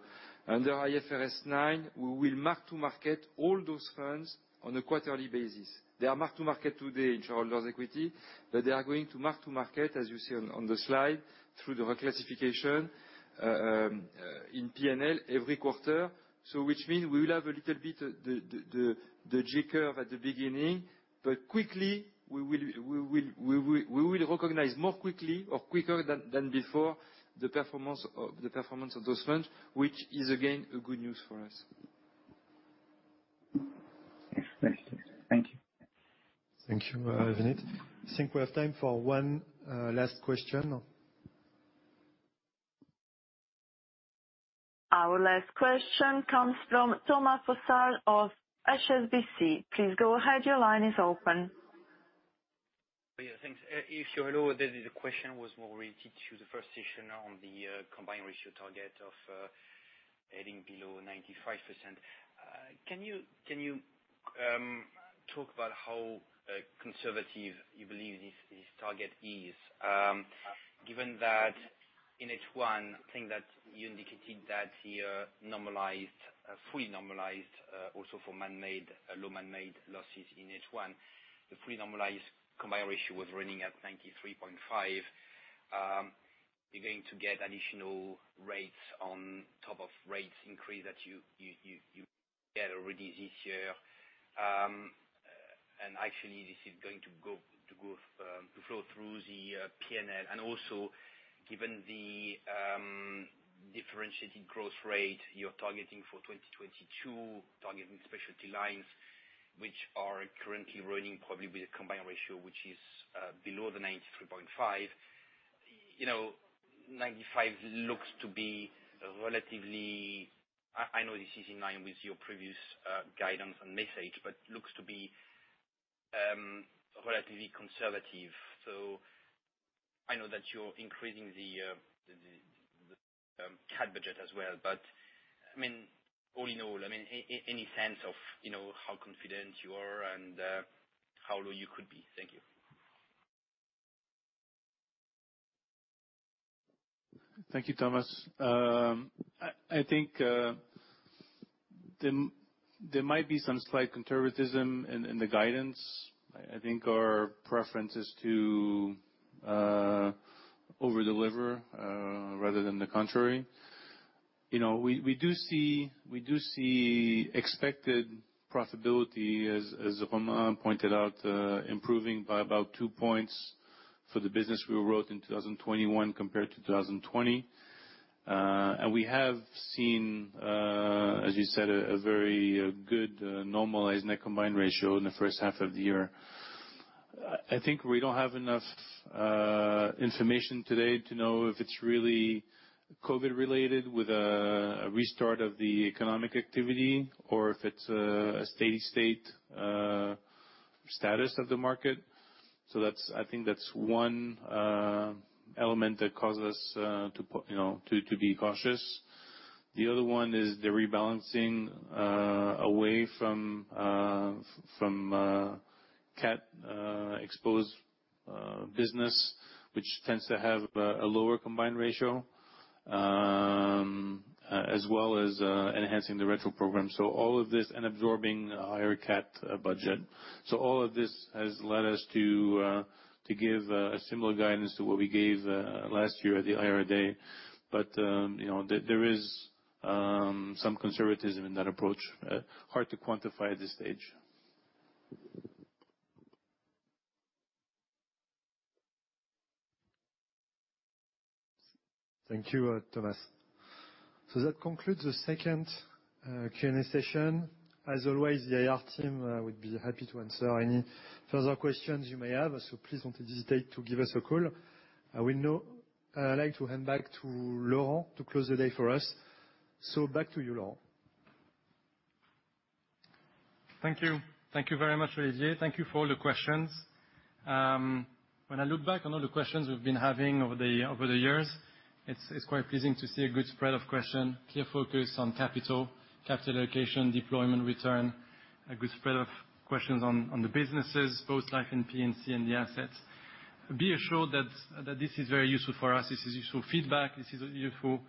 Under IFRS 9, we will mark to market all those firms on a quarterly basis. They are mark to market today in shareholders' equity, they are going to mark to market, as you see on the slide, through the reclassification in P&L every quarter. Which means we will have a little bit of the J curve at the beginning, but we will recognize more quickly or quicker than before the performance of those firms, which is again, a good news for us. Thank you. Thank you, Vinit. I think we have time for one last question. Our last question comes from Thomas Fossard of HSBC. Please go ahead. Your line is open. Yeah, thanks. If you're aware, the question was more related to the first session on the combined ratio target of heading below 95%. Can you talk about how conservative you believe this target is? Given that in H1, I think that you indicated that the normalized, fully normalized, also for low man-made losses in H1. The fully normalized combined ratio was running at 93.5. You're going to get additional rates on top of rates increase that you get already this year. Actually, this is going to flow through the P&L. Also, given the differentiated growth rate you're targeting for 2022, targeting specialty lines, which are currently running probably with a combined ratio, which is below the 93.5. 95 looks to be relatively I know this is in line with your previous guidance and message, but looks to be relatively conservative. I know that you're increasing the CAT budget as well, but all in all, any sense of how confident you are and how low you could be? Thank you. Thank you, Thomas. I think there might be some slight conservatism in the guidance. I think our preference is to over-deliver, rather than the contrary. We do see expected profitability, as Romain pointed out, improving by about 2 points for the business we wrote in 2021 compared to 2020. We have seen, as you said, a very good normalized net combined ratio in the first half of the year. I think we don't have enough information today to know if it's really COVID related with a restart of the economic activity or if it's a steady state status of the market. I think that's 1 element that causes to be cautious. The other one is the rebalancing away from CAT exposed business, which tends to have a lower combined ratio, as well as enhancing the retro program. All of this and absorbing a higher CAT budget. All of this has led us to give a similar guidance to what we gave last year at the IR day. There is some conservatism in that approach. Hard to quantify at this stage. Thank you, Thomas. That concludes the second Q&A session. As always, the IR team would be happy to answer any further questions you may have. Please don't hesitate to give us a call. I would now like to hand back to Laurent to close the day for us. Back to you, Laurent. Thank you. Thank you very much, Olivier. Thank you for all the questions. When I look back on all the questions we've been having over the years, it's quite pleasing to see a good spread of question, clear focus on capital allocation, deployment return, a good spread of questions on the businesses, both Life and P&C and the assets. Be assured that this is very useful for us. This is useful feedback. This is a useful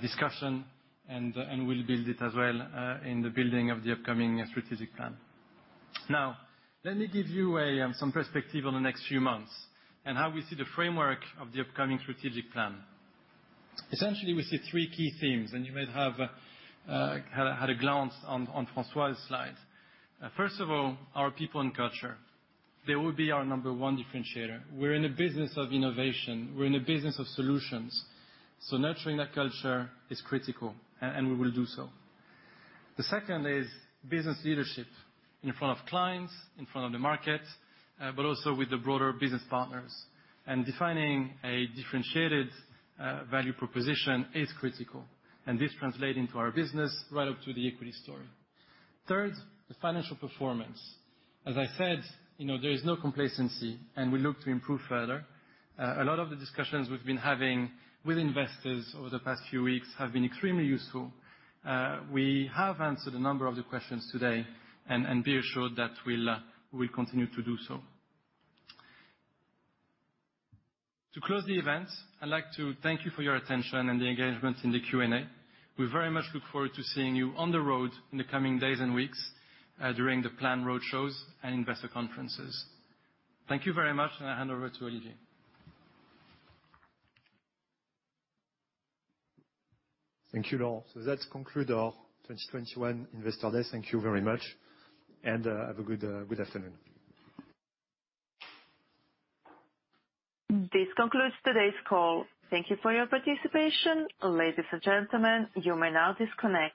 discussion, and we'll build it as well in the building of the upcoming strategic plan. Let me give you some perspective on the next few months and how we see the framework of the upcoming strategic plan. Essentially, we see three key themes, and you might have had a glance on François' slide. First of all, our people and culture. They will be our number one differentiator. We're in a business of innovation. We're in a business of solutions. Nurturing that culture is critical, and we will do so. The second is business leadership in front of clients, in front of the market, but also with the broader business partners. Defining a differentiated value proposition is critical, and this translates into our business right up to the equity story. Third, the financial performance. As I said, there is no complacency, and we look to improve further. A lot of the discussions we've been having with investors over the past few weeks have been extremely useful. We have answered a number of the questions today, and be assured that we'll continue to do so. To close the event, I'd like to thank you for your attention and the engagement in the Q&A. We very much look forward to seeing you on the road in the coming days and weeks during the planned road shows and investor conferences. Thank you very much, and I hand over to Olivier. Thank you, Laurent. That concludes our 2021 Investor Day. Thank you very much, and have a good afternoon. This concludes today's call. Thank you for your participation. Ladies and gentlemen, you may now disconnect.